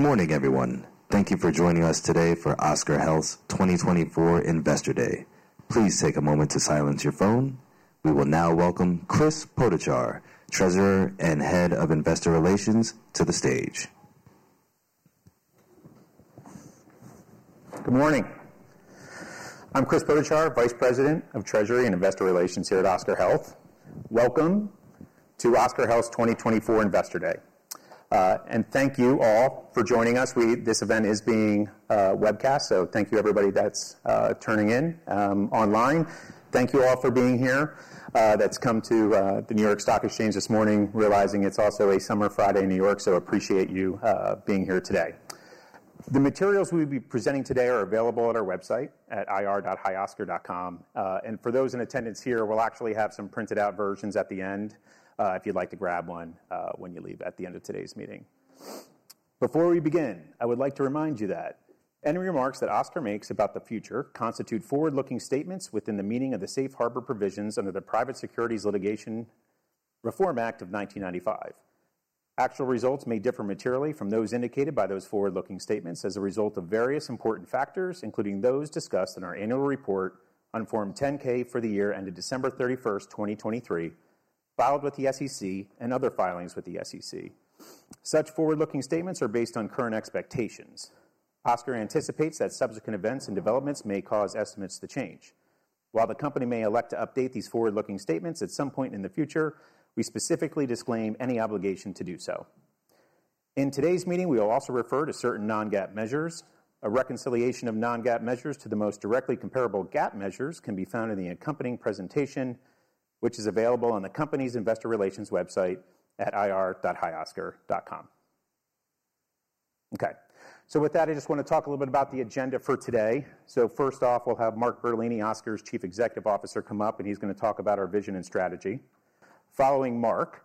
Good morning, everyone. Thank you for joining us today for Oscar Health's 2024 Investor Day. Please take a moment to silence your phone. We will now welcome Chris Potochar, Treasurer and Head of Investor Relations, to the stage. Good morning. I'm Chris Potochar, Vice President of Treasury and Investor Relations here at Oscar Health. Welcome to Oscar Health's 2024 Investor Day. And thank you all for joining us. This event is being webcast, so thank you everybody that's tuning in online. Thank you all for being here who've come to the New York Stock Exchange this morning, realizing it's also a summer Friday in New York. So appreciate you being here today. The materials we'll be presenting today are available on our website at ir.hioscar.com. And for those in attendance here, we'll actually have some printed out versions at the end if you'd like to grab one when you leave at the end of today's meeting. Before we begin, I would like to remind you that any remarks that Oscar makes about the future constitute forward-looking statements within the meaning of the Safe Harbor Provisions under the Private Securities Litigation Reform Act of 1995. Actual results may differ materially from those indicated by those forward-looking statements as a result of various important factors, including those discussed in our annual report on Form 10-K for the year ended December 31, 2023, filed with the SEC and other filings with the SEC. Such forward-looking statements are based on current expectations. Oscar anticipates that subsequent events and developments may cause estimates to change. While the company may elect to update these forward-looking statements at some point in the future, we specifically disclaim any obligation to do so. In today's meeting, we will also refer to certain non-GAAP measures. A reconciliation of non-GAAP measures to the most directly comparable GAAP measures can be found in the accompanying presentation, which is available on the company's investor relations website at ir.hioscar.com. Okay, so with that, I just want to talk a little bit about the agenda for today. So first off, we'll have Mark Bertolini, Oscar's Chief Executive Officer, come up, and he's going to talk about our vision and strategy. Following Mark,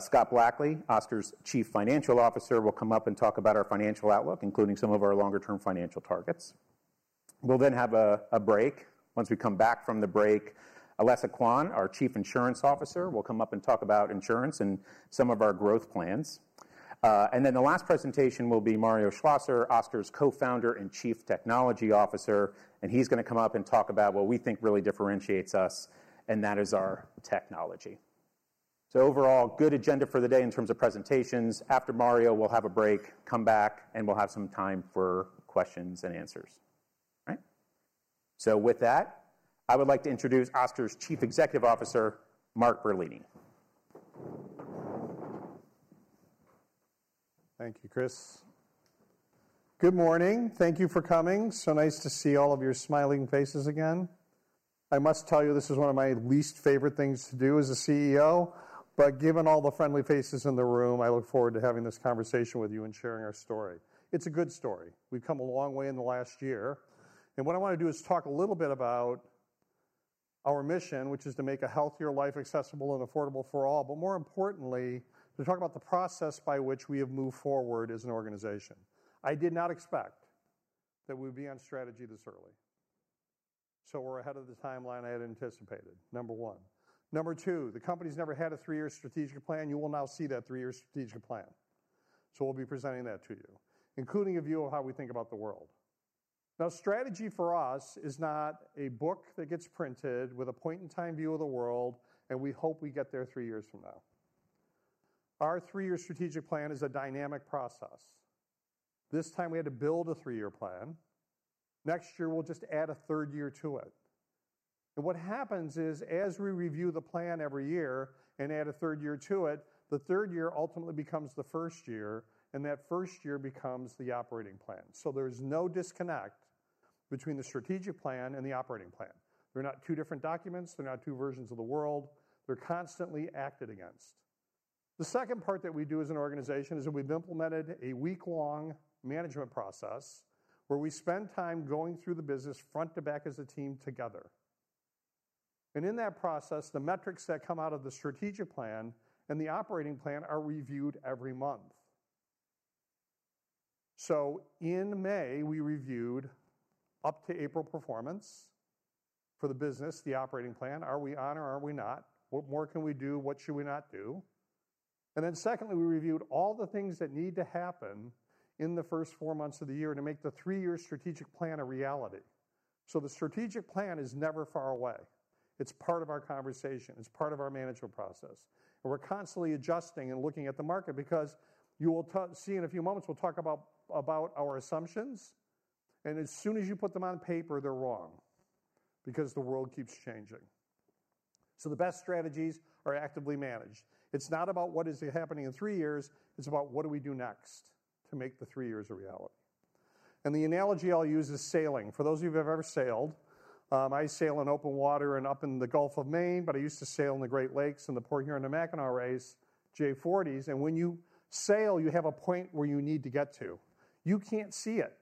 Scott Blackley, Oscar's Chief Financial Officer, will come up and talk about our financial outlook, including some of our longer-term financial targets. We'll then have a break. Once we come back from the break, Alessa Quane, our Chief Insurance Officer, will come up and talk about insurance and some of our growth plans. And then the last presentation will be Mario Schlosser, Oscar's Co-Founder and Chief Technology Officer, and he's going to come up and talk about what we think really differentiates us, and that is our technology. So overall, good agenda for the day in terms of presentations. After Mario, we'll have a break, come back, and we'll have some time for questions and answers. All right? So with that, I would like to introduce Oscar's Chief Executive Officer, Mark Bertolini. Thank you, Chris. Good morning. Thank you for coming. So nice to see all of your smiling faces again. I must tell you, this is one of my least favorite things to do as a CEO, but given all the friendly faces in the room, I look forward to having this conversation with you and sharing our story. It's a good story. We've come a long way in the last year, and what I want to do is talk a little bit about our mission, which is to make a healthier life accessible and affordable for all, but more importantly, to talk about the process by which we have moved forward as an organization. I did not expect that we'd be on strategy this early, so we're ahead of the timeline I had anticipated, number one. Number two, the company's never had a three-year strategic plan. You will now see that three-year strategic plan. So we'll be presenting that to you, including a view of how we think about the world. Now, strategy for us is not a book that gets printed with a point-in-time view of the world, and we hope we get there three years from now. Our three-year strategic plan is a dynamic process. This time, we had to build a three-year plan. Next year, we'll just add a third year to it. And what happens is, as we review the plan every year and add a third year to it, the third year ultimately becomes the first year, and that first year becomes the operating plan. So there's no disconnect between the strategic plan and the operating plan. They're not two different documents. They're not two versions of the world. They're constantly acted against. The second part that we do as an organization is that we've implemented a week-long management process where we spend time going through the business front to back as a team together. And in that process, the metrics that come out of the strategic plan and the operating plan are reviewed every month. So in May, we reviewed up to April performance for the business, the operating plan. Are we on or are we not? What more can we do? What should we not do? And then secondly, we reviewed all the things that need to happen in the first four months of the year to make the three-year strategic plan a reality. So the strategic plan is never far away. It's part of our conversation. It's part of our management process, and we're constantly adjusting and looking at the market because you will see in a few moments, we'll talk about our assumptions, and as soon as you put them on paper, they're wrong because the world keeps changing. So the best strategies are actively managed. It's not about what is happening in three years; it's about what do we do next to make the three years a reality. And the analogy I'll use is sailing. For those of you who have ever sailed, I sail in open water and up in the Gulf of Maine, but I used to sail in the Great Lakes and the Port Huron to Mackinaw Race J/Forties, and when you sail, you have a point where you need to get to. You can't see it,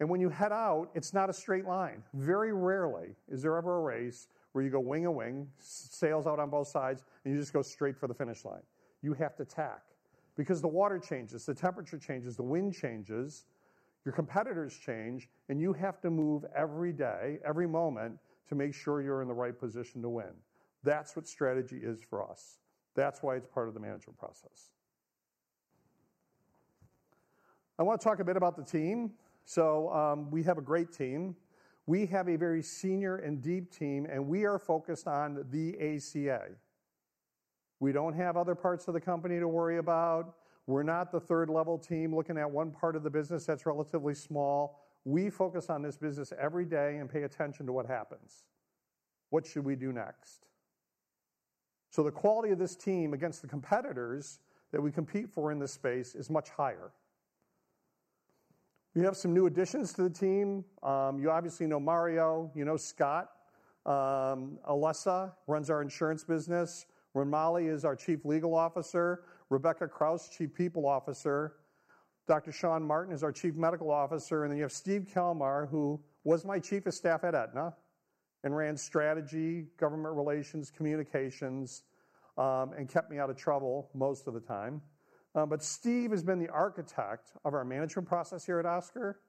and when you head out, it's not a straight line. Very rarely is there ever a race where you go wing and wing, sails out on both sides, and you just go straight for the finish line. You have to tack because the water changes, the temperature changes, the wind changes, your competitors change, and you have to move every day, every moment, to make sure you're in the right position to win. That's what strategy is for us. That's why it's part of the management process. I want to talk a bit about the team. So, we have a great team. We have a very senior and deep team, and we are focused on the ACA. We don't have other parts of the company to worry about. We're not the third-level team looking at one part of the business that's relatively small. We focus on this business every day and pay attention to what happens. What should we do next? So the quality of this team against the competitors that we compete for in this space is much higher. We have some new additions to the team. You obviously know Mario, you know Scott. Alessa runs our insurance business. Ranmali is our Chief Legal Officer. Rebecca Krouse, Chief People Officer. Dr. Sean Martin is our Chief Medical Officer, and then you have Steve Kelmar, who was my Chief of Staff at Aetna and ran strategy, government relations, communications, and kept me out of trouble most of the time. But Steve has been the architect of our management process here at Oscar,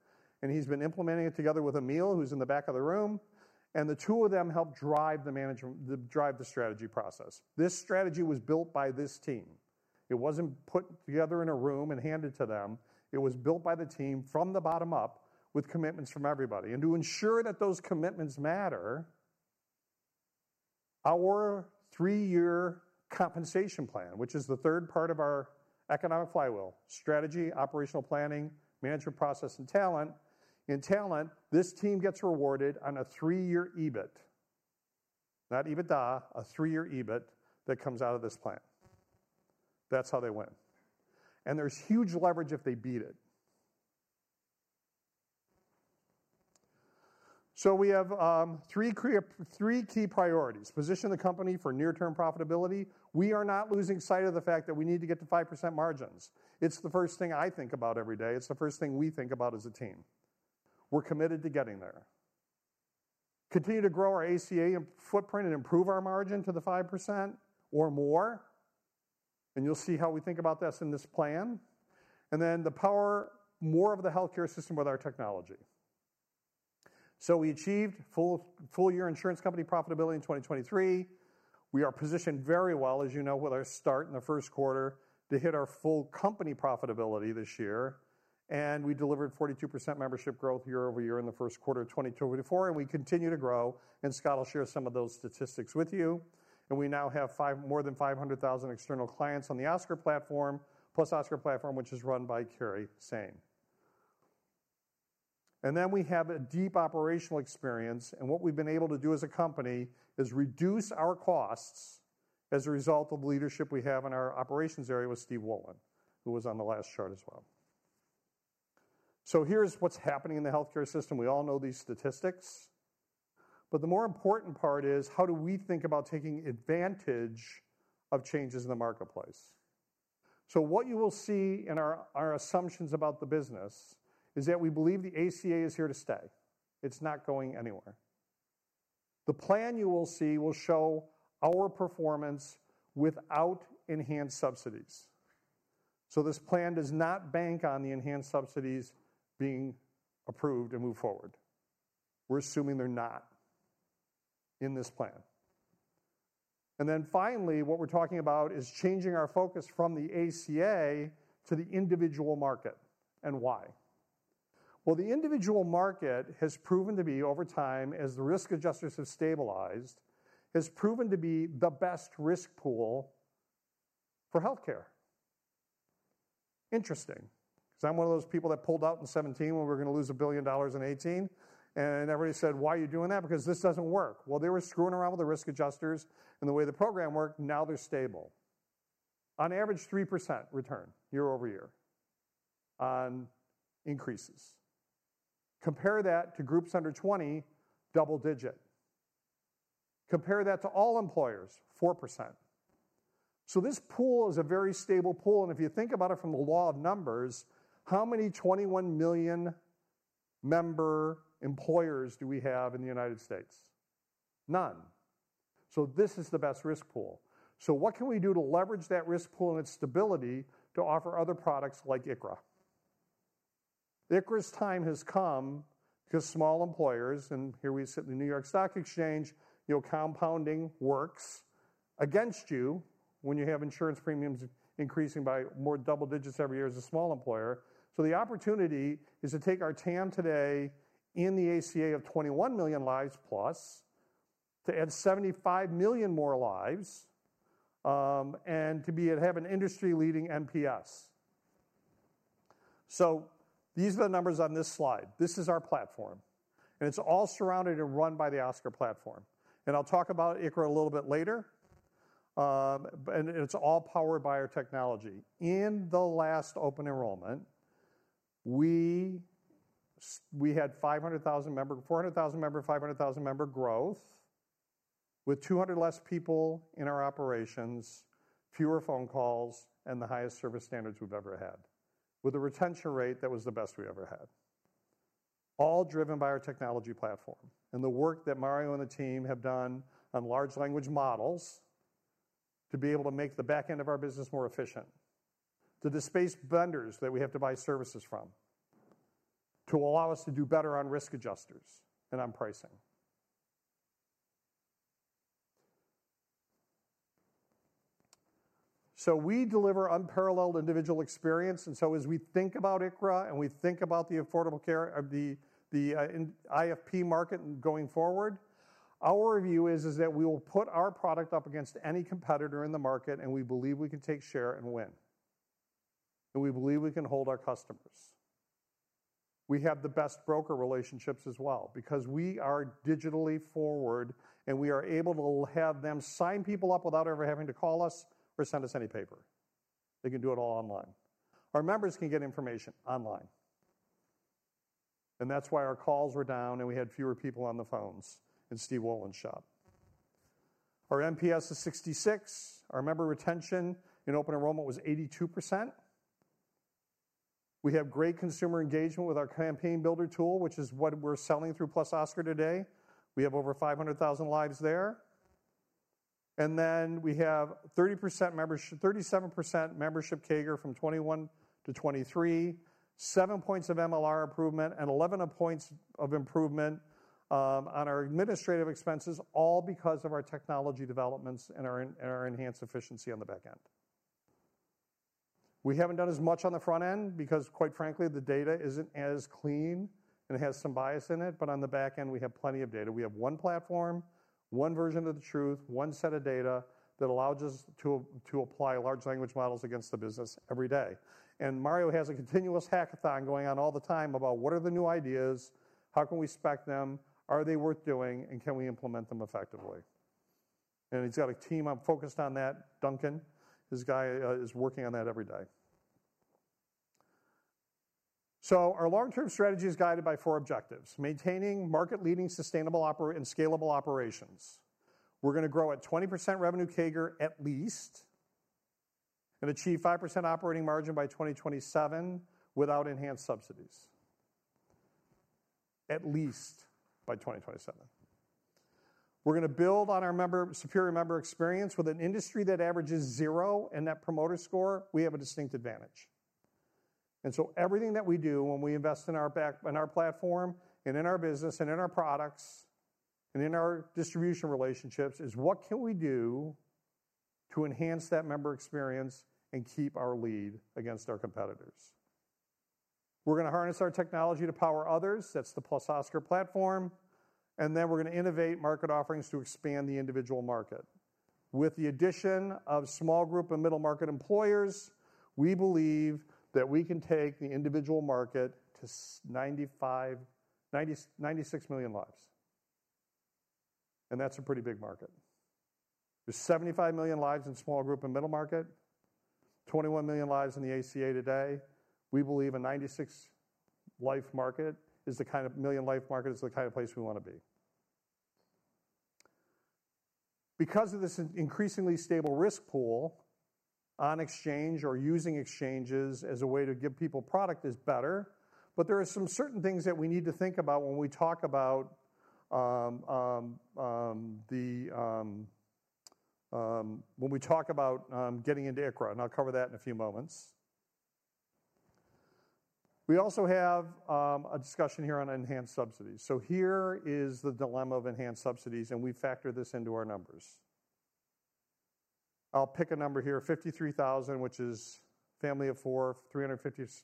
and he's been implementing it together with Emil, who's in the back of the room, and the two of them help drive the strategy process. This strategy was built by this team. It wasn't put together in a room and handed to them. It was built by the team from the bottom up, with commitments from everybody. To ensure that those commitments matter, our three-year compensation plan, which is the third part of our economic flywheel, strategy, operational planning, management process, and talent. In talent, this team gets rewarded on a three-year EBIT. Not EBITDA, a three-year EBIT that comes out of this plan. That's how they win, and there's huge leverage if they beat it. We have three key priorities. Position the company for near-term profitability. We are not losing sight of the fact that we need to get to 5% margins. It's the first thing I think about every day. It's the first thing we think about as a team. We're committed to getting there. Continue to grow our ACA footprint and improve our margin to the 5% or more, and you'll see how we think about this in this plan. And then empower more of the healthcare system with our technology. So we achieved full-year insurance company profitability in 2023. We are positioned very well, as you know, with our start in the Q1, to hit our full company profitability this year, and we delivered 42% membership growth year-over-year in the Q1 of 2024, and we continue to grow, and Scott will share some of those statistics with you. And we now have more than 500,000 external clients on the +Oscar platform, which is run by Kerry Sain. And then we have a deep operational experience, and what we've been able to do as a company is reduce our costs as a result of leadership we have in our operations area with Steve Wolan, who was on the last chart as well. So here's what's happening in the healthcare system. We all know these statistics, but the more important part is how do we think about taking advantage of changes in the marketplace? So what you will see in our assumptions about the business is that we believe the ACA is here to stay. It's not going anywhere. The plan you will see will show our performance without enhanced subsidies. So this plan does not bank on the enhanced subsidies being approved to move forward. We're assuming they're not in this plan. Then finally, what we're talking about is changing our focus from the ACA to the individual market, and why? Well, the individual market has proven to be over time, as the risk adjusters have stabilized, has proven to be the best risk pool for healthcare. Interesting, because I'm one of those people that pulled out in 2017 when we were going to lose $1 billion in 2018, and everybody said: "Why are you doing that?" Because this doesn't work. Well, they were screwing around with the risk adjusters and the way the program worked, now they're stable. On average, 3% return year-over-year on increases. Compare that to groups under 20, double-digit. Compare that to all employers, 4%. So this pool is a very stable pool, and if you think about it from the law of numbers, how many 21 million member employers do we have in the United States? None. So this is the best risk pool. So what can we do to leverage that risk pool and its stability to offer other products like ICHRA? ICHRA's time has come because small employers, and here we sit in the New York Stock Exchange, you know, compounding works against you when you have insurance premiums increasing by more double digits every year as a small employer. So the opportunity is to take our TAM today in the ACA of 21 million lives plus, to add 75 million more lives, and to be, have an industry-leading NPS. So these are the numbers on this slide. This is our platform, and it's all surrounded and run by the Oscar platform. I'll talk about ICHRA a little bit later, but it's all powered by our technology. In the last open enrollment, we had 500,000 member growth, with 200 less people in our operations, fewer phone calls, and the highest service standards we've ever had, with a retention rate that was the best we ever had. All driven by our technology platform and the work that Mario and the team have done on large language models to be able to make the back end of our business more efficient, to displace vendors that we have to buy services from, to allow us to do better on risk adjustment and on pricing. So we deliver unparalleled individual experience, and so as we think about ICHRA and we think about the Affordable Care Act in IFP market going forward, our view is that we will put our product up against any competitor in the market, and we believe we can take share and win, and we believe we can hold our customers. We have the best broker relationships as well because we are digitally forward, and we are able to have them sign people up without ever having to call us or send us any paper. They can do it all online. Our members can get information online, and that's why our calls were down, and we had fewer people on the phones in Steve Wolan's shop. Our NPS is 66. Our member retention in open enrollment was 82%. We have great consumer engagement with our Campaign Builder tool, which is what we're selling through +Oscar today. We have over 500,000 lives there. And then we have 30%-37% membership CAGR from 2021 to 2023, seven points of MLR improvement and 11 points of improvement on our administrative expenses, all because of our technology developments and our enhanced efficiency on the back end. We haven't done as much on the front end because, quite frankly, the data isn't as clean and has some bias in it, but on the back end, we have plenty of data. We have one platform, one version of the truth, one set of data that allows us to apply large language models against the business every day. Mario has a continuous hackathon going on all the time about what are the new ideas? How can we spec them? Are they worth doing, and can we implement them effectively? And he's got a team focused on that. Duncan, this guy, is working on that every day. Our long-term strategy is guided by four objectives: maintaining market-leading, sustainable operating and scalable operations. We're gonna grow at 20% revenue CAGR, at least, and achieve 5% operating margin by 2027 without enhanced subsidies, at least by 2027. We're gonna build on our members' superior member experience. With an industry that averages zero in that promoter score, we have a distinct advantage. Everything that we do when we invest in our platform, and in our business, and in our products, and in our distribution relationships, is what can we do to enhance that member experience and keep our lead against our competitors? We're gonna harness our technology to power others, that's the +Oscar platform, and then we're gonna innovate market offerings to expand the individual market. With the addition of small group and middle market employers, we believe that we can take the individual market to ninety-five, ninety, ninety-six million lives, and that's a pretty big market. There's 75 million lives in small group and middle market, 21 million lives in the ACA today. We believe a 96 million life market is the kind of place we wanna be. Because of this increasingly stable risk pool, on exchange or using exchanges as a way to give people product is better, but there are some certain things that we need to think about when we talk about the, when we talk about getting into ICHRA, and I'll cover that in a few moments. We also have a discussion here on enhanced subsidies. So here is the dilemma of enhanced subsidies, and we factor this into our numbers. I'll pick a number here, 53,000, which is family of four, 350%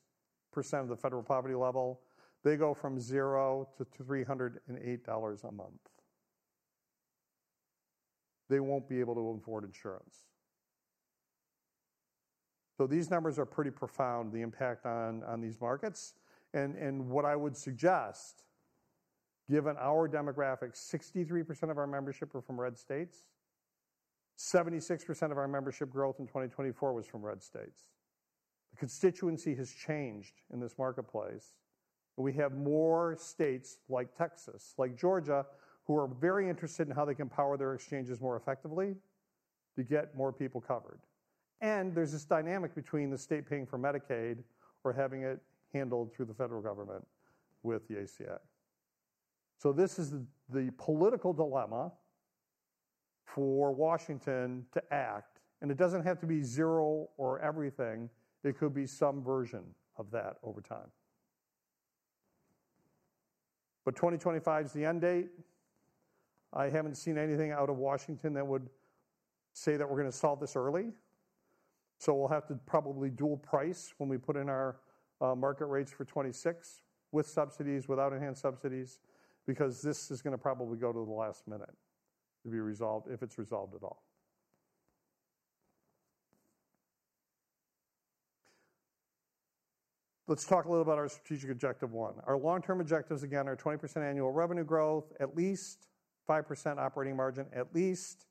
of the federal poverty level. They go from zero to $308 a month. They won't be able to afford insurance. So these numbers are pretty profound, the impact on these markets. What I would suggest, given our demographics, 63% of our membership are from red states. 76% of our membership growth in 2024 was from red states. The constituency has changed in this marketplace. We have more states like Texas, like Georgia, who are very interested in how they can power their exchanges more effectively to get more people covered. And there's this dynamic between the state paying for Medicaid or having it handled through the federal government with the ACA. So this is the political dilemma for Washington to act, and it doesn't have to be zero or everything; it could be some version of that over time. But 2025 is the end date. I haven't seen anything out of Washington that would say that we're gonna solve this early, so we'll have to probably dual price when we put in our market rates for 2026 with subsidies, without enhanced subsidies, because this is gonna probably go to the last minute to be resolved, if it's resolved at all. Let's talk a little about our strategic objective one. Our long-term objectives, again, are 20% annual revenue growth, at least 5% operating margin, at least.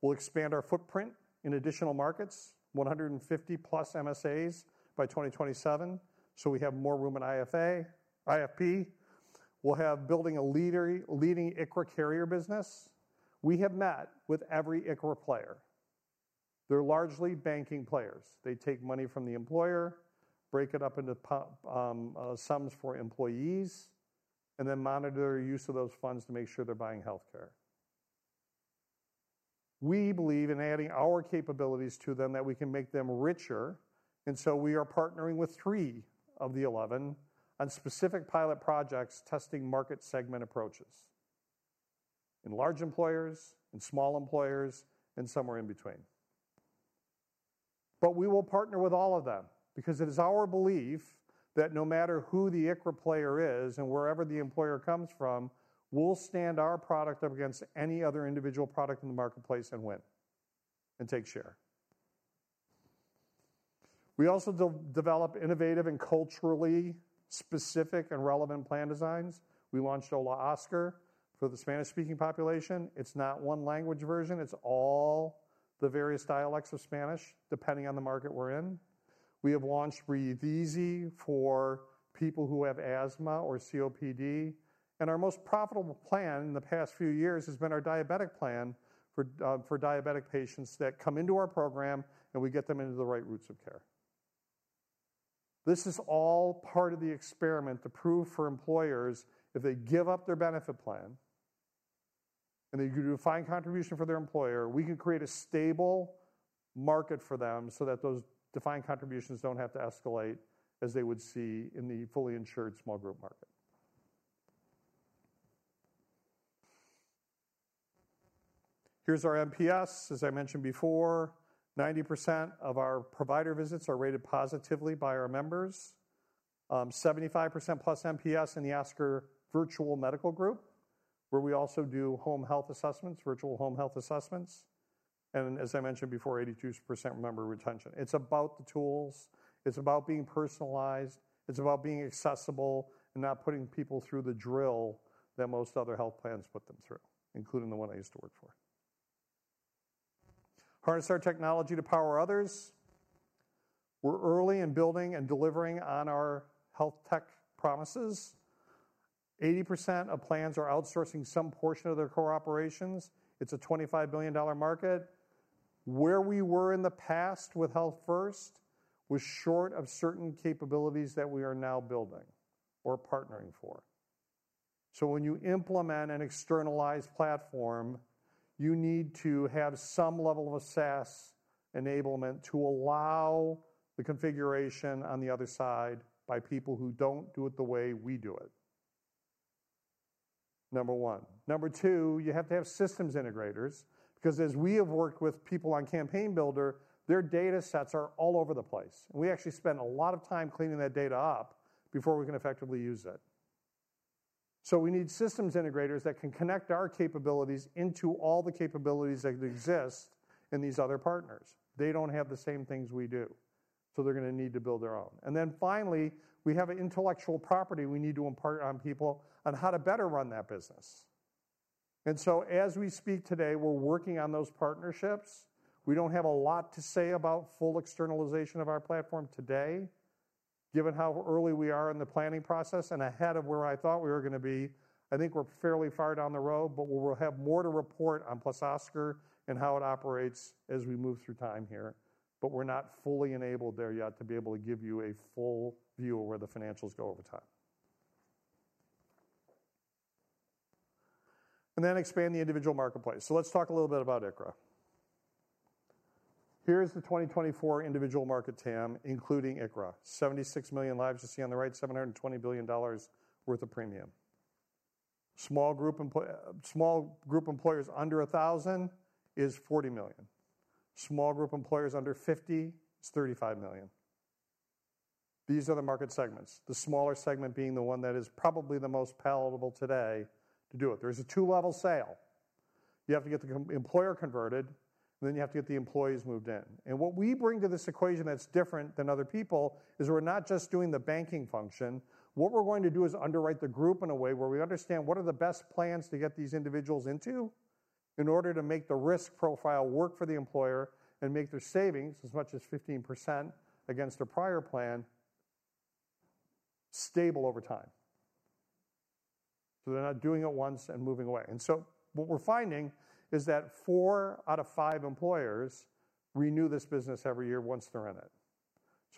We'll expand our footprint in additional markets, 150+ MSAs by 2027, so we have more room in IFP. We'll have building a leading ICHRA carrier business. We have met with every ICHRA player. They're largely banking players. They take money from the employer, break it up into sums for employees. Then monitor their use of those funds to make sure they're buying healthcare. We believe in adding our capabilities to them, that we can make them richer, and so we are partnering with three of the 11 on specific pilot projects, testing market segment approaches. In large employers, in small employers, and somewhere in between. But we will partner with all of them because it is our belief that no matter who the ICHRA player is and wherever the employer comes from, we'll stand our product up against any other individual product in the marketplace and win, and take share. We also develop innovative and culturally specific and relevant plan designs. We launched Hola Oscar for the Spanish-speaking population. It's not one language version; it's all the various dialects of Spanish, depending on the market we're in. We have launched Breathe Easy for people who have asthma or COPD, and our most profitable plan in the past few years has been our diabetic plan for for diabetic patients that come into our program, and we get them into the right routes of care. This is all part of the experiment to prove for employers, if they give up their benefit plan and they do defined contribution for their employer, we can create a stable market for them so that those defined contributions don't have to escalate as they would see in the fully insured small group market. Here's our NPS. As I mentioned before, 90% of our provider visits are rated positively by our members. 75%+ NPS in the Oscar Virtual Medical Group, where we also do home health assessments, virtual home health assessments, and as I mentioned before, 82% member retention. It's about the tools, it's about being personalized, it's about being accessible and not putting people through the drill that most other health plans put them through, including the one I used to work for. Harness our technology to power others. We're early in building and delivering on our health tech promises. 80% of plans are outsourcing some portion of their core operations. It's a $25 billion market. Where we were in the past with Healthfirst was short of certain capabilities that we are now building or partnering for. So when you implement an externalized platform, you need to have some level of SaaS enablement to allow the configuration on the other side by people who don't do it the way we do it, number one. Number two, you have to have systems integrators, because as we have worked with people on Campaign Builder, their data sets are all over the place, and we actually spend a lot of time cleaning that data up before we can effectively use it. So we need systems integrators that can connect our capabilities into all the capabilities that exist in these other partners. They don't have the same things we do, so they're gonna need to build their own. And then finally, we have an intellectual property we need to impart on people on how to better run that business. And so as we speak today, we're working on those partnerships. We don't have a lot to say about full externalization of our platform today, given how early we are in the planning process and ahead of where I thought we were gonna be. I think we're fairly far down the road, but we'll have more to report on +Oscar and how it operates as we move through time here. But we're not fully enabled there yet to be able to give you a full view of where the financials go over time. And then expand the individual marketplace. So let's talk a little bit about ICHRA. Here's the 2024 individual market TAM, including ICHRA. 76 million lives you see on the right, $720 billion worth of premium. Small group employers under 1,000 is 40 million. Small group employers under 50 is 35 million. These are the market segments, the smaller segment being the one that is probably the most palatable today to do it. There's a two-level sale. You have to get the employer converted, and then you have to get the employees moved in. And what we bring to this equation that's different than other people is we're not just doing the banking function. What we're going to do is underwrite the group in a way where we understand what are the best plans to get these individuals into in order to make the risk profile work for the employer and make their savings as much as 15% against their prior plan, stable over time. So they're not doing it once and moving away. And so what we're finding is that four out of five employers renew this business every year once they're in it.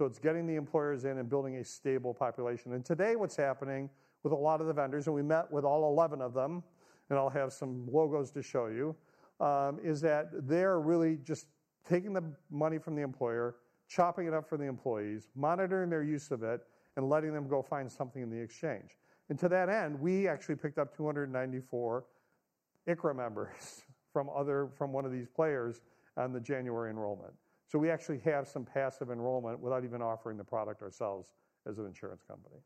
It's getting the employers in and building a stable population. Today, what's happening with a lot of the vendors, and we met with all 11 of them, and I'll have some logos to show you, is that they're really just taking the money from the employer, chopping it up for the employees, monitoring their use of it, and letting them go find something in the exchange. To that end, we actually picked up 294 ICHRA members from one of these players on the January enrollment. We actually have some passive enrollment without even offering the product ourselves as an insurance company.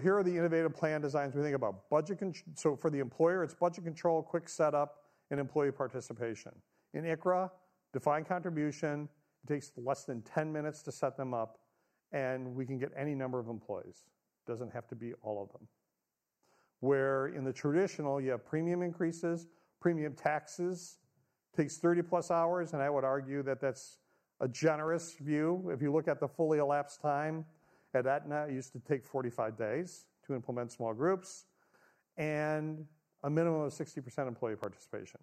Here are the innovative plan designs. We think about budget control, so for the employer, it's budget control, quick setup, and employee participation. In ICHRA, defined contribution, it takes less than 10 minutes to set them up, and we can get any number of employees. Doesn't have to be all of them. Where in the traditional, you have premium increases, premium taxes, takes 30+ hours, and I would argue that that's a generous view. If you look at the fully elapsed time, at Aetna, it used to take 45 days to implement small groups and a minimum of 60% employee participation.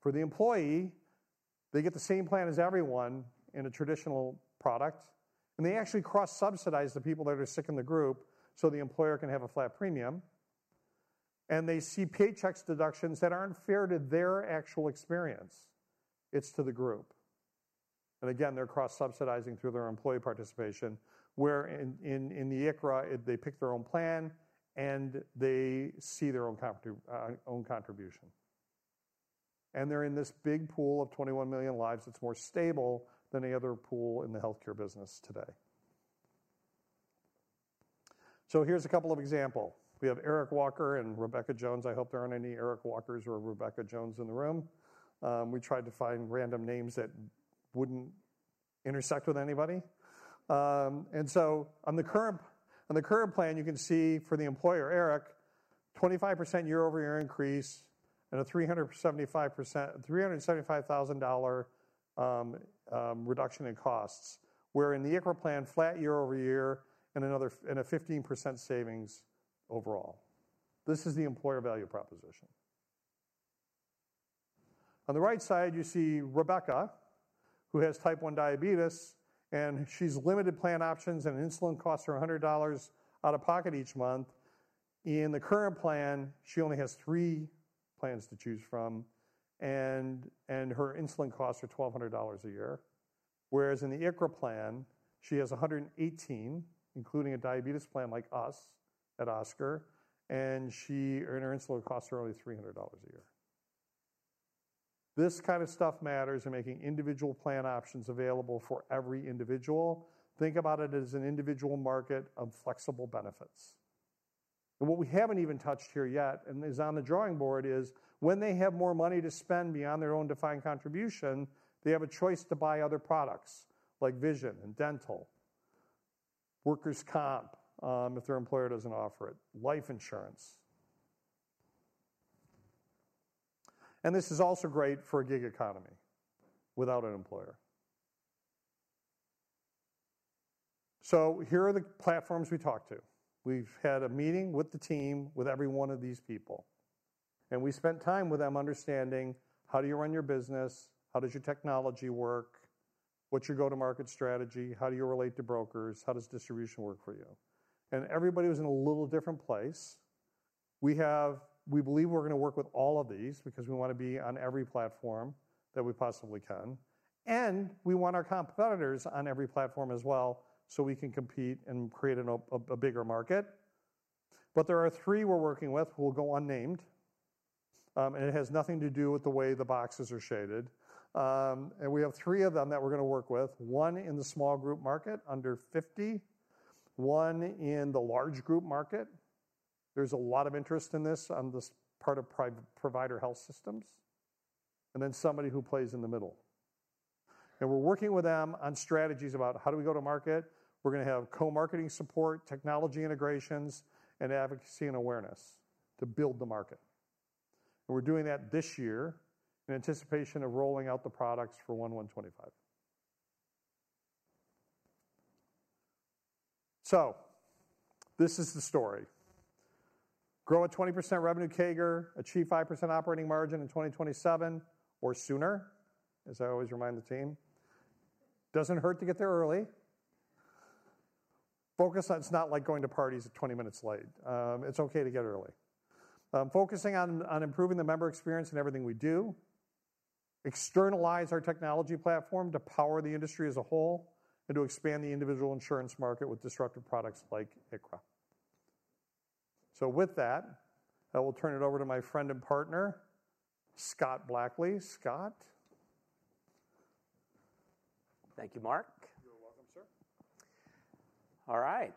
For the employee, they get the same plan as everyone in a traditional product, and they actually cross-subsidize the people that are sick in the group, so the employer can have a flat premium. And they see paycheck deductions that aren't fair to their actual experience, it's to the group. And again, they're cross-subsidizing through their employee participation, where in the ICHRA, they pick their own plan, and they see their own contribution. And they're in this big pool of 21 million lives that's more stable than any other pool in the healthcare business today. So here's a couple of example. We have Eric Walker and Rebecca Jones. I hope there aren't any Eric Walkers or Rebecca Jones in the room. We tried to find random names that wouldn't intersect with anybody. And so on the current, on the current plan, you can see for the employer, Eric, 25% year-over-year increase and a 375%... $375,000 reduction in costs. Where in the ICHRA plan, flat year-over-year and a 15% savings overall. This is the employer value proposition. On the right side, you see Rebecca, who has Type 1 diabetes, and she's limited plan options, and insulin costs her $100 out of pocket each month. In the current plan, she only has 3 plans to choose from, and her insulin costs are $1,200 a year. Whereas in the ICHRA plan, she has 118, including a diabetes plan like us at Oscar, and her insulin costs are only $300 a year. This kind of stuff matters in making individual plan options available for every individual. Think about it as an individual market of flexible benefits. What we haven't even touched here yet, and is on the drawing board, is when they have more money to spend beyond their own defined contribution, they have a choice to buy other products, like vision and dental, workers' comp, if their employer doesn't offer it, life insurance. This is also great for a gig economy without an employer. Here are the platforms we talked to. We've had a meeting with the team, with every one of these people, and we spent time with them understanding: How do you run your business? How does your technology work? What's your go-to-market strategy? How do you relate to brokers? How does distribution work for you? Everybody was in a little different place. We believe we're gonna work with all of these because we want to be on every platform that we possibly can, and we want our competitors on every platform as well, so we can compete and create a bigger market. But there are three we're working with who will go unnamed, and it has nothing to do with the way the boxes are shaded. And we have three of them that we're gonna work with, one in the small group market, under 50, one in the large group market. There's a lot of interest in this, on this part of provider health systems, and then somebody who plays in the middle. And we're working with them on strategies about how do we go to market. We're gonna have co-marketing support, technology integrations, and advocacy and awareness to build the market. We're doing that this year in anticipation of rolling out the products for 1/1/2025. So this is the story: Grow a 20% revenue CAGR, achieve 5% operating margin in 2027 or sooner, as I always remind the team. Doesn't hurt to get there early. Focus on... It's not like going to parties 20 minutes late. It's okay to get early. Focusing on improving the member experience in everything we do, externalize our technology platform to power the industry as a whole, and to expand the individual insurance market with disruptive products like ICHRA. So with that, I will turn it over to my friend and partner, Scott Blackley. Scott? Thank you, Mark. You're welcome, sir. All right.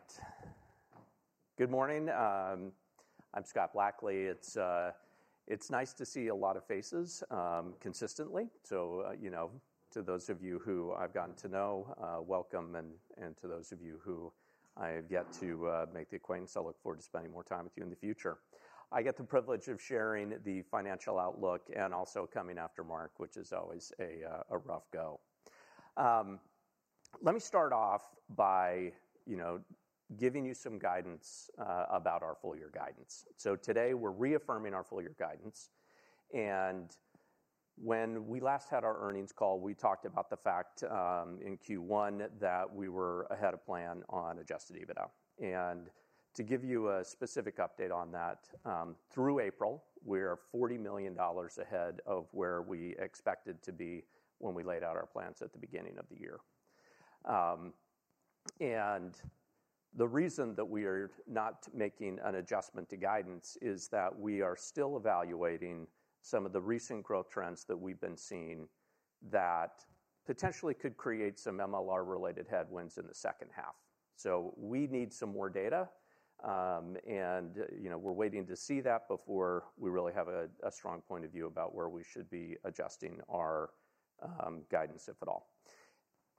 Good morning. I'm Scott Blackley. It's nice to see a lot of faces consistently. So, you know, to those of you who I've gotten to know, welcome, and to those of you who I have yet to make the acquaintance, I look forward to spending more time with you in the future. I get the privilege of sharing the financial outlook and also coming after Mark, which is always a rough go. Let me start off by, you know, giving you some guidance about our full year guidance. So today, we're reaffirming our full year guidance, and when we last had our earnings call, we talked about the fact, in Q1, that we were ahead of plan on adjusted EBITDA. To give you a specific update on that, through April, we are $40 million ahead of where we expected to be when we laid out our plans at the beginning of the year. And the reason that we are not making an adjustment to guidance is that we are still evaluating some of the recent growth trends that we've been seeing that potentially could create some MLR-related headwinds in the second half. So we need some more data, and, you know, we're waiting to see that before we really have a strong point of view about where we should be adjusting our guidance, if at all.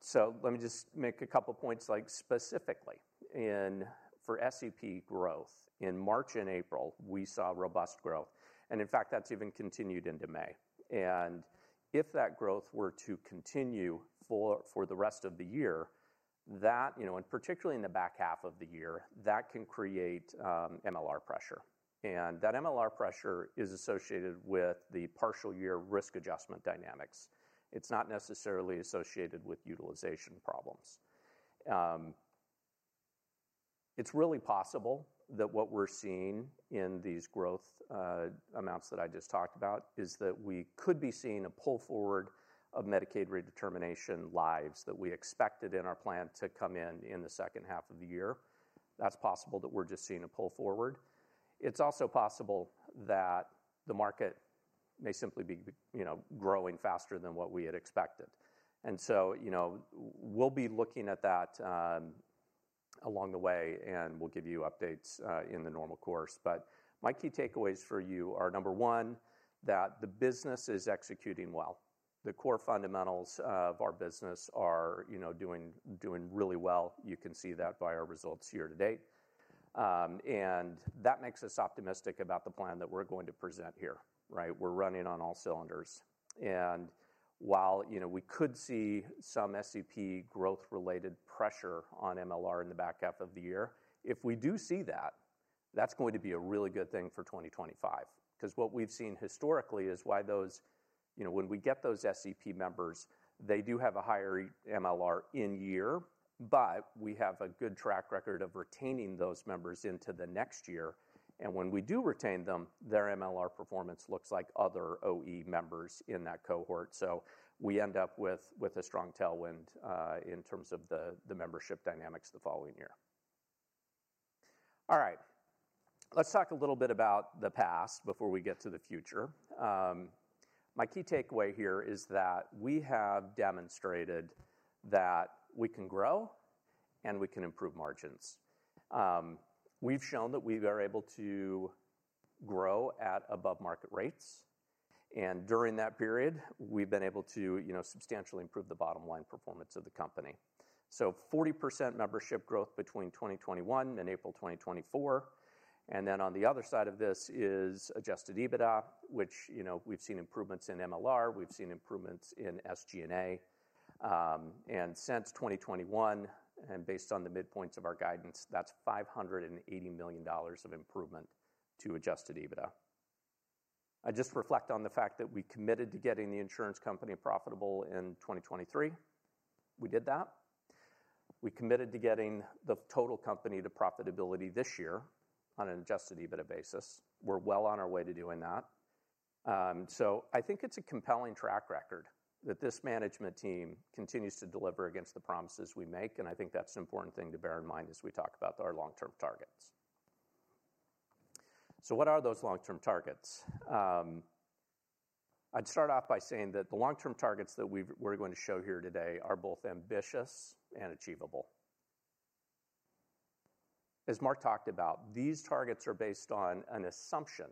So let me just make a couple points, like specifically in... For SEP growth, in March and April, we saw robust growth, and in fact, that's even continued into May. And-... If that growth were to continue for the rest of the year, you know, and particularly in the back half of the year, that can create MLR pressure. And that MLR pressure is associated with the partial year risk adjustment dynamics. It's not necessarily associated with utilization problems. It's really possible that what we're seeing in these growth amounts that I just talked about is that we could be seeing a pull forward of Medicaid redetermination lives that we expected in our plan to come in in the second half of the year. That's possible that we're just seeing a pull forward. It's also possible that the market may simply be, you know, growing faster than what we had expected. And so, you know, we'll be looking at that along the way, and we'll give you updates in the normal course. My key takeaways for you are, number 1, that the business is executing well. The core fundamentals of our business are, you know, doing really well. You can see that by our results year to date. And that makes us optimistic about the plan that we're going to present here, right? We're running on all cylinders, and while, you know, we could see some SEP growth-related pressure on MLR in the back half of the year, if we do see that, that's going to be a really good thing for 2025. 'Cause what we've seen historically is why those, you know, when we get those SEP members, they do have a higher MLR in year, but we have a good track record of retaining those members into the next year. And when we do retain them, their MLR performance looks like other OE members in that cohort. So we end up with a strong tailwind in terms of the membership dynamics the following year. All right, let's talk a little bit about the past before we get to the future. My key takeaway here is that we have demonstrated that we can grow, and we can improve margins. We've shown that we are able to grow at above-market rates, and during that period, we've been able to, you know, substantially improve the bottom line performance of the company. So 40% membership growth between 2021 and April 2024, and then on the other side of this is adjusted EBITDA, which, you know, we've seen improvements in MLR, we've seen improvements in SG&A. And since 2021, and based on the midpoints of our guidance, that's $580 million of improvement to adjusted EBITDA. I just reflect on the fact that we committed to getting the insurance company profitable in 2023. We did that. We committed to getting the total company to profitability this year on an adjusted EBITDA basis. We're well on our way to doing that. So I think it's a compelling track record that this management team continues to deliver against the promises we make, and I think that's an important thing to bear in mind as we talk about our long-term targets. So what are those long-term targets? I'd start off by saying that the long-term targets that we're going to show here today are both ambitious and achievable. As Mark talked about, these targets are based on an assumption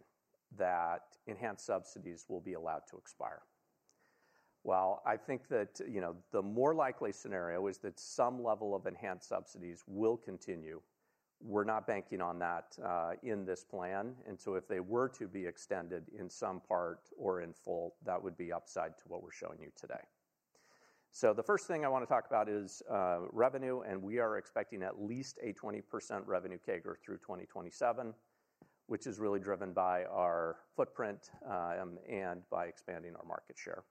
that enhanced subsidies will be allowed to expire. While I think that, you know, the more likely scenario is that some level of enhanced subsidies will continue, we're not banking on that in this plan, and so if they were to be extended in some part or in full, that would be upside to what we're showing you today. So the first thing I wanna talk about is revenue, and we are expecting at least a 20% revenue CAGR through 2027, which is really driven by our footprint and by expanding our market share.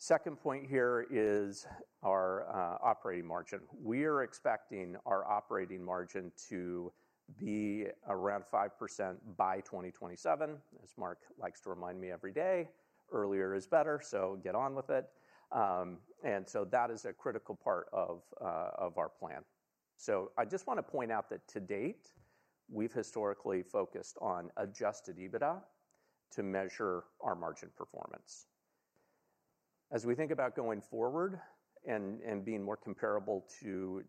Second point here is our operating margin. We are expecting our operating margin to be around 5% by 2027. As Mark likes to remind me every day, earlier is better, so get on with it. And so that is a critical part of our plan. So I just wanna point out that to date, we've historically focused on adjusted EBITDA to measure our margin performance. As we think about going forward and being more comparable to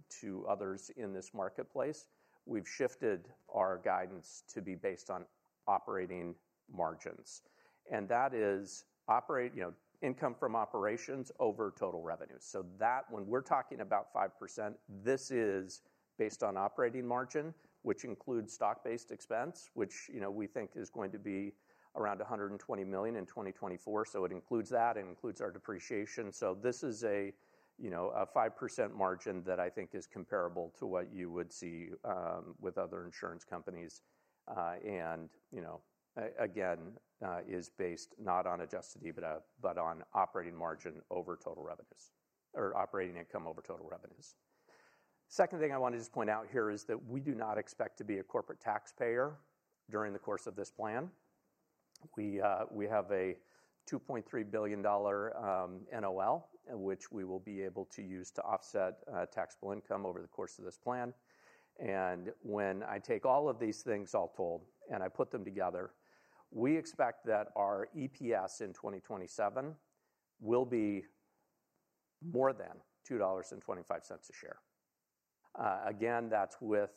others in this marketplace, we've shifted our guidance to be based on operating margins, and that is, you know, income from operations over total revenue. So that, when we're talking about 5%, this is based on operating margin, which includes stock-based expense, which, you know, we think is going to be around $120 million in 2024. So it includes that, and includes our depreciation. So this is a, you know, a 5% margin that I think is comparable to what you would see with other insurance companies. And, you know, again, is based not on adjusted EBITDA, but on operating margin over total revenues or operating income over total revenues. Second thing I want to just point out here is that we do not expect to be a corporate taxpayer during the course of this plan. We have a $2.3 billion NOL, which we will be able to use to offset taxable income over the course of this plan. And when I take all of these things, all told, and I put them together, we expect that our EPS in 2027 will be more than $2.25 a share. Again, that's with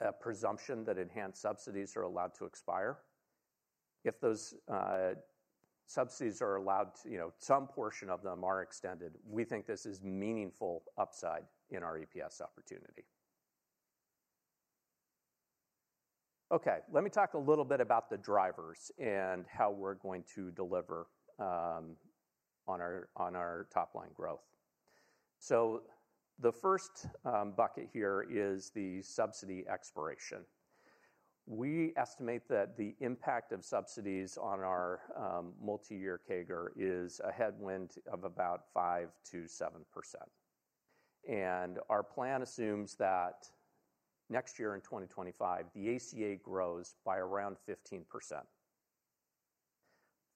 a presumption that enhanced subsidies are allowed to expire. If those subsidies are allowed to, you know, some portion of them are extended, we think this is meaningful upside in our EPS opportunity. Okay, let me talk a little bit about the drivers and how we're going to deliver on our top line growth. So the first bucket here is the subsidy expiration. We estimate that the impact of subsidies on our multi-year CAGR is a headwind of about 5%-7%. And our plan assumes that next year in 2025, the ACA grows by around 15%.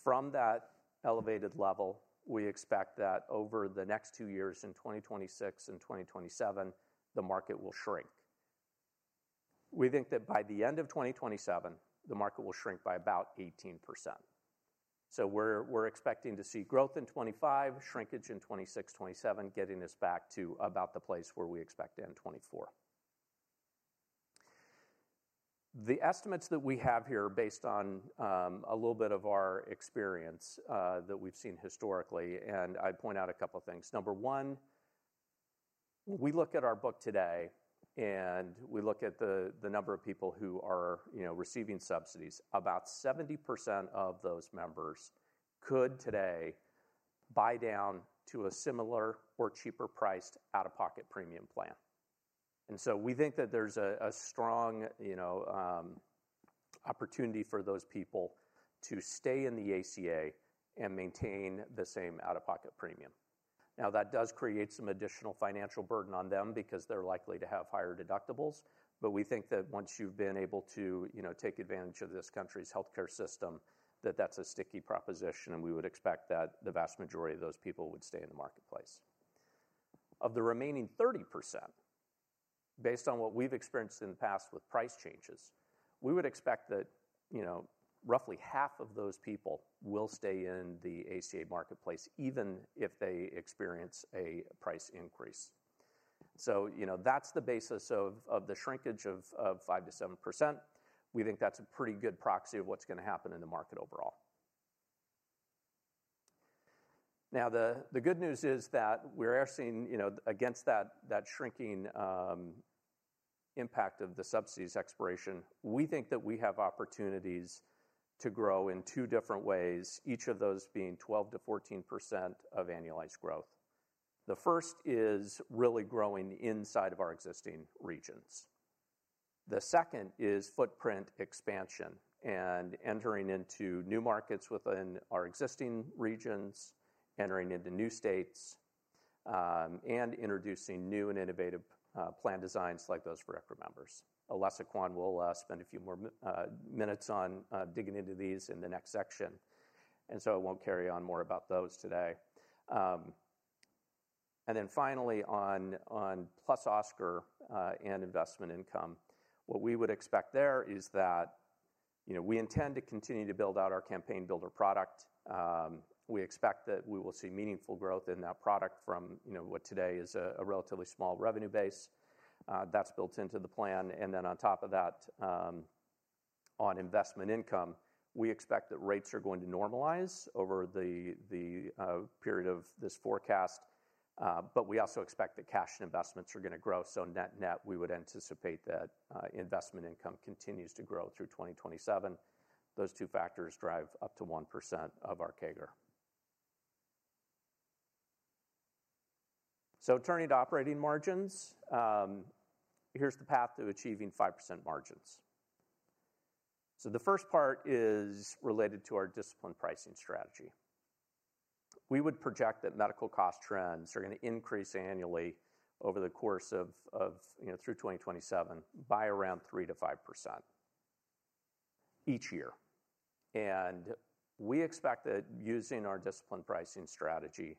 From that elevated level, we expect that over the next two years, in 2026 and 2027, the market will shrink. We think that by the end of 2027, the market will shrink by about 18%. So we're expecting to see growth in 2025, shrinkage in 2026, 2027, getting us back to about the place where we expect to end 2024. The estimates that we have here are based on a little bit of our experience that we've seen historically, and I'd point out a couple of things. Number one, we look at our book today, and we look at the number of people who are, you know, receiving subsidies. About 70% of those members could today buy down to a similar or cheaper priced out-of-pocket premium plan. And so we think that there's a strong, you know, opportunity for those people to stay in the ACA and maintain the same out-of-pocket premium. Now, that does create some additional financial burden on them because they're likely to have higher deductibles, but we think that once you've been able to, you know, take advantage of this country's healthcare system, that that's a sticky proposition, and we would expect that the vast majority of those people would stay in the marketplace. Of the remaining 30%, based on what we've experienced in the past with price changes, we would expect that, you know, roughly half of those people will stay in the ACA marketplace, even if they experience a price increase. So, you know, that's the basis of, of the shrinkage of, of 5%-7%. We think that's a pretty good proxy of what's gonna happen in the market overall. Now, the good news is that we're actually seeing, you know, against that shrinking impact of the subsidies expiration, we think that we have opportunities to grow in two different ways, each of those being 12%-14% of annualized growth. The first is really growing inside of our existing regions. The second is footprint expansion and entering into new markets within our existing regions, entering into new states, and introducing new and innovative plan designs like those for ICHRA members. Alessa Quane will spend a few more minutes on digging into these in the next section, and so I won't carry on more about those today. And then finally, on +Oscar and investment income, what we would expect there is that, you know, we intend to continue to build out our Campaign Builder product. We expect that we will see meaningful growth in that product from, you know, what today is a relatively small revenue base. That's built into the plan, and then on top of that, on investment income, we expect that rates are going to normalize over the period of this forecast, but we also expect that cash and investments are gonna grow, so net-net, we would anticipate that investment income continues to grow through 2027. Those two factors drive up to 1% of our CAGR. So turning to operating margins, here's the path to achieving 5% margins. So the first part is related to our disciplined pricing strategy. We would project that medical cost trends are gonna increase annually over the course of, you know, through 2027 by around 3%-5% each year. We expect that using our disciplined pricing strategy,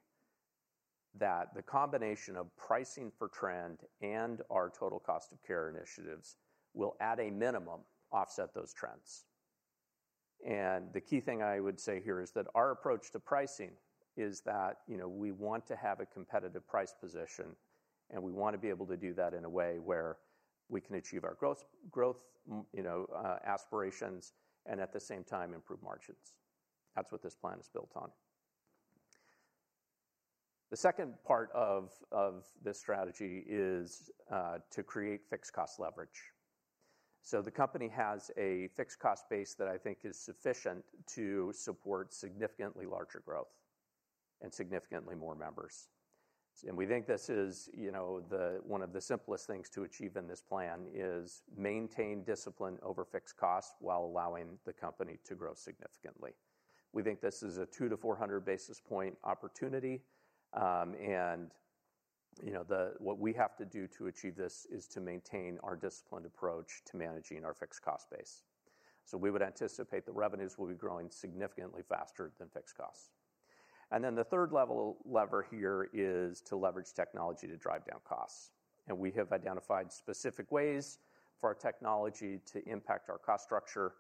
that the combination of pricing for trend and our total cost of care initiatives will, at a minimum, offset those trends. The key thing I would say here is that our approach to pricing is that, you know, we want to have a competitive price position, and we want to be able to do that in a way where we can achieve our growth, you know, aspirations and at the same time, improve margins. That's what this plan is built on. The second part of this strategy is to create fixed cost leverage. So the company has a fixed cost base that I think is sufficient to support significantly larger growth and significantly more members. We think this is, you know, the... One of the simplest things to achieve in this plan is maintain discipline over fixed costs while allowing the company to grow significantly. We think this is a 200-400 basis point opportunity, and, you know, what we have to do to achieve this is to maintain our disciplined approach to managing our fixed cost base. So we would anticipate that revenues will be growing significantly faster than fixed costs. And then the third level lever here is to leverage technology to drive down costs, and we have identified specific ways for our technology to impact our cost structure.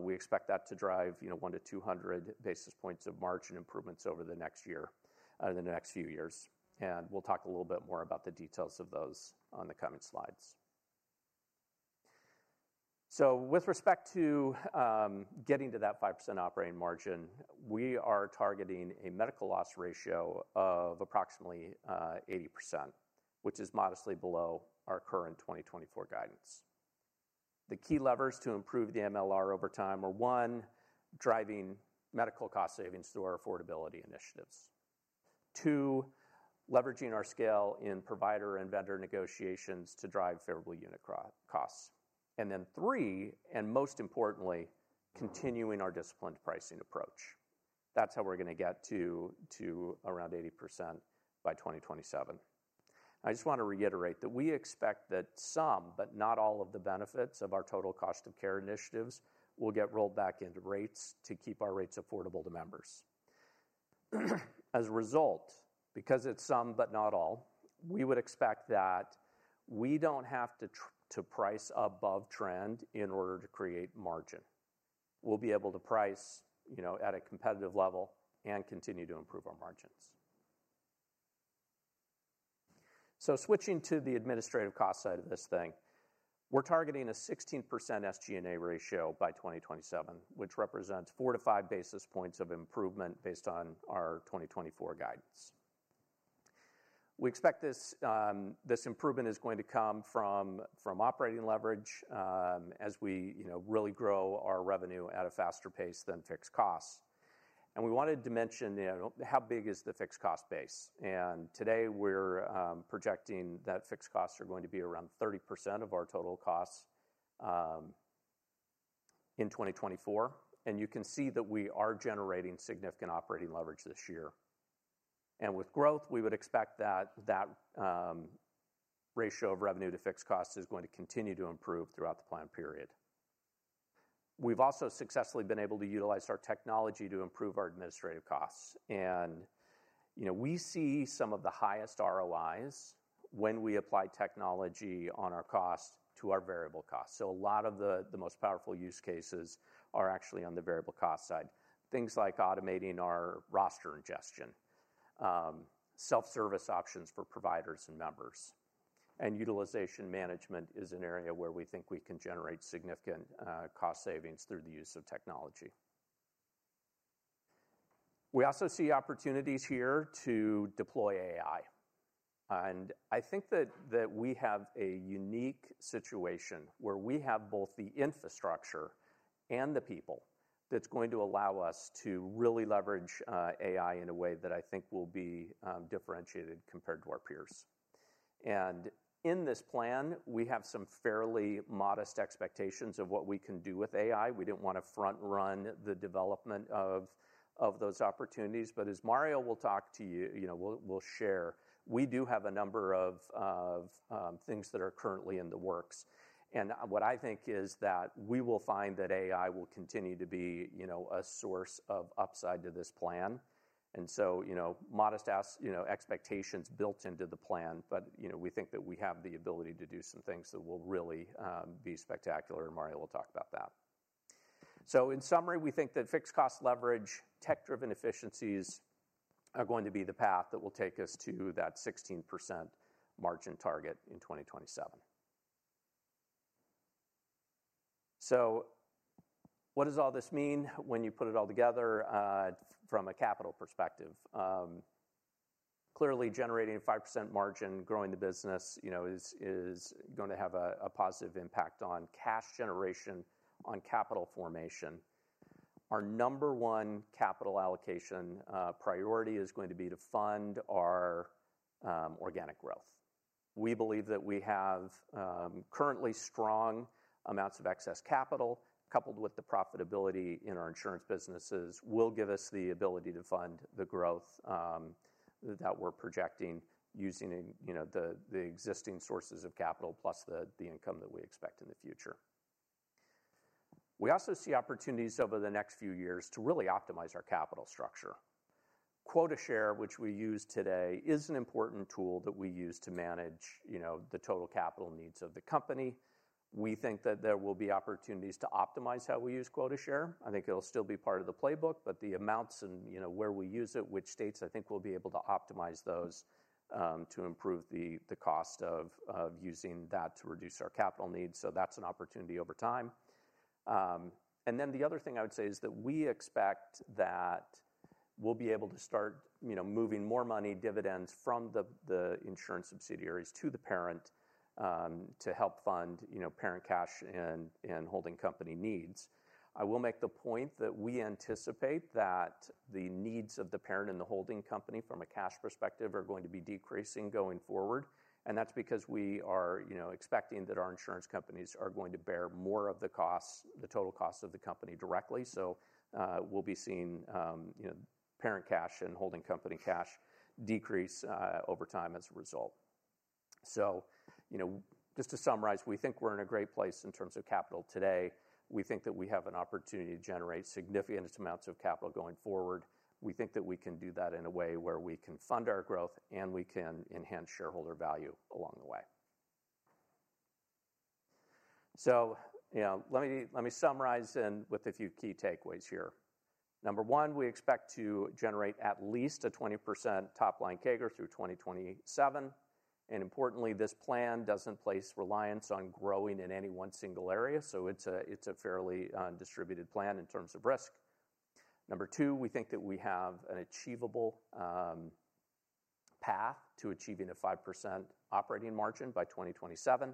We expect that to drive, you know, 100-200 basis points of margin improvements over the next year, in the next few years, and we'll talk a little bit more about the details of those on the coming slides. So with respect to getting to that 5% operating margin, we are targeting a medical loss ratio of approximately eighty percent, which is modestly below our current 2024 guidance. The key levers to improve the MLR over time are, one, driving medical cost savings through our affordability initiatives. Two, leveraging our scale in provider and vendor negotiations to drive favorable unit costs. And then three, and most importantly, continuing our disciplined pricing approach. That's how we're gonna get to around 80% by 2027. I just want to reiterate that we expect that some, but not all, of the benefits of our total cost of care initiatives will get rolled back into rates to keep our rates affordable to members. As a result, because it's some but not all, we would expect that we don't have to to price above trend in order to create margin. We'll be able to price, you know, at a competitive level and continue to improve our margins. So switching to the administrative cost side of this thing, we're targeting a 16% SG&A ratio by 2027, which represents 4-5 basis points of improvement based on our 2024 guidance. We expect this improvement is going to come from operating leverage as we, you know, really grow our revenue at a faster pace than fixed costs. And we wanted to mention, you know, how big is the fixed cost base, and today we're projecting that fixed costs are going to be around 30% of our total costs in 2024. You can see that we are generating significant operating leverage this year. With growth, we would expect that, that, ratio of revenue to fixed costs is going to continue to improve throughout the plan period. We've also successfully been able to utilize our technology to improve our administrative costs, and you know, we see some of the highest ROIs when we apply technology on our cost to our variable costs. So a lot of the, the most powerful use cases are actually on the variable cost side. Things like automating our roster ingestion, self-service options for providers and members, and utilization management is an area where we think we can generate significant cost savings through the use of technology. We also see opportunities here to deploy AI, and I think that we have a unique situation where we have both the infrastructure and the people that's going to allow us to really leverage AI in a way that I think will be differentiated compared to our peers. And in this plan, we have some fairly modest expectations of what we can do with AI. We didn't want to front-run the development of those opportunities, but as Mario will talk to you... you know, will share, we do have a number of things that are currently in the works. And what I think is that we will find that AI will continue to be, you know, a source of upside to this plan. And so, you know, modest as, you know, expectations built into the plan, but, you know, we think that we have the ability to do some things that will really be spectacular, and Mario will talk about that. So in summary, we think that fixed cost leverage, tech-driven efficiencies are going to be the path that will take us to that 16% margin target in 2027. So what does all this mean when you put it all together, from a capital perspective? Clearly generating a 5% margin, growing the business, you know, is, is going to have a, a positive impact on cash generation, on capital formation. Our number one capital allocation priority is going to be to fund our organic growth. We believe that we have currently strong amounts of excess capital, coupled with the profitability in our insurance businesses, will give us the ability to fund the growth that we're projecting using, you know, the existing sources of capital, plus the income that we expect in the future. We also see opportunities over the next few years to really optimize our capital structure. Quota share, which we use today, is an important tool that we use to manage, you know, the total capital needs of the company. We think that there will be opportunities to optimize how we use quota share. I think it'll still be part of the playbook, but the amounts and, you know, where we use it, which states, I think we'll be able to optimize those to improve the cost of using that to reduce our capital needs. So that's an opportunity over time. And then the other thing I would say is that we expect that we'll be able to start, you know, moving more money, dividends from the, the insurance subsidiaries to the parent, to help fund, you know, parent cash and, and holding company needs. I will make the point that we anticipate that the needs of the parent and the holding company from a cash perspective, are going to be decreasing going forward. And that's because we are, you know, expecting that our insurance companies are going to bear more of the costs, the total costs of the company directly. So, we'll be seeing, you know, parent cash and holding company cash decrease, over time as a result. So, you know, just to summarize, we think we're in a great place in terms of capital today. We think that we have an opportunity to generate significant amounts of capital going forward. We think that we can do that in a way where we can fund our growth, and we can enhance shareholder value along the way. So, you know, let me, let me summarize then with a few key takeaways here... Number one, we expect to generate at least 20% top-line CAGR through 2027. And importantly, this plan doesn't place reliance on growing in any one single area, so it's a, it's a fairly, distributed plan in terms of risk. Number two, we think that we have an achievable, path to achieving 5% operating margin by 2027.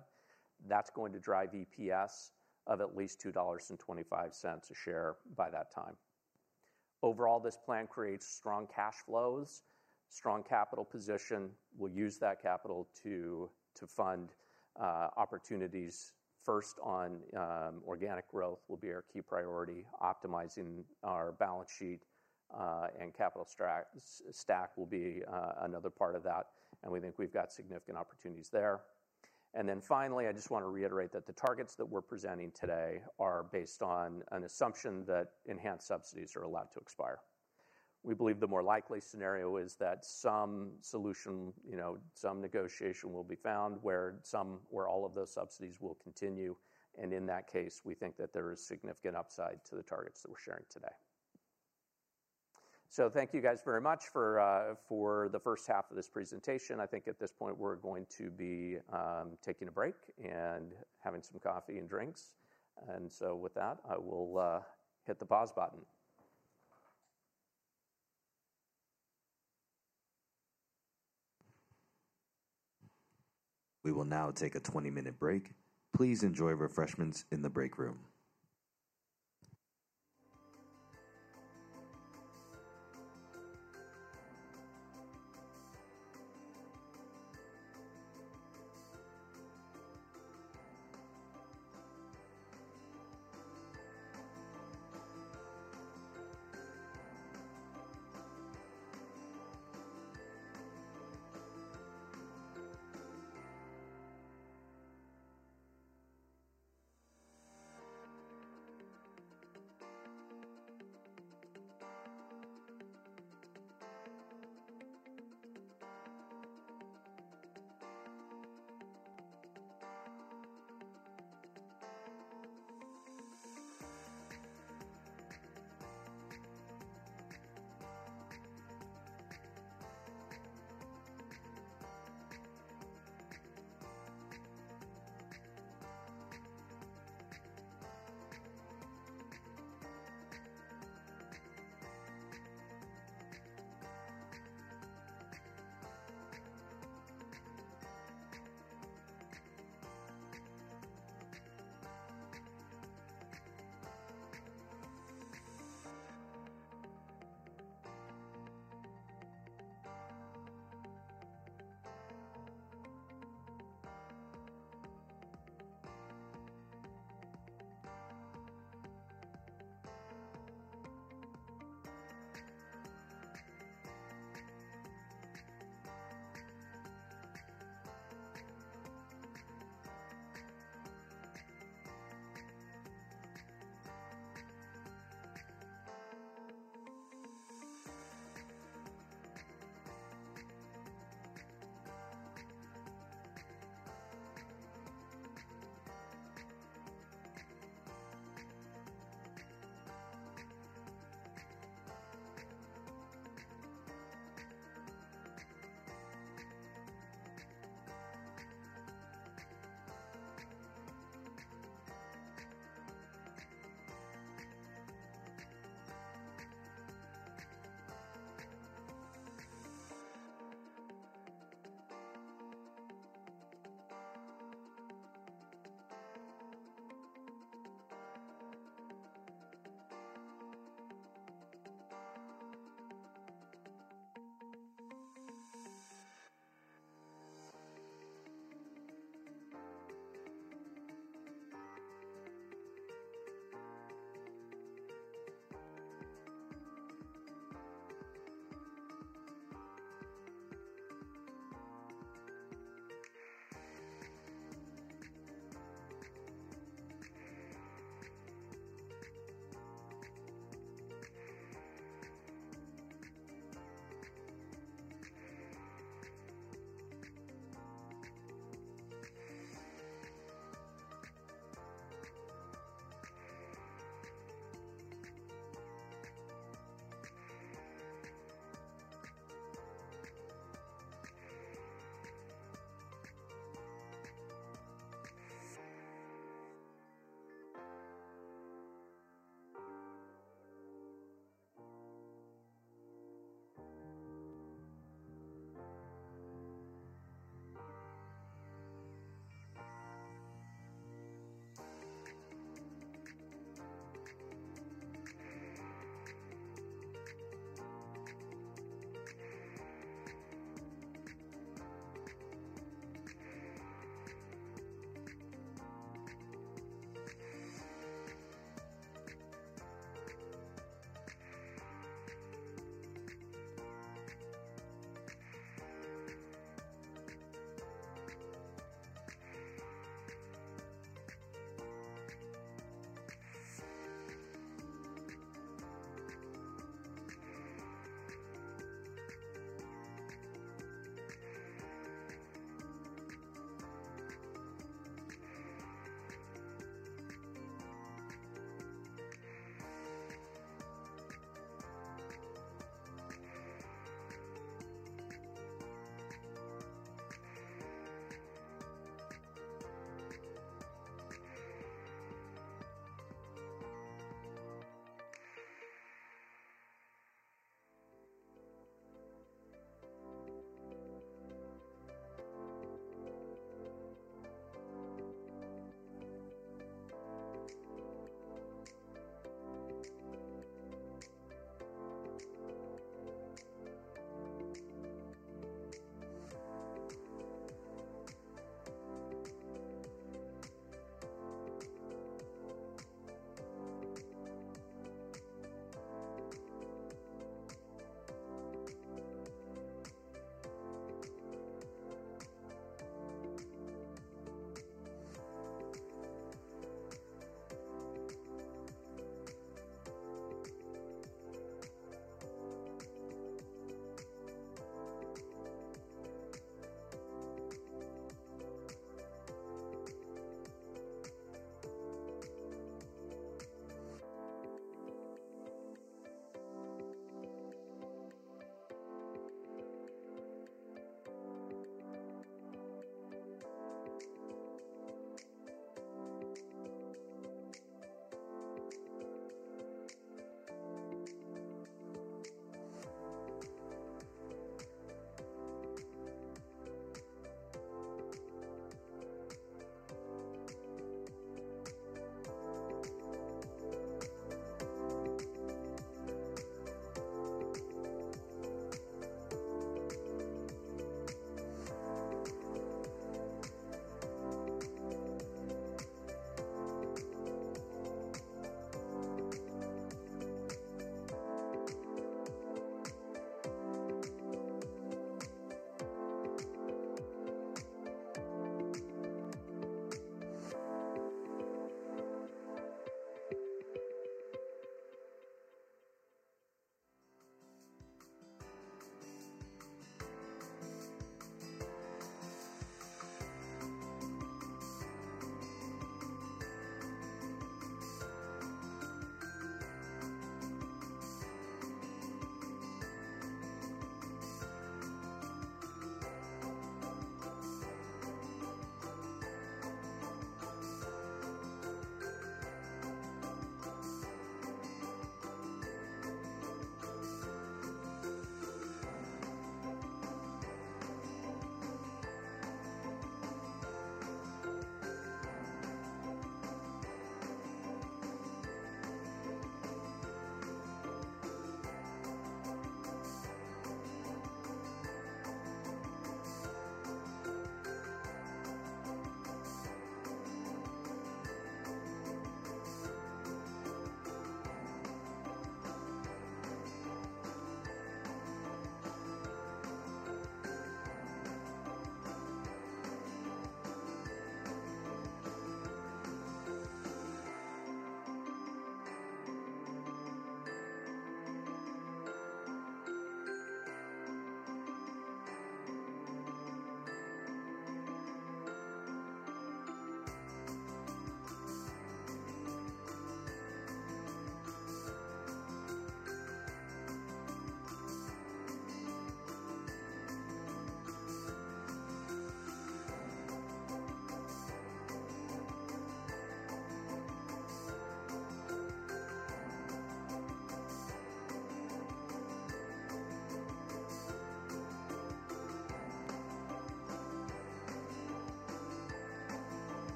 That's going to drive EPS of at least $2.25 a share by that time. Overall, this plan creates strong cash flows, strong capital position. We'll use that capital to fund opportunities. First on organic growth will be our key priority, optimizing our balance sheet and capital stack will be another part of that, and we think we've got significant opportunities there. And then finally, I just want to reiterate that the targets that we're presenting today are based on an assumption that enhanced subsidies are allowed to expire. We believe the more likely scenario is that some solution, you know, some negotiation will be found where somewhere all of those subsidies will continue. And in that case, we think that there is significant upside to the targets that we're sharing today. So thank you guys very much for the first half of this presentation. I think at this point, we're going to be taking a break and having some coffee and drinks. And so with that, I will hit the pause button. We will now take a 20-minute break. Please enjoy refreshments in the break room.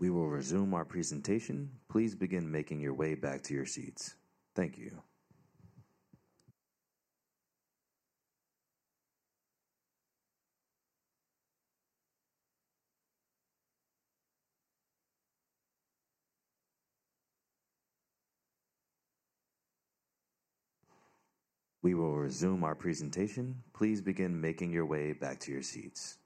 We will resume our presentation. Please begin making your way back to your seats. Thank you. We will resume our presentation. Please begin making your way back to your seats.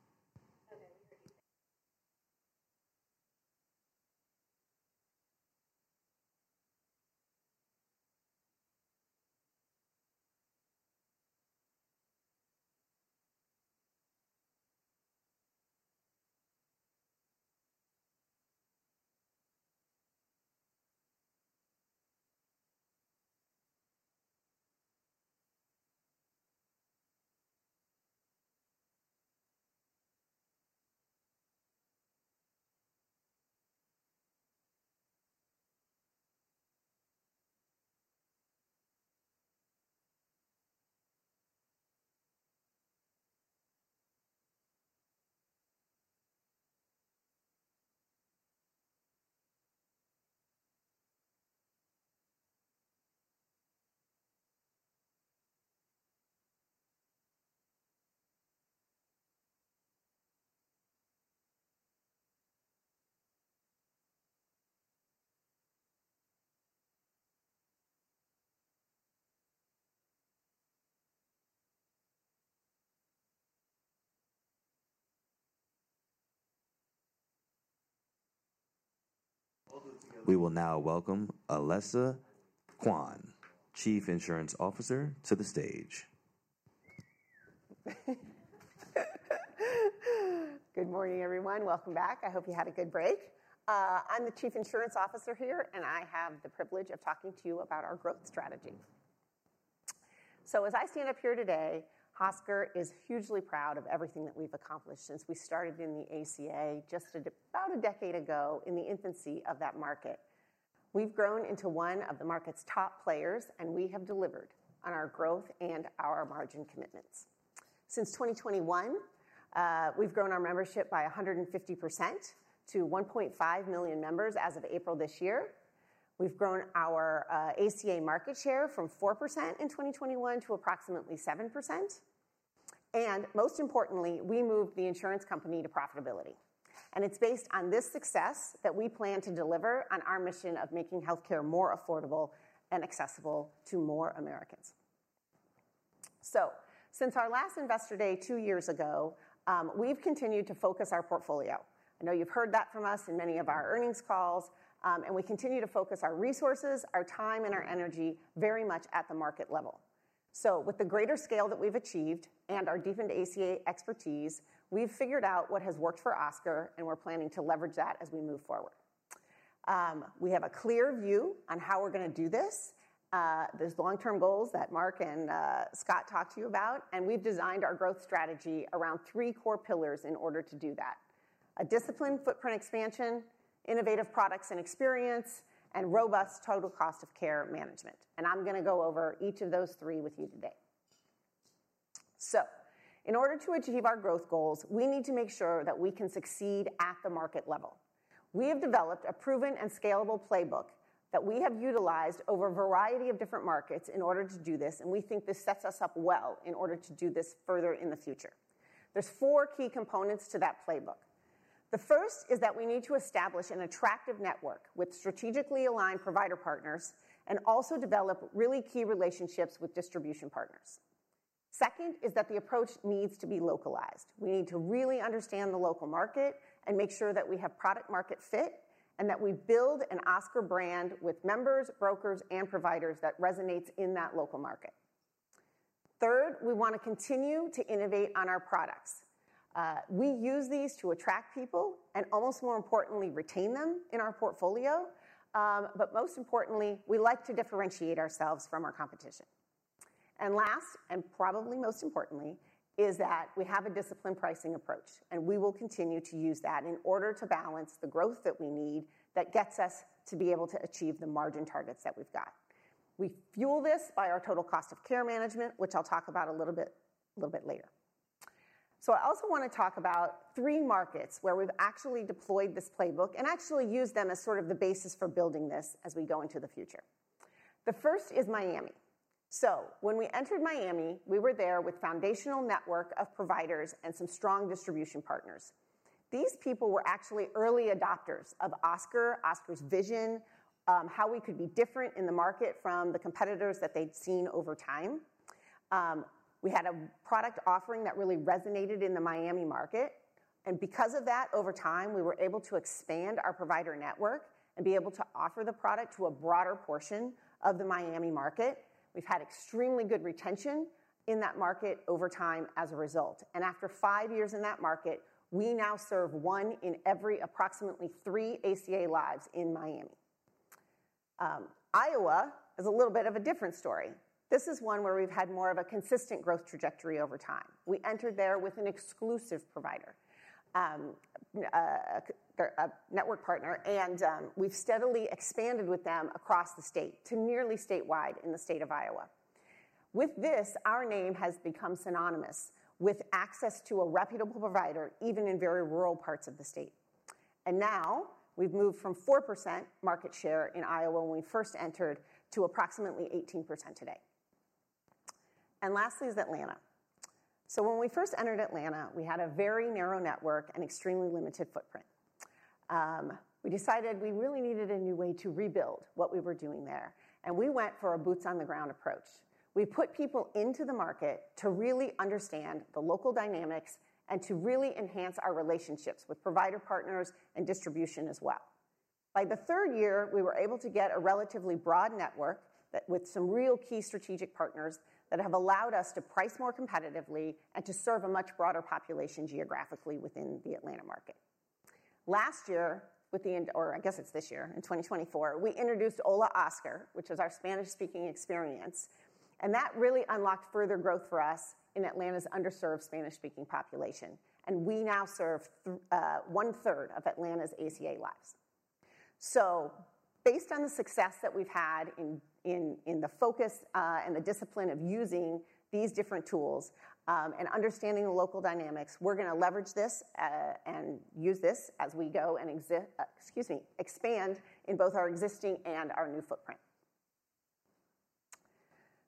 We will now welcome Alessa Quane, Chief Insurance Officer, to the stage. Good morning, everyone. Welcome back. I hope you had a good break. I'm the Chief Insurance Officer here, and I have the privilege of talking to you about our growth strategy. So as I stand up here today, Oscar is hugely proud of everything that we've accomplished since we started in the ACA about a decade ago in the infancy of that market. We've grown into one of the market's top players, and we have delivered on our growth and our margin commitments. Since 2021, we've grown our membership by 150% to 1.5 million members as of April this year. We've grown our ACA market share from 4% in 2021 to approximately 7%, and most importantly, we moved the insurance company to profitability. It's based on this success that we plan to deliver on our mission of making healthcare more affordable and accessible to more Americans. Since our last Investor Day, two years ago, we've continued to focus our portfolio. I know you've heard that from us in many of our earnings calls, and we continue to focus our resources, our time, and our energy very much at the market level. With the greater scale that we've achieved and our deepened ACA expertise, we've figured out what has worked for Oscar, and we're planning to leverage that as we move forward. We have a clear view on how we're gonna do this. There's long-term goals that Mark and Scott talked to you about, and we've designed our growth strategy around three core pillars in order to do that: a disciplined footprint expansion, innovative products and experience, and robust total cost of care management, and I'm gonna go over each of those three with you today. In order to achieve our growth goals, we need to make sure that we can succeed at the market level. We have developed a proven and scalable playbook that we have utilized over a variety of different markets in order to do this, and we think this sets us up well in order to do this further in the future. There's four key components to that playbook. The first is that we need to establish an attractive network with strategically aligned provider partners and also develop really key relationships with distribution partners. Second is that the approach needs to be localized. We need to really understand the local market and make sure that we have product-market fit, and that we build an Oscar brand with members, brokers, and providers that resonates in that local market. Third, we want to continue to innovate on our products. We use these to attract people and almost more importantly, retain them in our portfolio. But most importantly, we like to differentiate ourselves from our competition. And last, and probably most importantly, is that we have a disciplined pricing approach, and we will continue to use that in order to balance the growth that we need, that gets us to be able to achieve the margin targets that we've got. We fuel this by our total cost of care management, which I'll talk about a little bit, little bit later. I also want to talk about three markets where we've actually deployed this playbook and actually used them as sort of the basis for building this as we go into the future. The first is Miami. When we entered Miami, we were there with foundational network of providers and some strong distribution partners.... These people were actually early adopters of Oscar, Oscar's vision, how we could be different in the market from the competitors that they'd seen over time. We had a product offering that really resonated in the Miami market, and because of that, over time, we were able to expand our provider network and be able to offer the product to a broader portion of the Miami market. We've had extremely good retention in that market over time as a result, and after five years in that market, we now serve one in every approximately three ACA lives in Miami. Iowa is a little bit of a different story. This is one where we've had more of a consistent growth trajectory over time. We entered there with an exclusive provider, a network partner, and we've steadily expanded with them across the state to nearly statewide in the state of Iowa. With this, our name has become synonymous with access to a reputable provider, even in very rural parts of the state. And now, we've moved from 4% market share in Iowa when we first entered, to approximately 18% today. And lastly is Atlanta. So when we first entered Atlanta, we had a very narrow network and extremely limited footprint. We decided we really needed a new way to rebuild what we were doing there, and we went for a boots-on-the-ground approach. We put people into the market to really understand the local dynamics and to really enhance our relationships with provider partners and distribution as well. By the third year, we were able to get a relatively broad network that with some real key strategic partners, that have allowed us to price more competitively and to serve a much broader population geographically within the Atlanta market. Last year, or I guess it's this year, in 2024, we introduced Hola Oscar, which is our Spanish-speaking experience, and that really unlocked further growth for us in Atlanta's underserved Spanish-speaking population, and we now serve one-third of Atlanta's ACA lives. So based on the success that we've had in the focus, and the discipline of using these different tools, and understanding the local dynamics, we're gonna leverage this, and use this as we go and expand in both our existing and our new footprint.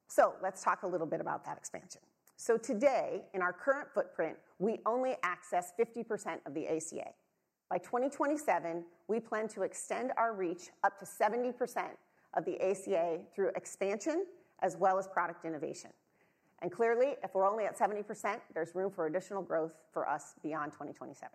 So let's talk a little bit about that expansion. So today, in our current footprint, we only access 50% of the ACA. By 2027, we plan to extend our reach up to 70% of the ACA through expansion as well as product innovation. And clearly, if we're only at 70%, there's room for additional growth for us beyond 2027.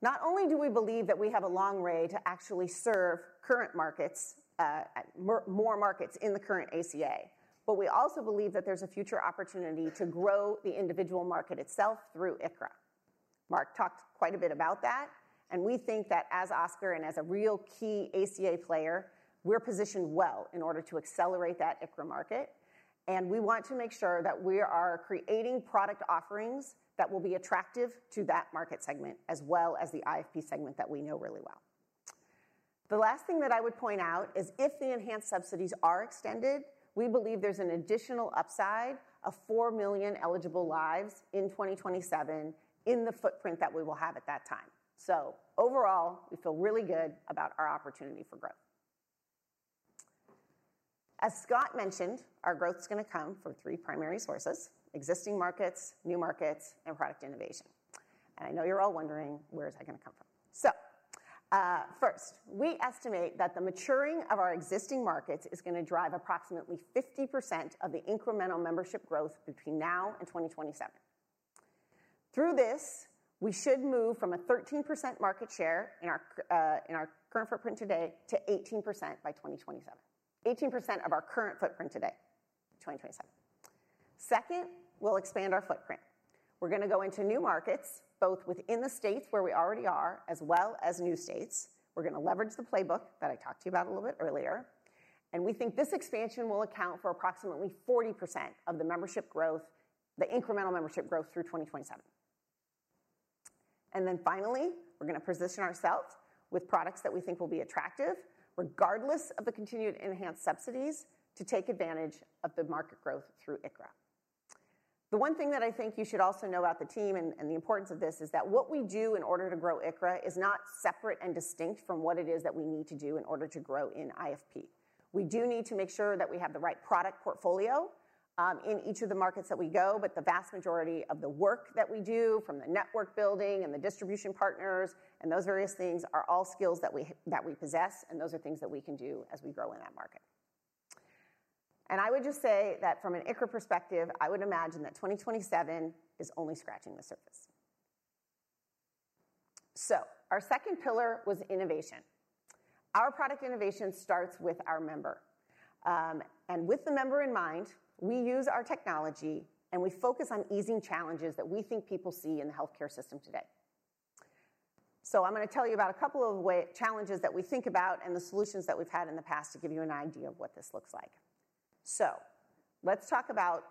Not only do we believe that we have a long way to actually serve current markets, at more markets in the current ACA, but we also believe that there's a future opportunity to grow the individual market itself through ICHRA. Mark talked quite a bit about that, and we think that as Oscar and as a real key ACA player, we're positioned well in order to accelerate that ICHRA market, and we want to make sure that we are creating product offerings that will be attractive to that market segment, as well as the IFP segment that we know really well. The last thing that I would point out is if the enhanced subsidies are extended, we believe there's an additional upside of 4 million eligible lives in 2027 in the footprint that we will have at that time. So overall, we feel really good about our opportunity for growth. As Scott mentioned, our growth's gonna come from three primary sources: existing markets, new markets, and product innovation. And I know you're all wondering, where is that gonna come from? So, first, we estimate that the maturing of our existing markets is gonna drive approximately 50% of the incremental membership growth between now and 2027. Through this, we should move from a 13% market share in our current footprint today, to 18% by 2027. 18% of our current footprint today, 2027. Second, we'll expand our footprint. We're gonna go into new markets, both within the states where we already are, as well as new states. We're gonna leverage the playbook that I talked to you about a little bit earlier, and we think this expansion will account for approximately 40% of the membership growth, the incremental membership growth through 2027. And then finally, we're gonna position ourselves with products that we think will be attractive, regardless of the continued enhanced subsidies, to take advantage of the market growth through ICHRA. The one thing that I think you should also know about the team and, and the importance of this, is that what we do in order to grow ICHRA is not separate and distinct from what it is that we need to do in order to grow in IFP. We do need to make sure that we have the right product portfolio, in each of the markets that we go, but the vast majority of the work that we do, from the network building and the distribution partners and those various things, are all skills that we possess, and those are things that we can do as we grow in that market. And I would just say that from an ICHRA perspective, I would imagine that 2027 is only scratching the surface. So our second pillar was innovation. Our product innovation starts with our member. And with the member in mind, we use our technology, and we focus on easing challenges that we think people see in the healthcare system today. I'm gonna tell you about a couple of ways challenges that we think about and the solutions that we've had in the past to give you an idea of what this looks like. So let's talk about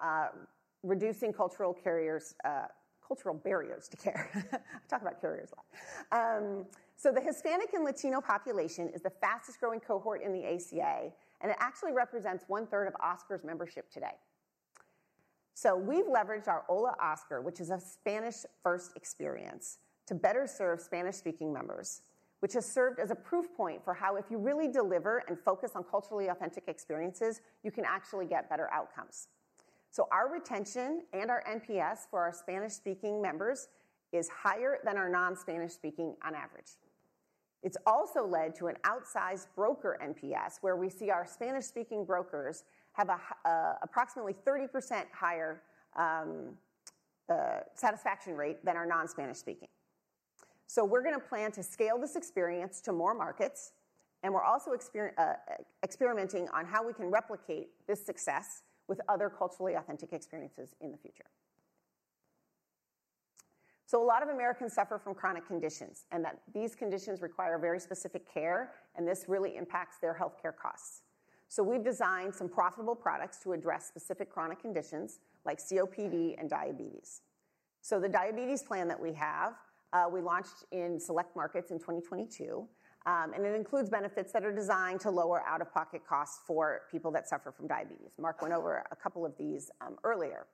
reducing cultural barriers to care. I talk about barriers a lot. So the Hispanic and Latino population is the fastest-growing cohort in the ACA, and it actually represents one-third of Oscar's membership today. So we've leveraged our Hola Oscar, which is a Spanish-first experience, to better serve Spanish-speaking members, which has served as a proof point for how, if you really deliver and focus on culturally authentic experiences, you can actually get better outcomes. So our retention and our NPS for our Spanish-speaking members is higher than our non-Spanish speaking on average. It's also led to an outsized broker NPS, where we see our Spanish-speaking brokers have a approximately 30% higher satisfaction rate than our non-Spanish speaking. So we're gonna plan to scale this experience to more markets, and we're also experimenting on how we can replicate this success with other culturally authentic experiences in the future. So a lot of Americans suffer from chronic conditions, and that these conditions require very specific care, and this really impacts their healthcare costs. So we've designed some profitable products to address specific chronic conditions like COPD and diabetes. So the diabetes plan that we have, we launched in select markets in 2022, and it includes benefits that are designed to lower out-of-pocket costs for people that suffer from diabetes. Mark went over a couple of these earlier.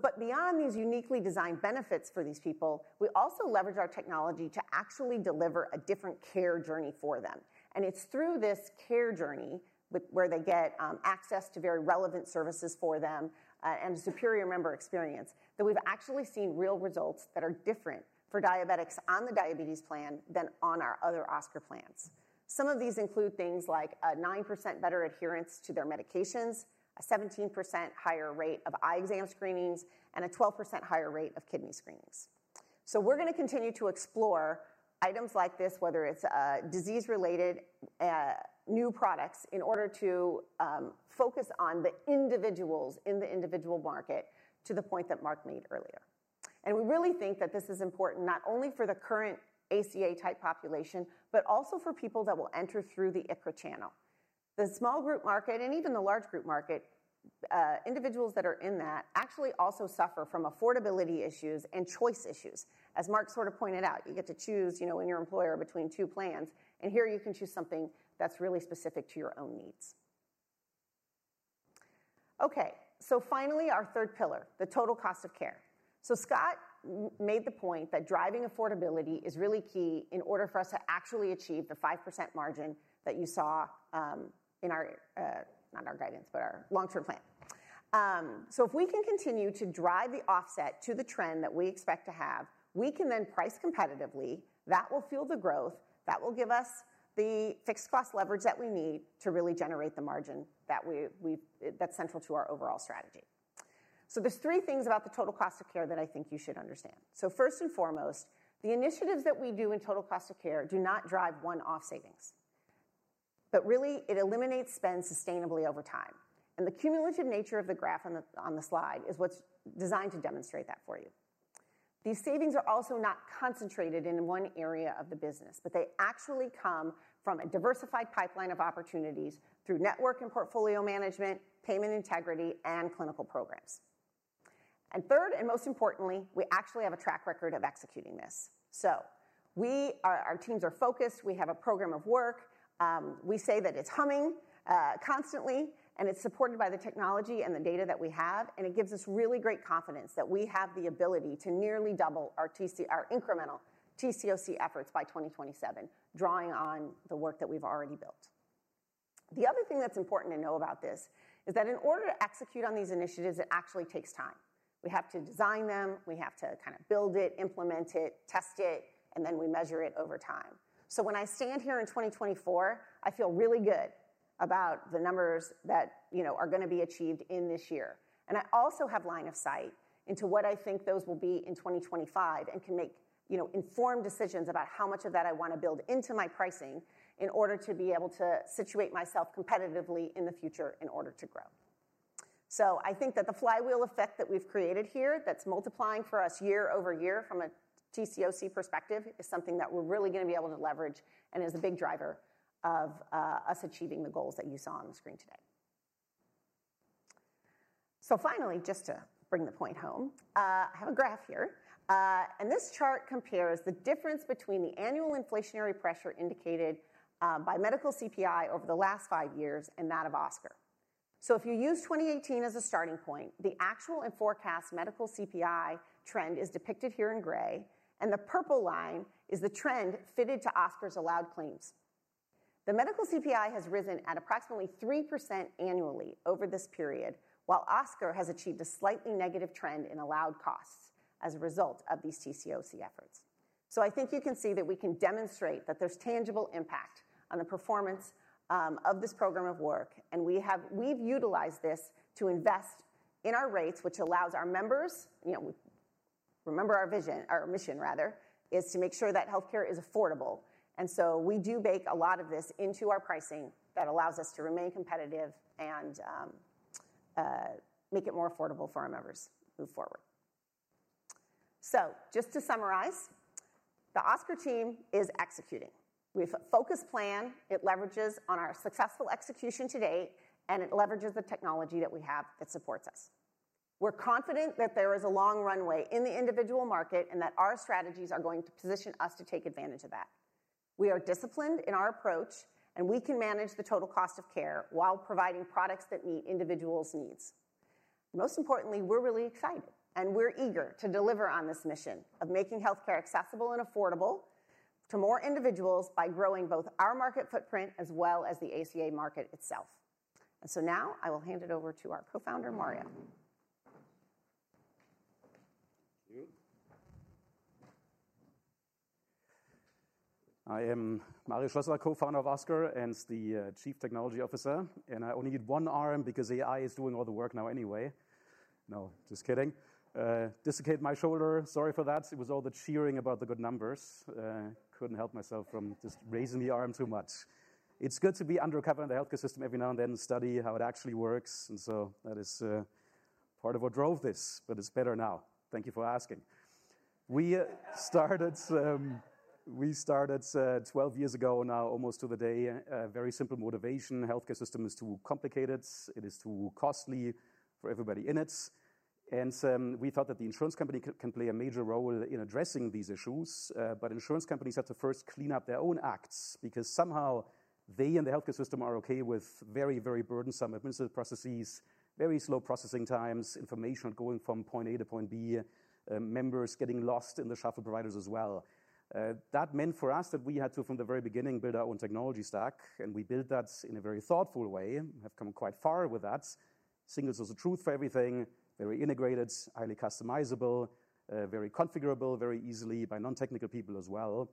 But beyond these uniquely designed benefits for these people, we also leverage our technology to actually deliver a different care journey for them. And it's through this care journey, where they get access to very relevant services for them, and superior member experience, that we've actually seen real results that are different for diabetics on the diabetes plan than on our other Oscar plans. Some of these include things like a 9% better adherence to their medications, a 17% higher rate of eye exam screenings, and a 12% higher rate of kidney screenings. So we're gonna continue to explore items like this, whether it's disease-related new products, in order to focus on the individuals in the individual market, to the point that Mark made earlier. We really think that this is important not only for the current ACA-type population, but also for people that will enter through the ICHRA channel. The small group market, and even the large group market, individuals that are in that, actually also suffer from affordability issues and choice issues. As Mark sort of pointed out, you get to choose, you know, when your employer between two plans, and here you can choose something that's really specific to your own needs. Okay. So finally, our third pillar, the total cost of care. So Scott made the point that driving affordability is really key in order for us to actually achieve the 5% margin that you saw, in our, not our guidance, but our long-term plan. So if we can continue to drive the offset to the trend that we expect to have, we can then price competitively. That will fuel the growth, that will give us the fixed cost leverage that we need to really generate the margin, that's central to our overall strategy. So there's three things about the total cost of care that I think you should understand. So first and foremost, the initiatives that we do in total cost of care do not drive one-off savings, but really it eliminates spend sustainably over time, and the cumulative nature of the graph on the slide is what's designed to demonstrate that for you. These savings are also not concentrated in one area of the business, but they actually come from a diversified pipeline of opportunities through network and portfolio management, payment integrity, and clinical programs. Third, and most importantly, we actually have a track record of executing this. So our teams are focused. We have a program of work. We say that it's humming constantly, and it's supported by the technology and the data that we have, and it gives us really great confidence that we have the ability to nearly double our incremental TCOC efforts by 2027, drawing on the work that we've already built. The other thing that's important to know about this is that in order to execute on these initiatives, it actually takes time. We have to design them, we have to kind of build it, implement it, test it, and then we measure it over time. So when I stand here in 2024, I feel really good about the numbers that, you know, are gonna be achieved in this year. I also have line of sight into what I think those will be in 2025 and can make, you know, informed decisions about how much of that I want to build into my pricing in order to be able to situate myself competitively in the future, in order to grow. So I think that the flywheel effect that we've created here, that's multiplying for us year over year from a TCOC perspective, is something that we're really gonna be able to leverage and is a big driver of us achieving the goals that you saw on the screen today. So finally, just to bring the point home, I have a graph here, and this chart compares the difference between the annual inflationary pressure indicated by medical CPI over the last five years and that of Oscar. So if you use 2018 as a starting point, the actual and forecast medical CPI trend is depicted here in gray, and the purple line is the trend fitted to Oscar's allowed claims. The medical CPI has risen at approximately 3% annually over this period, while Oscar has achieved a slightly negative trend in allowed costs as a result of these TCOC efforts. So I think you can see that we can demonstrate that there's tangible impact on the performance of this program of work, and we've utilized this to invest in our rates, which allows our members, you know... Remember our vision, our mission rather, is to make sure that healthcare is affordable, and so we do bake a lot of this into our pricing that allows us to remain competitive and make it more affordable for our members move forward. So just to summarize, the Oscar team is executing. We have a focused plan. It leverages on our successful execution to date, and it leverages the technology that we have that supports us. We're confident that there is a long runway in the individual market, and that our strategies are going to position us to take advantage of that. We are disciplined in our approach, and we can manage the total cost of care while providing products that meet individuals' needs. Most importantly, we're really excited, and we're eager to deliver on this mission of making healthcare accessible and affordable... to more individuals by growing both our market footprint as well as the ACA market itself. And so now I will hand it over to our co-founder, Mario. Thank you. I am Mario Schlosser, co-founder of Oscar, and the Chief Technology Officer, and I only need one arm because AI is doing all the work now anyway. No, just kidding. Dislocate my shoulder, sorry for that. It was all the cheering about the good numbers. Couldn't help myself from just raising the arm too much. It's good to be under a cover in the healthcare system every now and then and study how it actually works, and so that is part of what drove this, but it's better now. Thank you for asking. We started 12 years ago now, almost to the day, a very simple motivation. Healthcare system is too complicated, it is too costly for everybody in it, and we thought that the insurance company can play a major role in addressing these issues. But insurance companies have to first clean up their own acts, because somehow they and the healthcare system are okay with very, very burdensome administrative processes, very slow processing times, information going from point A to point B, members getting lost in the shuffle of providers as well. That meant for us that we had to, from the very beginning, build our own technology stack, and we built that in a very thoughtful way, and have come quite far with that. Single source of truth for everything, very integrated, highly customizable, very configurable, very easily by non-technical people as well.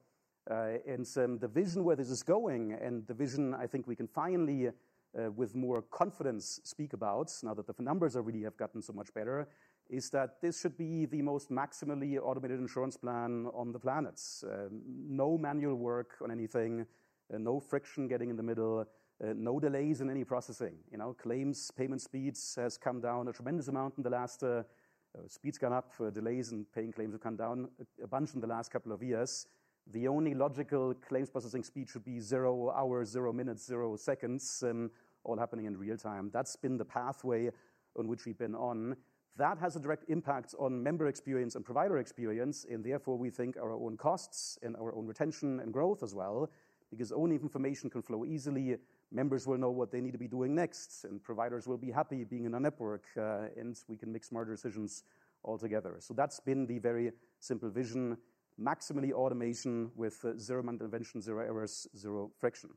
And the vision where this is going and the vision I think we can finally, with more confidence, speak about, now that the numbers already have gotten so much better, is that this should be the most maximally automated insurance plan on the planet. No manual work on anything, no friction getting in the middle, no delays in any processing. You know, claims payment speeds have come down a tremendous amount in the last... Speed's gone up for delays, and paying claims have come down a bunch in the last couple of years. The only logical claims processing speed should be zero hours, zero minutes, zero seconds, all happening in real time. That's been the pathway on which we've been on. That has a direct impact on member experience and provider experience, and therefore, we think our own costs and our own retention and growth as well, because only if information can flow easily, members will know what they need to be doing next, and providers will be happy being in our network, and we can make smarter decisions altogether. So that's been the very simple vision: maximally automation with zero intervention, zero errors, zero friction.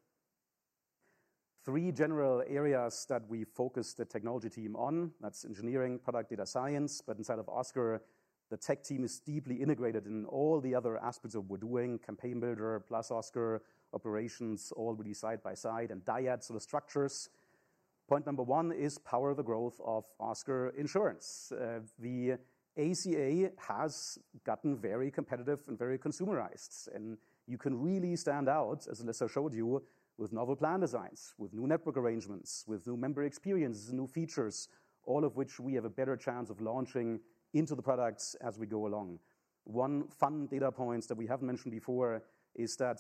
Three general areas that we focus the technology team on, that's engineering, product data science, but inside of Oscar, the tech team is deeply integrated in all the other aspects of what we're doing, Campaign Builder, +Oscar, operations, all really side by side and dyad sort of structures. Point number one is power the growth of Oscar Health. The ACA has gotten very competitive and very consumerized, and you can really stand out, as Alessa showed you, with novel plan designs, with new network arrangements, with new member experiences, new features, all of which we have a better chance of launching into the products as we go along. One fun data points that we haven't mentioned before is that,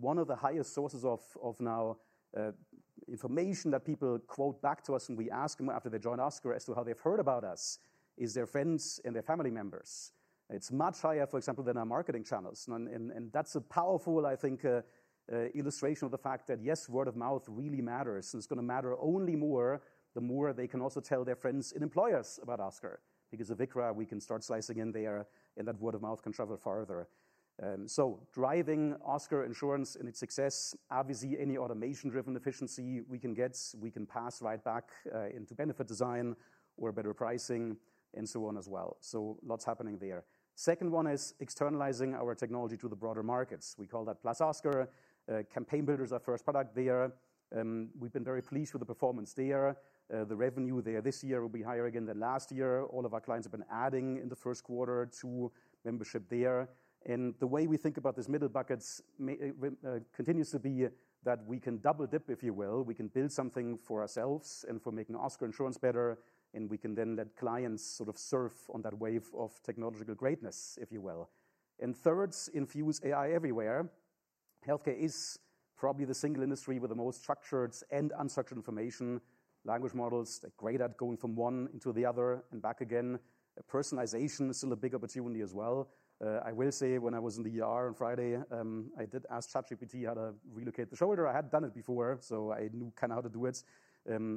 one of the highest sources of, of now, information that people quote back to us when we ask them after they join Oscar as to how they've heard about us, is their friends and their family members. It's much higher, for example, than our marketing channels, and that's a powerful, I think, illustration of the fact that, yes, word of mouth really matters. It's going to matter only more, the more they can also tell their friends and employers about Oscar, because of ICHRA, we can start slicing in there, and that word of mouth can travel farther. So driving Oscar Insurance and its success, obviously, any automation-driven efficiency we can get, we can pass right back, into benefit design or better pricing and so on as well. So lots happening there. Second one is externalizing our technology to the broader markets. We call that +Oscar. Campaign Builder is our first product there. We've been very pleased with the performance there. The revenue there this year will be higher again than last year. All of our clients have been adding in the Q1 to membership there. And the way we think about these middle buckets continues to be that we can double dip, if you will. We can build something for ourselves and for making Oscar Insurance better, and we can then let clients sort of surf on that wave of technological greatness, if you will. And third, infuse AI everywhere. Healthcare is probably the single industry with the most structured and unstructured information. Language models, they're great at going from one into the other and back again. Personalization is still a big opportunity as well. I will say, when I was in the ER on Friday, I did ask ChatGPT how to relocate the shoulder. I had done it before, so I knew kind of how to do it.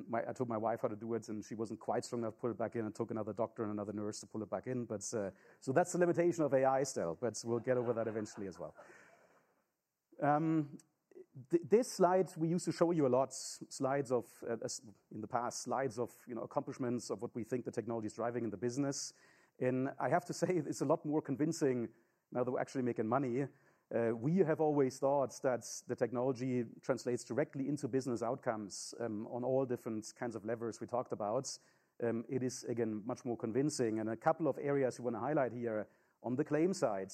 My... I told my wife how to do it, and she wasn't quite strong enough to put it back in. It took another doctor and another nurse to pull it back in. But, so that's the limitation of AI still, but we'll get over that eventually as well. This slide, we used to show you a lot, slides of, as in the past, slides of, you know, accomplishments of what we think the technology is driving in the business. And I have to say, it's a lot more convincing now that we're actually making money. We have always thought that the technology translates directly into business outcomes, on all different kinds of levers we talked about. It is, again, much more convincing, and a couple of areas we want to highlight here on the claims side,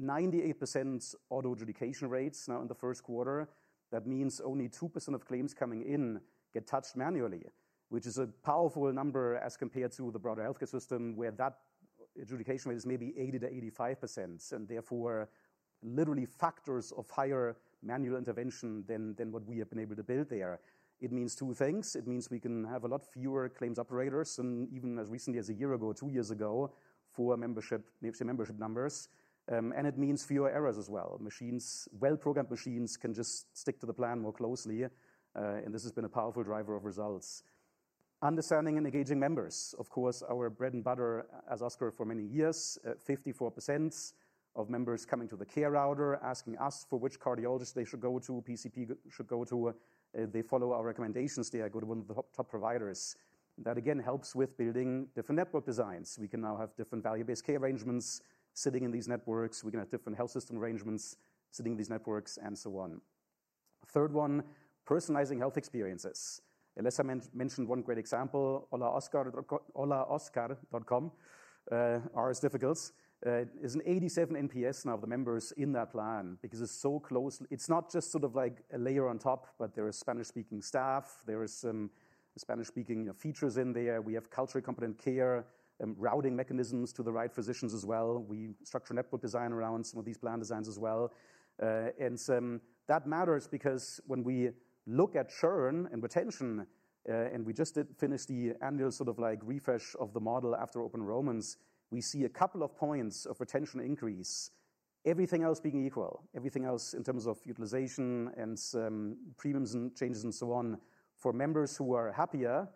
98% auto adjudication rates now in the Q1. That means only 2% of claims coming in get touched manually, which is a powerful number as compared to the broader healthcare system, where that adjudication rate is maybe 80%-85%, and therefore, literally factors of higher manual intervention than what we have been able to build there. It means two things: It means we can have a lot fewer claims operators, and even as recently as a year ago, two years ago, for membership, the membership numbers, and it means fewer errors as well. Machines, well-programmed machines can just stick to the plan more closely, and this has been a powerful driver of results. Understanding and engaging members. Of course, our bread and butter as Oscar for many years, 54% of members coming to the care router, asking us for which cardiologist they should go to, PCP should go to. They follow our recommendations there, go to one of the top, top providers. That again, helps with building different network designs. We can now have different value-based care arrangements sitting in these networks. We can have different health system arrangements sitting in these networks, and so on. Third one, personalizing health experiences. Alessa mentioned one great example, HolaOscar.com. R is difficult. It's an 87 NPS now of the members in that plan, because it's so close—it's not just sort of like a layer on top, but there is Spanish-speaking staff, there is some Spanish-speaking features in there. We have culturally competent care and routing mechanisms to the right physicians as well. We structure network design around some of these plan designs as well. That matters because when we look at churn and retention, and we just did finish the annual sort of like refresh of the model after open enrollments, we see a couple of points of retention increase, everything else being equal, everything else in terms of utilization and some premiums and changes and so on, for members who are happier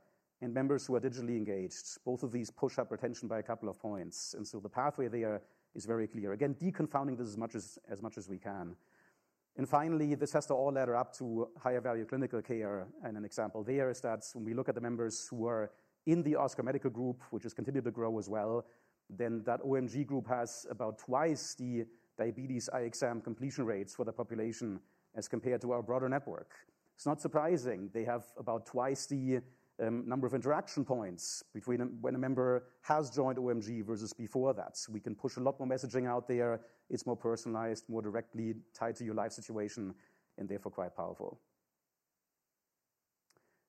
and members who are digitally engaged. Both of these push up retention by a couple of points, and so the pathway there is very clear. Again, deconfounding this as much as, as much as we can. And finally, this has to all ladder up to higher value clinical care, and an example there is that when we look at the members who are in the Oscar Medical Group, which has continued to grow as well, then that OMG group has about twice the diabetes eye exam completion rates for the population as compared to our broader network. It's not surprising. They have about twice the number of interaction points between a, when a member has joined OMG versus before that. So we can push a lot more messaging out there. It's more personalized, more directly tied to your life situation, and therefore quite powerful.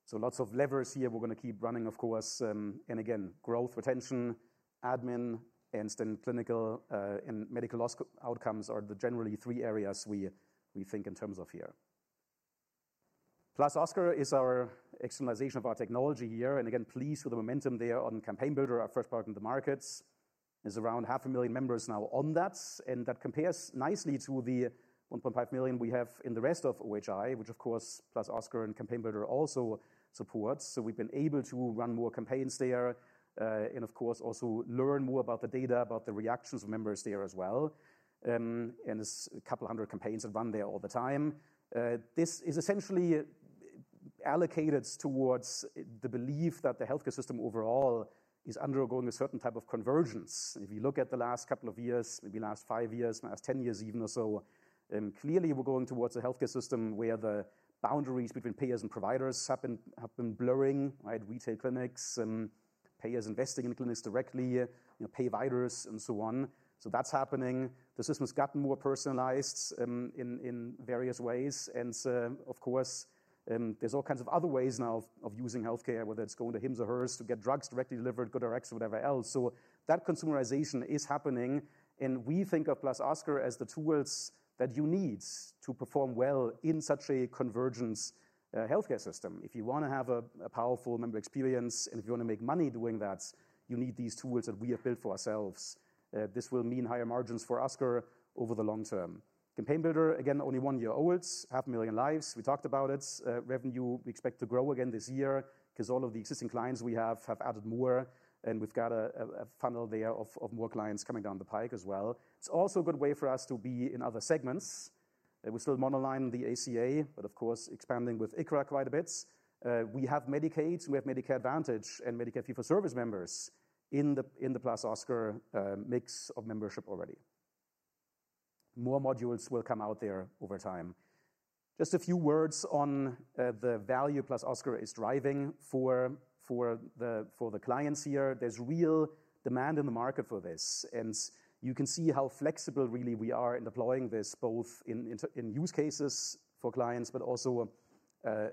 So lots of levers here we're going to keep running, of course, and again, growth, retention, admin, and then clinical, and medical outcomes are the generally three areas we, we think in terms of here. +Oscar is our externalization of our technology here, and again, pleased with the momentum there on Campaign Builder, our first product in the markets. There's around 500,000 members now on that, and that compares nicely to the 1.5 million we have in the rest of OHI, which of course, +Oscar and Campaign Builder also supports. So we've been able to run more campaigns there, and of course, also learn more about the data, about the reactions of members there as well. And there's a couple of hundred campaigns that run there all the time. This is essentially allocated towards the belief that the healthcare system overall is undergoing a certain type of convergence. If you look at the last couple of years, maybe last 5 years, last 10 years even or so, clearly, we're going towards a healthcare system where the boundaries between payers and providers have been blurring, right? Retail clinics, payers investing in clinics directly, you know, payviders and so on. So that's happening. The system has gotten more personalized, in various ways, and, of course, there's all kinds of other ways now of using healthcare, whether it's going to Hims & Hers to get drugs directly delivered, GoodRx, or whatever else. So that consumerization is happening, and we think of +Oscar as the tools that you need to perform well in such a convergence healthcare system. If you want to have a powerful member experience, and if you want to make money doing that, you need these tools that we have built for ourselves. This will mean higher margins for Oscar over the long term. Campaign Builder, again, only one year old, 500,000 lives. We talked about it. Revenue, we expect to grow again this year because all of the existing clients we have have added more, and we've got a funnel there of more clients coming down the pike as well. It's also a good way for us to be in other segments. We're still monoline in the ACA, but of course, expanding with ICHRA quite a bit. We have Medicaid, we have Medicare Advantage, and Medicare fee-for-service members in the +Oscar mix of membership already. More modules will come out there over time. Just a few words on, the value +Oscar is driving for, for the, for the clients here. There's real demand in the market for this, and you can see how flexible really we are in deploying this, both in, in, in use cases for clients, but also,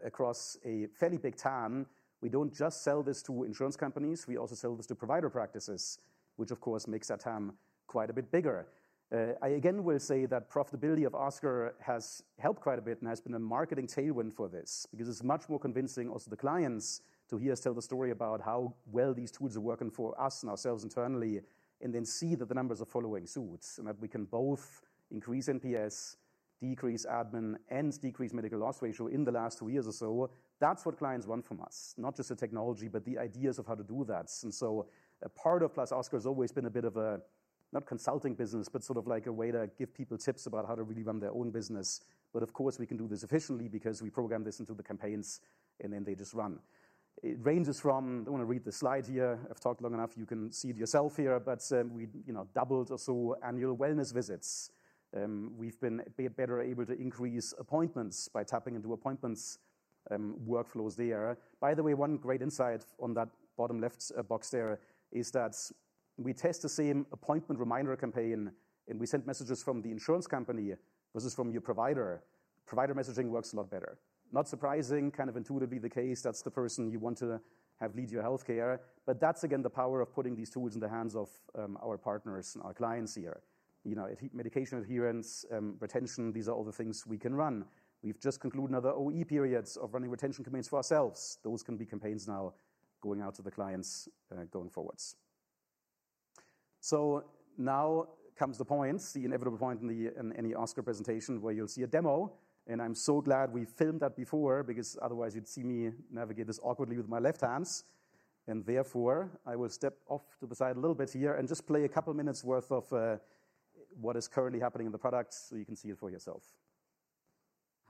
across a fairly big TAM. We don't just sell this to insurance companies; we also sell this to provider practices, which of course, makes that TAM quite a bit bigger. I again will say that profitability of Oscar has helped quite a bit and has been a marketing tailwind for this because it's much more convincing also the clients to hear us tell the story about how well these tools are working for us and ourselves internally, and then see that the numbers are following suit, and that we can both increase NPS, decrease admin, and decrease medical loss ratio in the last two years or so. That's what clients want from us, not just the technology, but the ideas of how to do that. And so a part of +Oscar has always been a bit of a, not consulting business, but sort of like a way to give people tips about how to really run their own business. But of course, we can do this efficiently because we program this into the campaigns, and then they just run. It ranges from... I don't want to read the slide here. I've talked long enough. You can see it yourself here. But we, you know, doubled or so annual wellness visits. We've been better able to increase appointments by tapping into appointments workflows there. By the way, one great insight on that bottom left box there is that we test the same appointment reminder campaign, and we send messages from the insurance company versus from your provider. Provider messaging works a lot better. Not surprising, kind of intuitively the case. That's the person you want to have lead your healthcare. But that's again, the power of putting these tools in the hands of our partners and our clients here. You know, adherence, medication adherence, retention, these are all the things we can run. We've just concluded another OE periods of running retention campaigns for ourselves. Those can be campaigns now going out to the clients, going forwards. So now comes the point, the inevitable point in any Oscar presentation where you'll see a demo, and I'm so glad we filmed that before because otherwise you'd see me navigate this awkwardly with my left hands. Therefore, I will step off to the side a little bit here and just play a couple minutes worth of what is currently happening in the product so you can see it for yourself.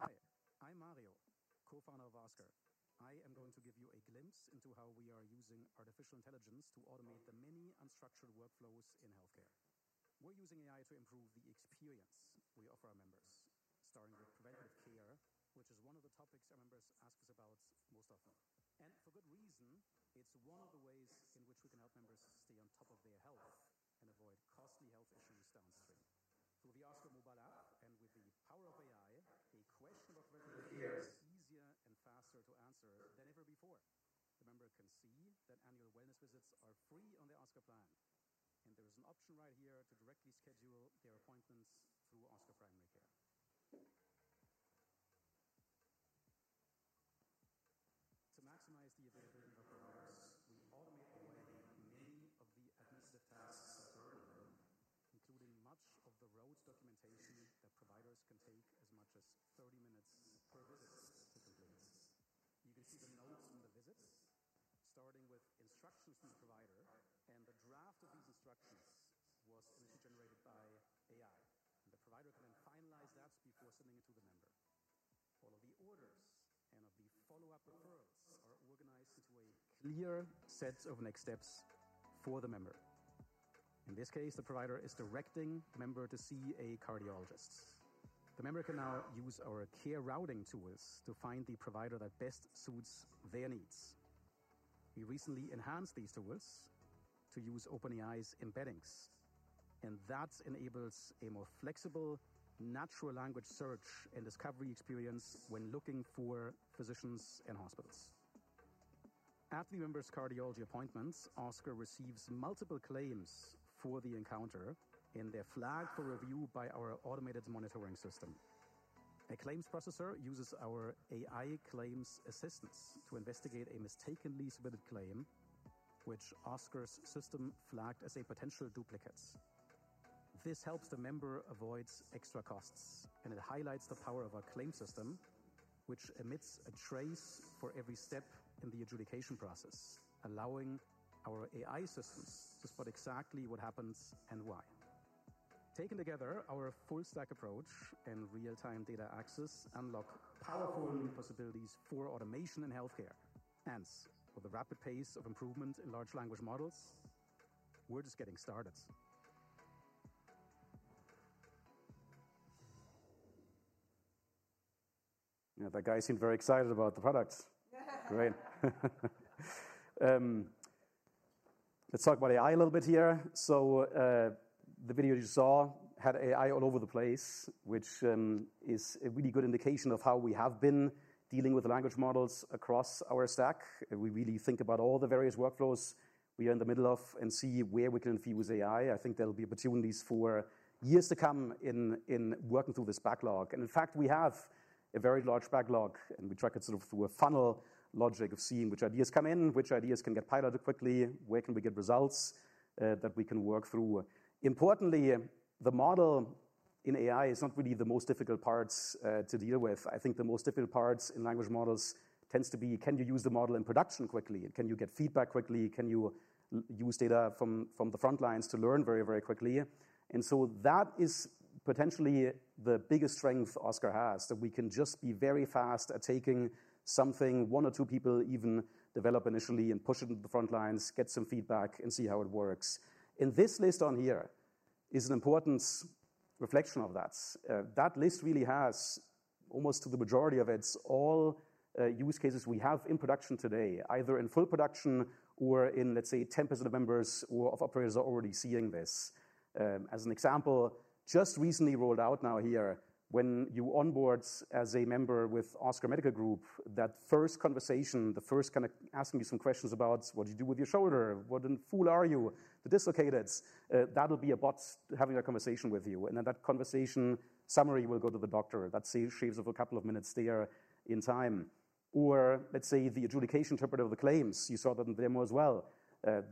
Hi, I'm Mario, co-founder of Oscar. I am going to give you a glimpse into how we are using artificial intelligence to automate the many unstructured workflows in healthcare. We're using AI to improve the experience we offer our members, starting with preventive care, which is one of the topics our members ask us about most often, and for good reason. It's one of the ways in which we can help members stay on top of their health and avoid costly health issues downstream. Through the Oscar mobile app and with the power of AI, a question about preventive care is easier and faster to answer than ever before. The member can see that annual wellness visits are free on the Oscar plan, and there is an option right here to directly schedule their appointments through Oscar primary care. To maximize the availability of providers, we automate away many of the administrative tasks of billing, including much of the notes documentation that providers can take as much as 30 minutes per visit to complete. You can see the notes from the visits, starting with instructions from the provider, and the draft of these instructions was generated by AI, and the provider can then finalize that before sending it to the member. All of the orders and the follow-up referrals are organized into a clear set of next steps for the member. In this case, the provider is directing the member to see a cardiologist. The member can now use our care routing tools to find the provider that best suits their needs. We recently enhanced these tools to use OpenAI's embeddings, and that enables a more flexible, natural language search and discovery experience when looking for physicians and hospitals. At the member's cardiology appointments, Oscar receives multiple claims for the encounter, and they're flagged for review by our automated monitoring system. A claims processor uses our AI claims assistance to investigate a mistakenly submitted claim, which Oscar's system flagged as a potential duplicate. This helps the member avoid extra costs, and it highlights the power of our claim system, which emits a trace for every step in the adjudication process, allowing our AI systems to spot exactly what happens and why. Taken together, our full stack approach and real-time data access unlock powerful new possibilities for automation in healthcare. Hence, with the rapid pace of improvement in large language models, we're just getting started. Yeah, that guy seemed very excited about the product. Great. Let's talk about AI a little bit here. So, the video you saw had AI all over the place, which is a really good indication of how we have been dealing with the language models across our stack. We really think about all the various workflows we are in the middle of and see where we can infuse AI. I think there'll be opportunities for years to come in working through this backlog. In fact, we have a very large backlog, and we track it sort of through a funnel logic of seeing which ideas come in, which ideas can get piloted quickly, where can we get results that we can work through. Importantly, the model in AI is not really the most difficult parts to deal with. I think the most difficult parts in language models tends to be: Can you use the model in production quickly? Can you get feedback quickly? Can you use data from the front lines to learn very, very quickly? And so that is potentially the biggest strength Oscar has, that we can just be very fast at taking something one or two people even develop initially and push it into the front lines, get some feedback, and see how it works. This list on here is an important reflection of that. That list really has, almost to the majority of it, all, use cases we have in production today, either in full production or in, let's say, 10% of members or of operators are already seeing this. As an example, just recently rolled out now here, when you onboard as a member with Oscar Medical Group, that first conversation, the first kinda asking you some questions about: What do you do with your shoulder? What kind of flu are you? The dislocated. That'll be a bot having a conversation with you, and then that conversation summary will go to the doctor. That shaves off a couple of minutes there in time. Or let's say the adjudication interpreter of the claims. You saw that in the demo as well.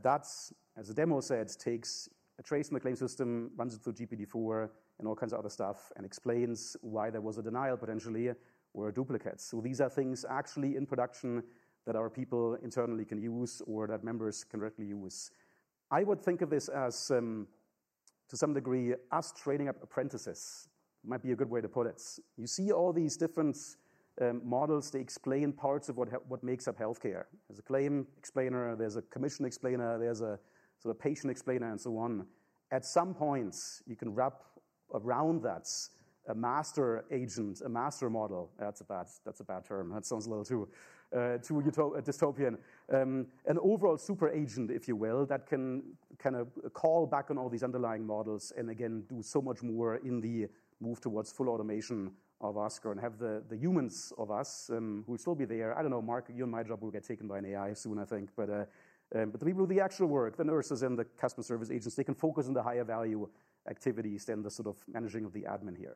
That's, as the demo said, takes a trace in the claim system, runs it through GPT-4 and all kinds of other stuff, and explains why there was a denial, potentially, or a duplicate. So these are things actually in production that our people internally can use or that members can directly use. I would think of this as, to some degree, us training up apprentices might be a good way to put it. You see all these different models. They explain parts of what makes up healthcare. There's a claim explainer, there's a commission explainer, there's a sort of patient explainer, and so on. At some point, you can wrap around that a master agent, a master model. That's a bad term. That sounds a little too utopian-dystopian. An overall super agent, if you will, that can kinda call back on all these underlying models and again, do so much more in the move towards full automation of Oscar and have the humans of us, who will still be there. I don't know, Mark, you and my job will get taken by an AI soon, I think. But the people who do the actual work, the nurses and the customer service agents, they can focus on the higher value activities than the sort of managing of the admin here.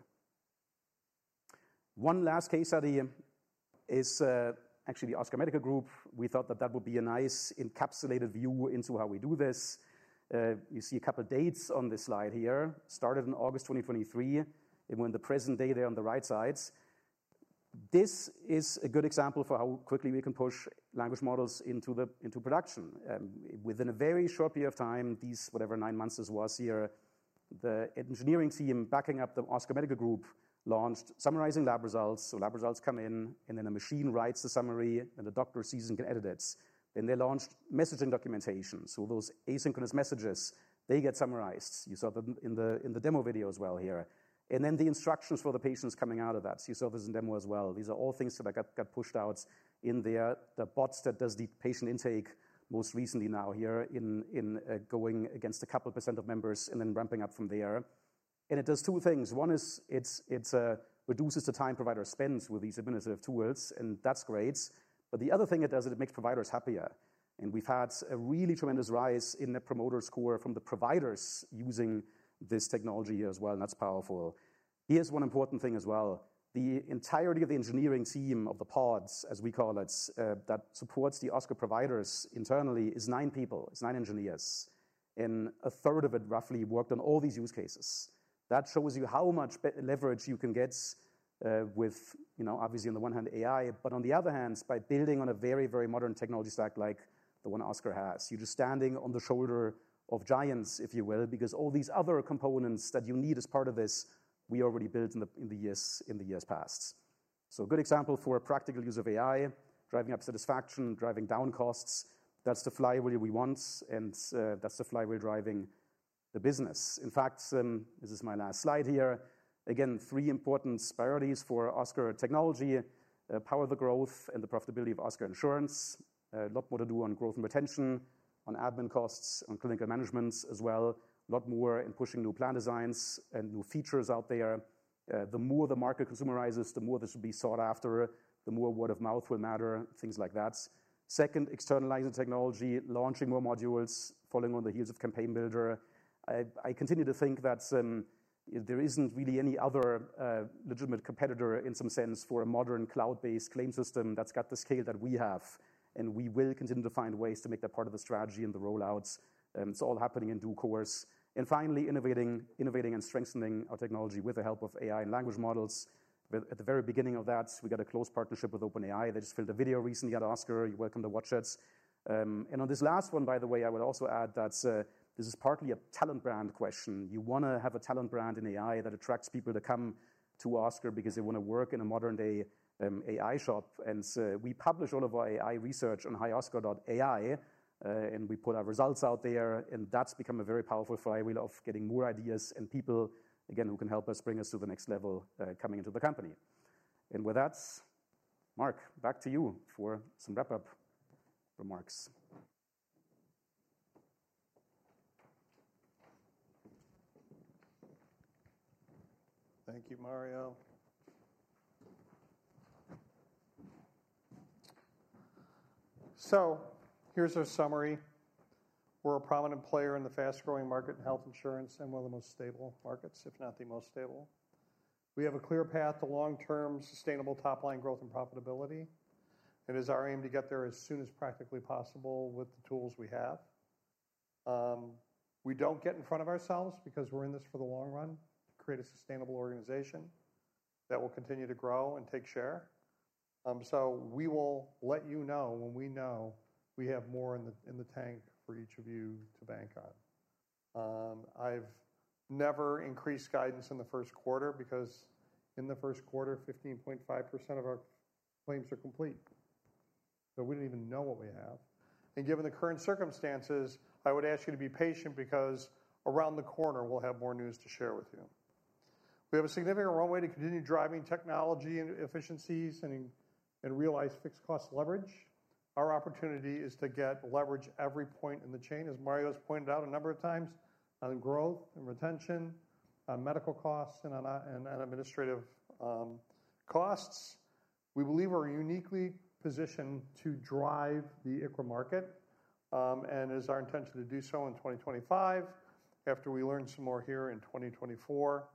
One last case study is actually the Oscar Medical Group. We thought that that would be a nice encapsulated view into how we do this. You see a couple dates on this slide here, started in August 2023, and when the present day there on the right sides. This is a good example for how quickly we can push language models into production. Within a very short period of time, these nine months this was here, the engineering team backing up the Oscar Medical Group launched summarizing lab results. So lab results come in, and then a machine writes the summary, and the doctor sees and can edit it. Then they launched messaging documentation. So those asynchronous messages, they get summarized. You saw them in the demo video as well here. And then the instructions for the patients coming out of that. You saw this in demo as well. These are all things that got pushed out in there. The bots that does the patient intake most recently now here in going against a couple % of members and then ramping up from there. And it does 2 things. One is, it reduces the time provider spends with these administrative tools, and that's great. But the other thing it does is it makes providers happier. And we've had a really tremendous rise in the promoter score from the providers using this technology here as well, and that's powerful. Here's one important thing as well. The entirety of the engineering team of the pods, as we call it, that supports the Oscar providers internally, is 9 people. It's 9 engineers, and a third of it roughly worked on all these use cases. That shows you how much big leverage you can get, with, you know, obviously on the one hand, AI, but on the other hand, by building on a very, very modern technology stack like the one Oscar has. You're just standing on the shoulder of giants, if you will, because all these other components that you need as part of this, we already built in the years past. So a good example for a practical use of AI, driving up satisfaction, driving down costs. That's the flywheel we want, and, that's the flywheel driving the business. In fact, this is my last slide here. Again, three important priorities for Oscar Technology, power the growth and the profitability of Oscar Insurance. A lot more to do on growth and retention, on admin costs, on clinical management as well. A lot more in pushing new plan designs and new features out there. The more the market consumerizes, the more this will be sought after, the more word of mouth will matter, things like that. Second, externalizing technology, launching more modules, following on the heels of Campaign Builder. I, I continue to think that, there isn't really any other, legitimate competitor in some sense, for a modern cloud-based claim system that's got the scale that we have, and we will continue to find ways to make that part of the strategy and the rollouts, it's all happening in due course. And finally, innovating, innovating and strengthening our technology with the help of AI and language models. With at the very beginning of that, we got a close partnership with OpenAI. They just filmed a video recently at Oscar. You're welcome to watch it. And on this last one, by the way, I would also add that, this is partly a talent brand question. You want to have a talent brand in AI that attracts people to come to Oscar because they want to work in a modern-day, AI shop. And so we publish all of our AI research on hioscar.ai, and we put our results out there, and that's become a very powerful flywheel of getting more ideas and people, again, who can help us bring us to the next level, coming into the company. And with that, Mark, back to you for some wrap-up remarks. Thank you, Mario. Here's our summary. We're a prominent player in the fast-growing market in health insurance and one of the most stable markets, if not the most stable. We have a clear path to long-term, sustainable top-line growth and profitability. It is our aim to get there as soon as practically possible with the tools we have. We don't get in front of ourselves because we're in this for the long run, to create a sustainable organization that will continue to grow and take share. We will let you know when we know we have more in the tank for each of you to bank on. I've never increased guidance in the Q1 because in the Q1, 15.5% of our claims are complete, so we don't even know what we have. Given the current circumstances, I would ask you to be patient because around the corner, we'll have more news to share with you. We have a significant runway to continue driving technology and efficiencies and realize fixed cost leverage. Our opportunity is to get leverage every point in the chain, as Mario has pointed out a number of times, on growth and retention, on medical costs, and on administrative costs. We believe we're uniquely positioned to drive the ICHRA market, and it is our intention to do so in 2025, after we learn some more here in 2024.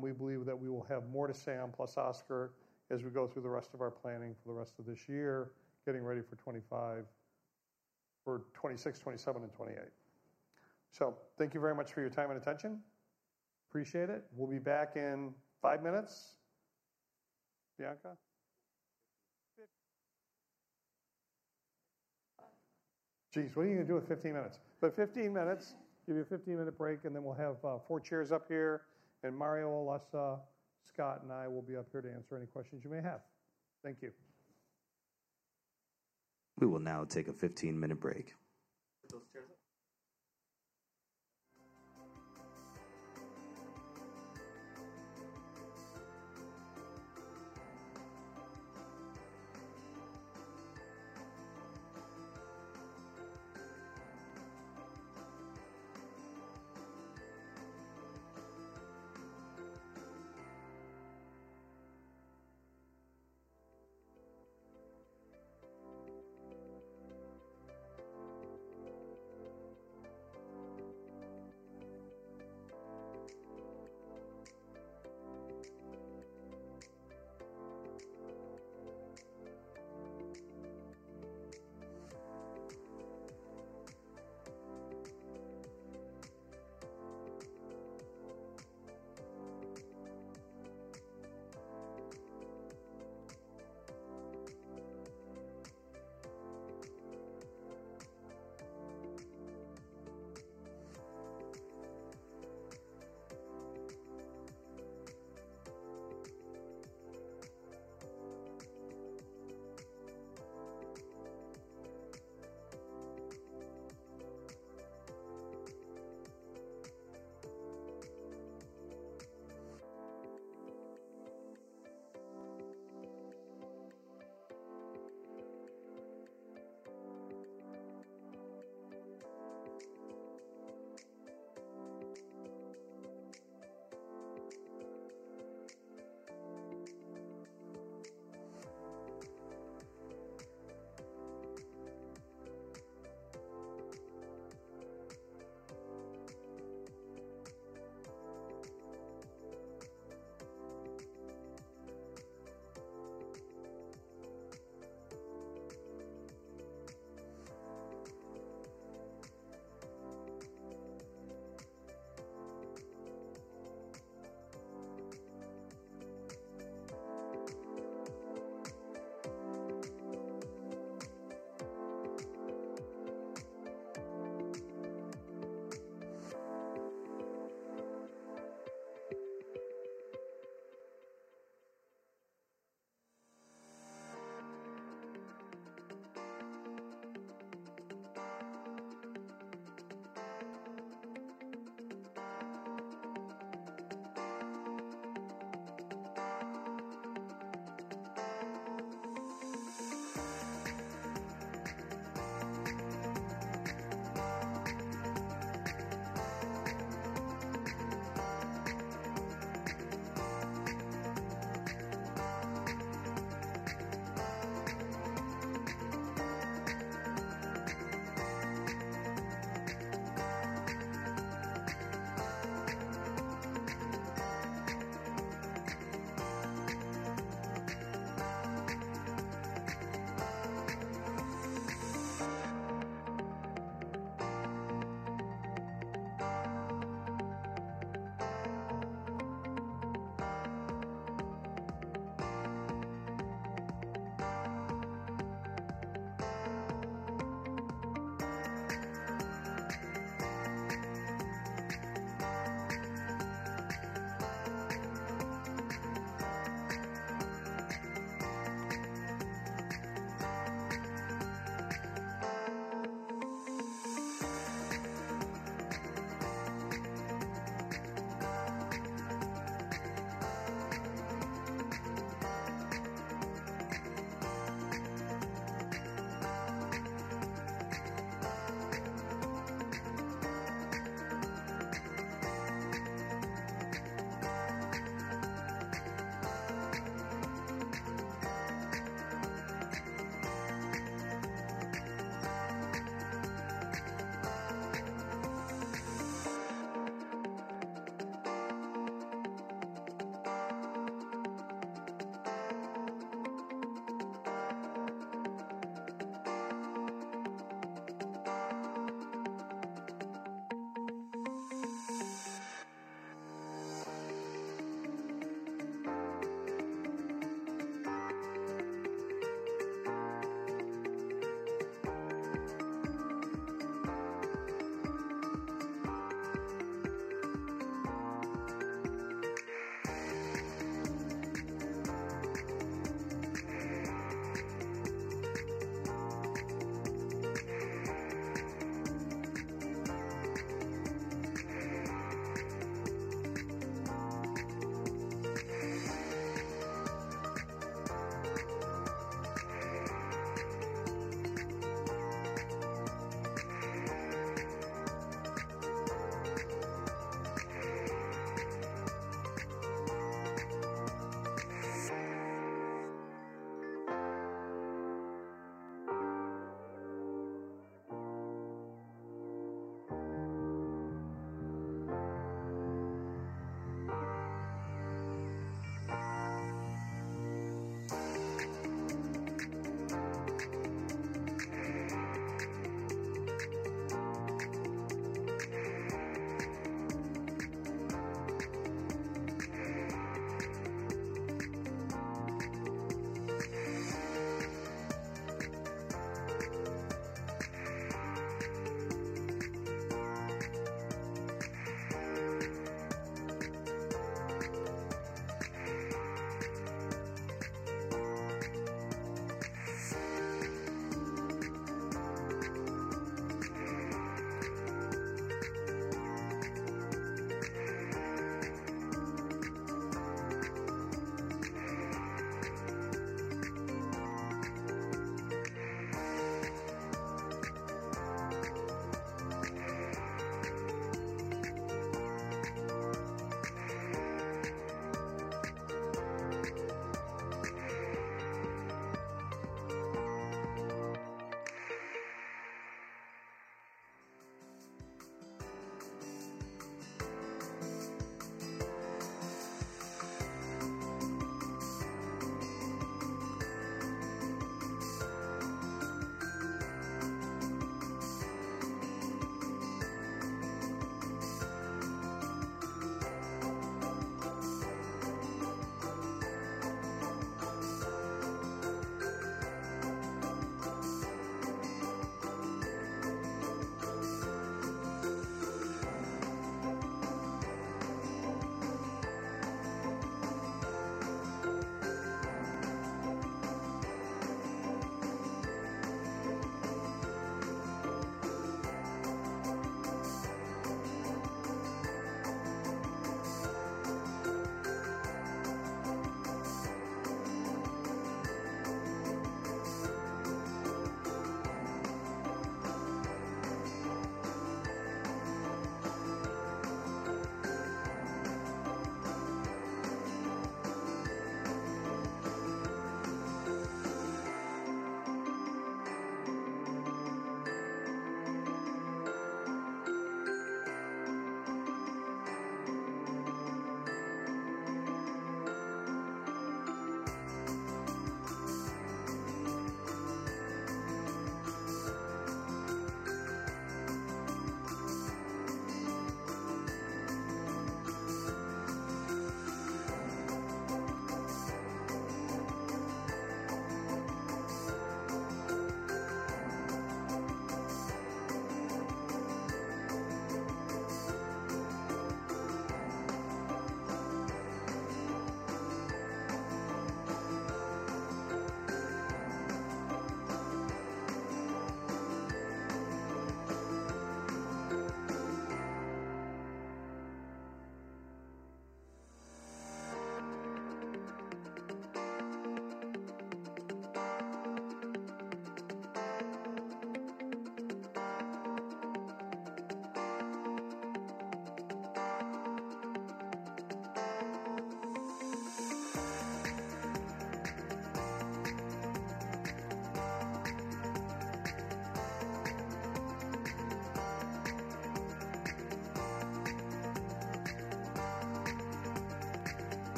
We believe that we will have more to say on +Oscar as we go through the rest of our planning for the rest of this year, getting ready for 2025... for 2026, 2027, and 2028. So thank you very much for your time and attention. Appreciate it. We'll be back in five minutes. Bianca? Geez, what are you gonna do with 15 minutes? But 15 minutes. Give you a 15-minute break, and then we'll have four chairs up here, and Mario, Alessa, Scott, and I will be up here to answer any questions you may have. Thank you. We will now take a 15-minute break.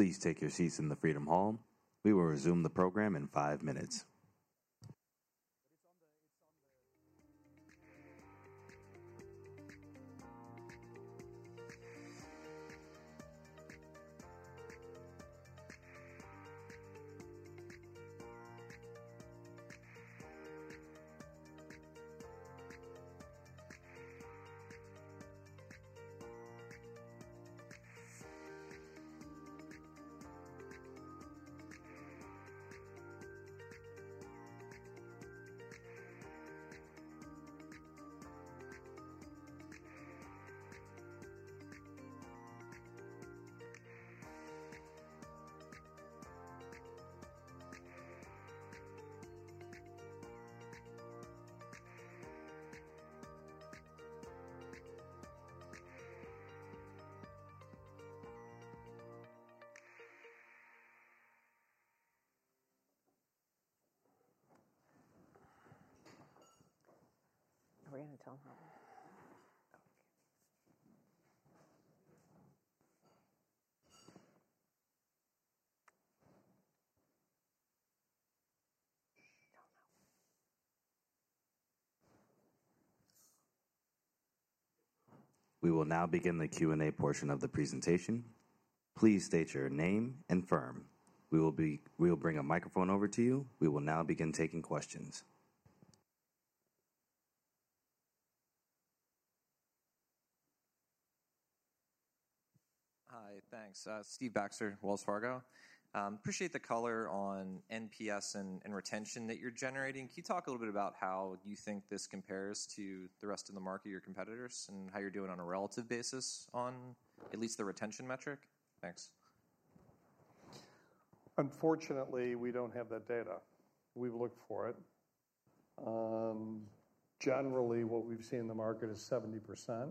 Put those chairs up. Please take your seats in the Freedom Hall. We will resume the program in five minutes. Are we gonna tell them? Oh, okay. I don't know. We will now begin the Q&A portion of the presentation. Please state your name and firm. We will bring a microphone over to you. We will now begin taking questions. Hi, thanks. Steve Baxter, Wells Fargo. Appreciate the color on NPS and, and retention that you're generating. Can you talk a little bit about how you think this compares to the rest of the market, your competitors, and how you're doing on a relative basis on at least the retention metric? Thanks. Unfortunately, we don't have that data. We've looked for it. Generally, what we've seen in the market is 70%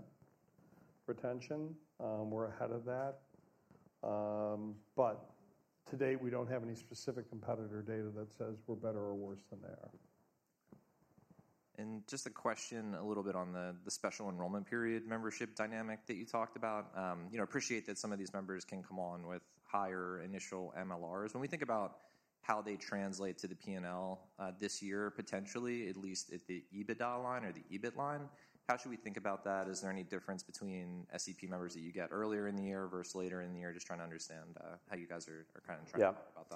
retention. We're ahead of that. But to date, we don't have any specific competitor data that says we're better or worse than they are. Just a question, a little bit on the special enrollment period membership dynamic that you talked about. You know, appreciate that some of these members can come on with higher initial MLRs. When we think about how they translate to the P&L, this year, potentially, at least at the EBITDA line or the EBIT line, how should we think about that? Is there any difference between SEP members that you get earlier in the year versus later in the year? Just trying to understand how you guys are kind of tracking- Yeah. about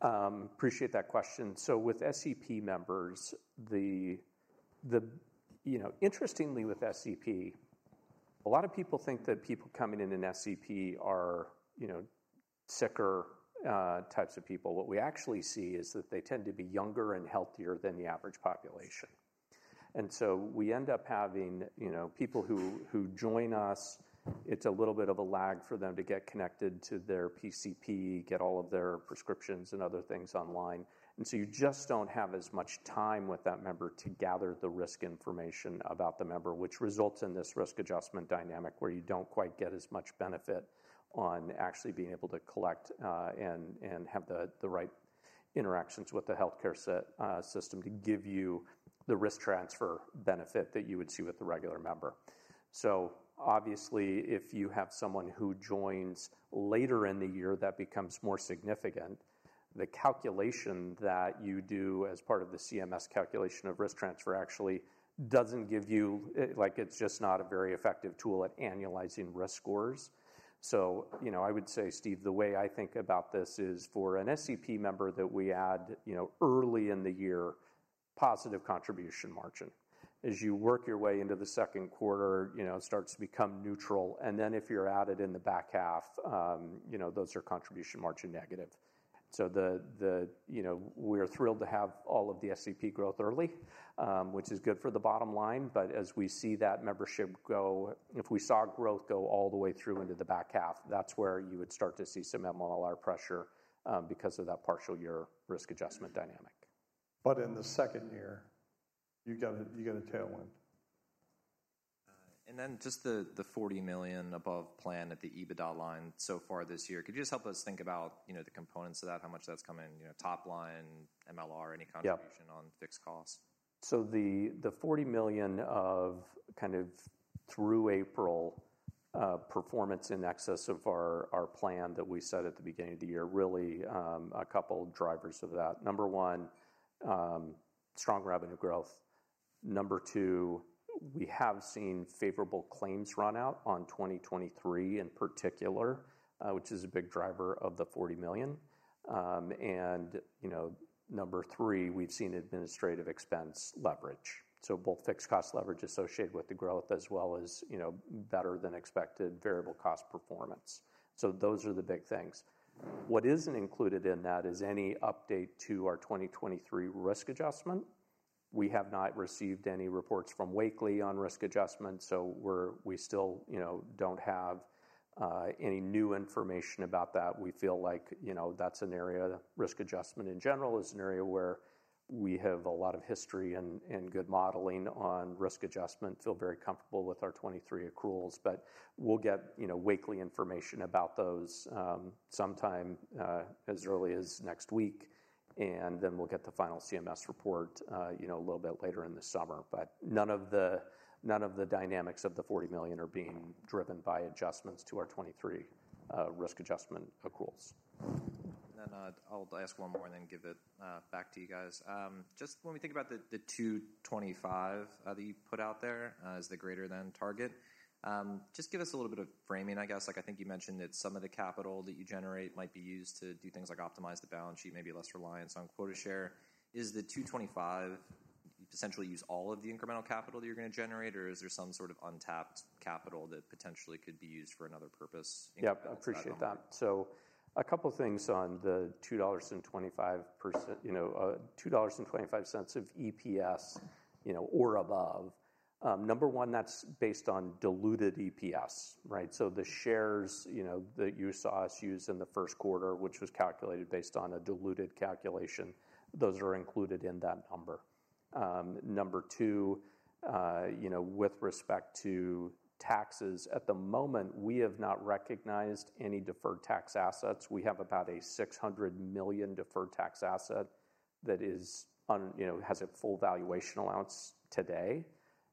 that. Appreciate that question. So with SEP members, you know, interestingly, with SEP, a lot of people think that people coming in an SEP are, you know, sicker types of people. What we actually see is that they tend to be younger and healthier than the average population. And so we end up having, you know, people who join us, it's a little bit of a lag for them to get connected to their PCP, get all of their prescriptions and other things online. You just don't have as much time with that member to gather the risk information about the member, which results in this risk adjustment dynamic, where you don't quite get as much benefit on actually being able to collect, and have the right interactions with the healthcare system to give you the risk transfer benefit that you would see with a regular member. So obviously, if you have someone who joins later in the year, that becomes more significant. The calculation that you do as part of the CMS calculation of risk transfer actually doesn't give you... Like, it's just not a very effective tool at annualizing risk scores. So, you know, I would say, Steve, the way I think about this is for an SEP member that we add, you know, early in the year, positive contribution margin. As you work your way into the Q2, you know, it starts to become neutral, and then if you're added in the back half, you know, those are contribution margin negative. So the, you know, we're thrilled to have all of the SEP growth early, which is good for the bottom line, but as we see that membership go, if we saw growth go all the way through into the back half, that's where you would start to see some MLR pressure, because of that partial year risk adjustment dynamic. But in the second year, you get a tailwind. And then just the $40 million above plan at the EBITDA line so far this year. Could you just help us think about, you know, the components of that, how much that's coming, you know, top line, MLR, any contribution- Yeah... on fixed costs? So the $40 million through April performance in excess of our plan that we set at the beginning of the year, really, a couple drivers of that. Number one, strong revenue growth. Number two, we have seen favorable claims run out on 2023 in particular, which is a big driver of the $40 million. And, you know, number three, we've seen administrative expense leverage, so both fixed cost leverage associated with the growth as well as, you know, better than expected variable cost performance. So those are the big things. What isn't included in that is any update to our 2023 risk adjustment. We have not received any reports from Wakely on risk adjustment, so we still, you know, don't have any new information about that. We feel like, you know, that's an area, risk adjustment, in general, is an area where we have a lot of history and good modeling on risk adjustment, feel very comfortable with our 2023 accruals. But we'll get, you know, weekly information about those sometime as early as next week, and then we'll get the final CMS report, you know, a little bit later in the summer. But none of the dynamics of the $40 million are being driven by adjustments to our 2023 risk adjustment accruals. Then, I'll ask one more and then give it back to you guys. Just when we think about the $2.25 that you put out there as the greater than target, just give us a little bit of framing, I guess. Like, I think you mentioned that some of the capital that you generate might be used to do things like optimize the balance sheet, maybe less reliance on quota share. Is the $2.25 essentially use all of the incremental capital that you're going to generate, or is there some sort of untapped capital that potentially could be used for another purpose? Yeah, appreciate that. So a couple things on the $2 and 25%, you know, $2.25 of EPS, you know, or above. Number one, that's based on diluted EPS, right? So the shares, you know, that you saw us use in the Q1, which was calculated based on a diluted calculation, those are included in that number. Number two, you know, with respect to taxes, at the moment, we have not recognized any deferred tax assets. We have about a $600 million deferred tax asset that... You know, has a full valuation allowance today.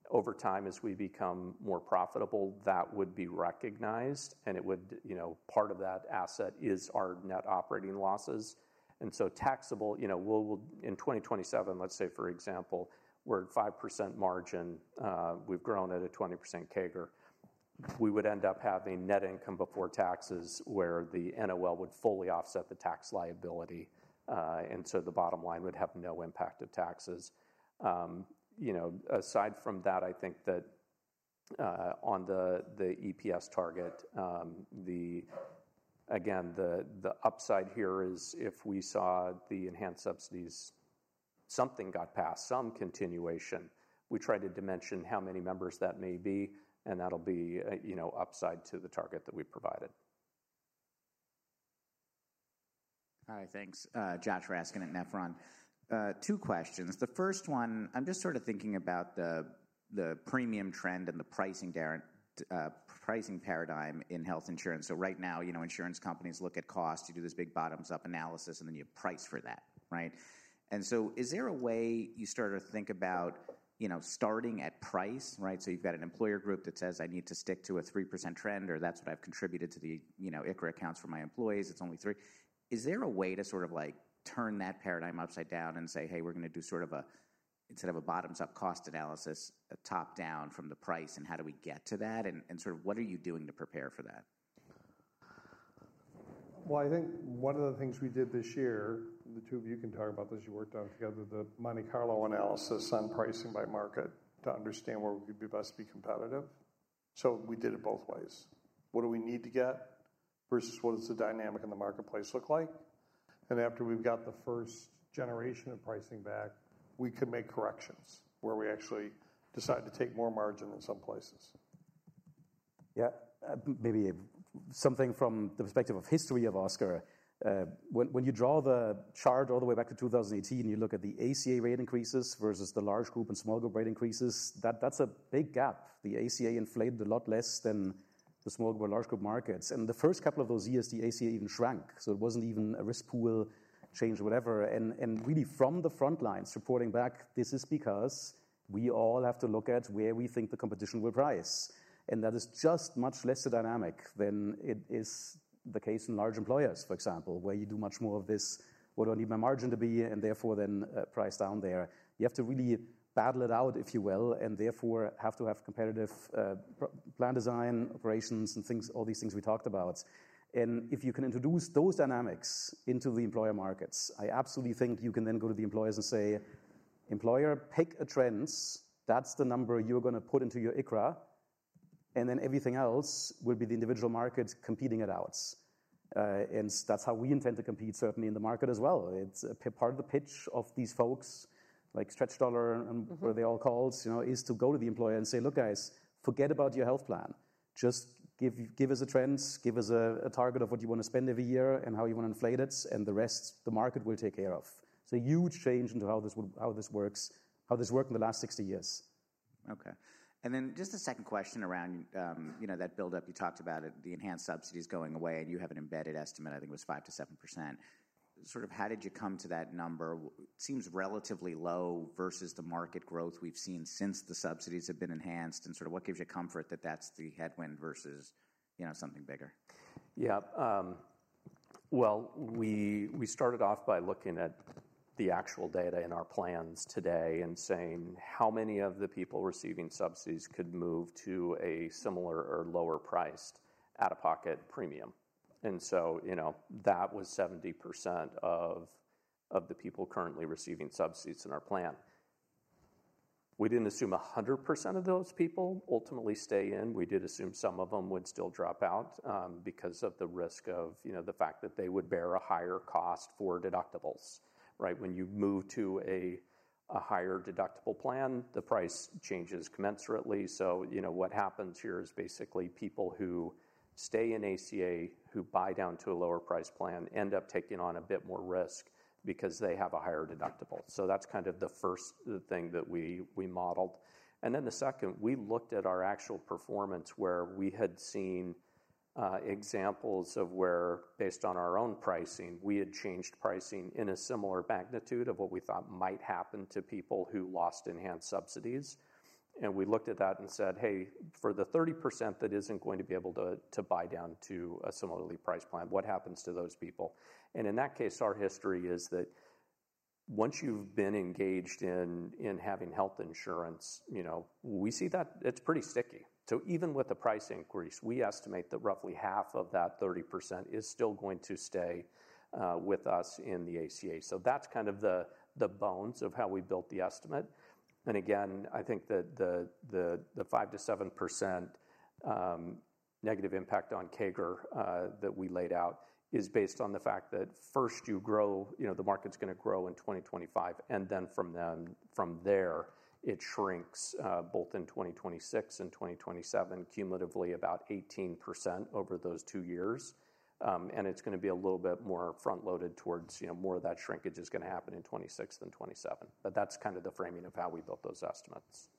Over time, as we become more profitable, that would be recognized, and it would, you know, part of that asset is our net operating losses, and so taxable, you know, we'll in 2027, let's say, for example, we're at 5% margin, we've grown at a 20% CAGR. We would end up having net income before taxes, where the NOL would fully offset the tax liability, and so the bottom line would have no impact of taxes. You know, aside from that, I think that on the EPS target, again, the upside here is if we saw the enhanced subsidies, something got passed, some continuation. We tried to dimension how many members that may be, and that'll be, you know, upside to the target that we provided. Hi, thanks. Josh Raskin at Nephron. Two questions. The first one, I'm just sort of thinking about the premium trend and the pricing paradigm in health insurance. So right now, you know, insurance companies look at cost. You do this big bottoms-up analysis, and then you price for that, right? And so is there a way you start to think about, you know, starting at price, right? So you've got an employer group that says, "I need to stick to a 3% trend, or that's what I've contributed to the, you know, ICHRA accounts for my employees. It's only three." Is there a way to sort of, like, turn that paradigm upside down and say, "Hey, we're going to do sort of a, instead of a bottoms-up cost analysis, a top-down from the price, and how do we get to that?" And sort of what are you doing to prepare for that? Well, I think one of the things we did this year, the two of you can talk about this, you worked on it together, the Monte Carlo analysis on pricing by market to understand where we'd be best to be competitive. We did it both ways. What do we need to get versus what does the dynamic in the marketplace look like? After we've got the first generation of pricing back, we can make corrections, where we actually decide to take more margin in some places. Yeah, maybe something from the perspective of history of Oscar. When you draw the chart all the way back to 2018, you look at the ACA rate increases versus the large group and small group rate increases, that's a big gap. The ACA inflated a lot less than the small group and large group markets. And the first couple of those years, the ACA even shrank, so it wasn't even a risk pool change, whatever. And really from the front lines reporting back, this is because we all have to look at where we think the competition will rise, and that is just much less a dynamic than it is the case in large employers, for example, where you do much more of this, "What do I need my margin to be?" And therefore, then, price down there. You have to really battle it out, if you will, and therefore, have to have competitive plan design, operations, and things, all these things we talked about. And if you can introduce those dynamics into the employer markets, I absolutely think you can then go to the employers and say, "Employer, pick a trends. That's the number you're going to put into your ICHRA, and then everything else will be the individual markets competing it out." And that's how we intend to compete, certainly in the market as well. It's a part of the pitch of these folks, like StretchDollar and whatever they all called, you know, is to go to the employer and say, "Look, guys, forget about your health plan. Just give us a trend, give us a target of what you want to spend every year and how you want to inflate it, and the rest, the market will take care of." It's a huge change in how this works, how this worked in the last 60 years. Okay, and then just a second question around, you know, that buildup you talked about it, the enhanced subsidies going away, and you have an embedded estimate, I think it was 5%-7%.... sort of how did you come to that number? It seems relatively low versus the market growth we've seen since the subsidies have been enhanced, and sort of what gives you comfort that that's the headwind versus, you know, something bigger? Yeah, well, we started off by looking at the actual data in our plans today and saying, "How many of the people receiving subsidies could move to a similar or lower priced out-of-pocket premium?" And so, you know, that was 70% of the people currently receiving subsidies in our plan. We didn't assume 100% of those people ultimately stay in. We did assume some of them would still drop out because of the risk of, you know, the fact that they would bear a higher cost for deductibles, right? When you move to a higher deductible plan, the price changes commensurately. So, you know, what happens here is basically people who stay in ACA, who buy down to a lower price plan, end up taking on a bit more risk because they have a higher deductible. So that's kind of the first thing that we, we modeled. And then the second, we looked at our actual performance, where we had seen examples of where, based on our own pricing, we had changed pricing in a similar magnitude of what we thought might happen to people who lost enhanced subsidies. And we looked at that and said, "Hey, for the 30% that isn't going to be able to, to buy down to a similarly priced plan, what happens to those people?" And in that case, our history is that once you've been engaged in, in having health insurance, you know, we see that it's pretty sticky. So even with the price increase, we estimate that roughly half of that 30% is still going to stay with us in the ACA. So that's kind of the bones of how we built the estimate. And again, I think that the five to seven percent negative impact on CAGR that we laid out is based on the fact that first you grow... You know, the market's gonna grow in 2025, and then from there, it shrinks both in 2026 and 2027, cumulatively about 18% over those two years. And it's gonna be a little bit more front-loaded towards, you know, more of that shrinkage is gonna happen in 2026 than 2027. But that's kind of the framing of how we built those estimates.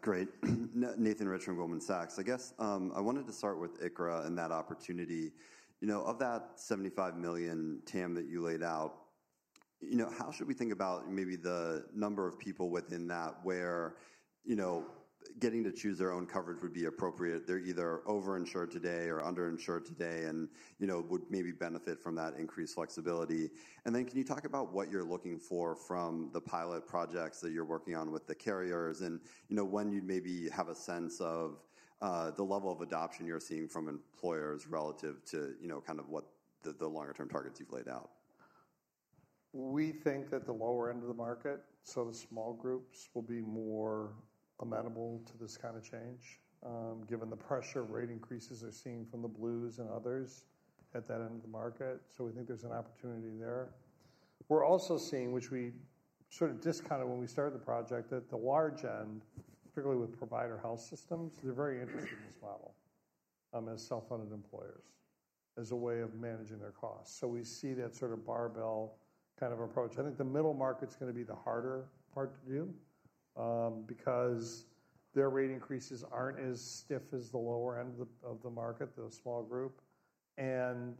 Great. Nathan Rich from Goldman Sachs. I guess, I wanted to start with ICHRA and that opportunity. You know, of that 75 million, Tim, that you laid out, you know, how should we think about maybe the number of people within that where, you know, getting to choose their own coverage would be appropriate? They're either over-insured today or under-insured today, and, you know, would maybe benefit from that increased flexibility. And then can you talk about what you're looking for from the pilot projects that you're working on with the carriers and, you know, when you'd maybe have a sense of the level of adoption you're seeing from employers relative to, you know, kind of what the longer term targets you've laid out? We think that the lower end of the market, so the small groups, will be more amenable to this kind of change, given the pressure rate increases they're seeing from the Blues and others at that end of the market. So we think there's an opportunity there. We're also seeing, which we sort of discounted when we started the project, that the large end, particularly with provider health systems, they're very interested in this model, as self-funded employers, as a way of managing their costs. So we see that sort of barbell kind of approach. I think the middle market's gonna be the harder part to do, because their rate increases aren't as stiff as the lower end of the market, the small group, and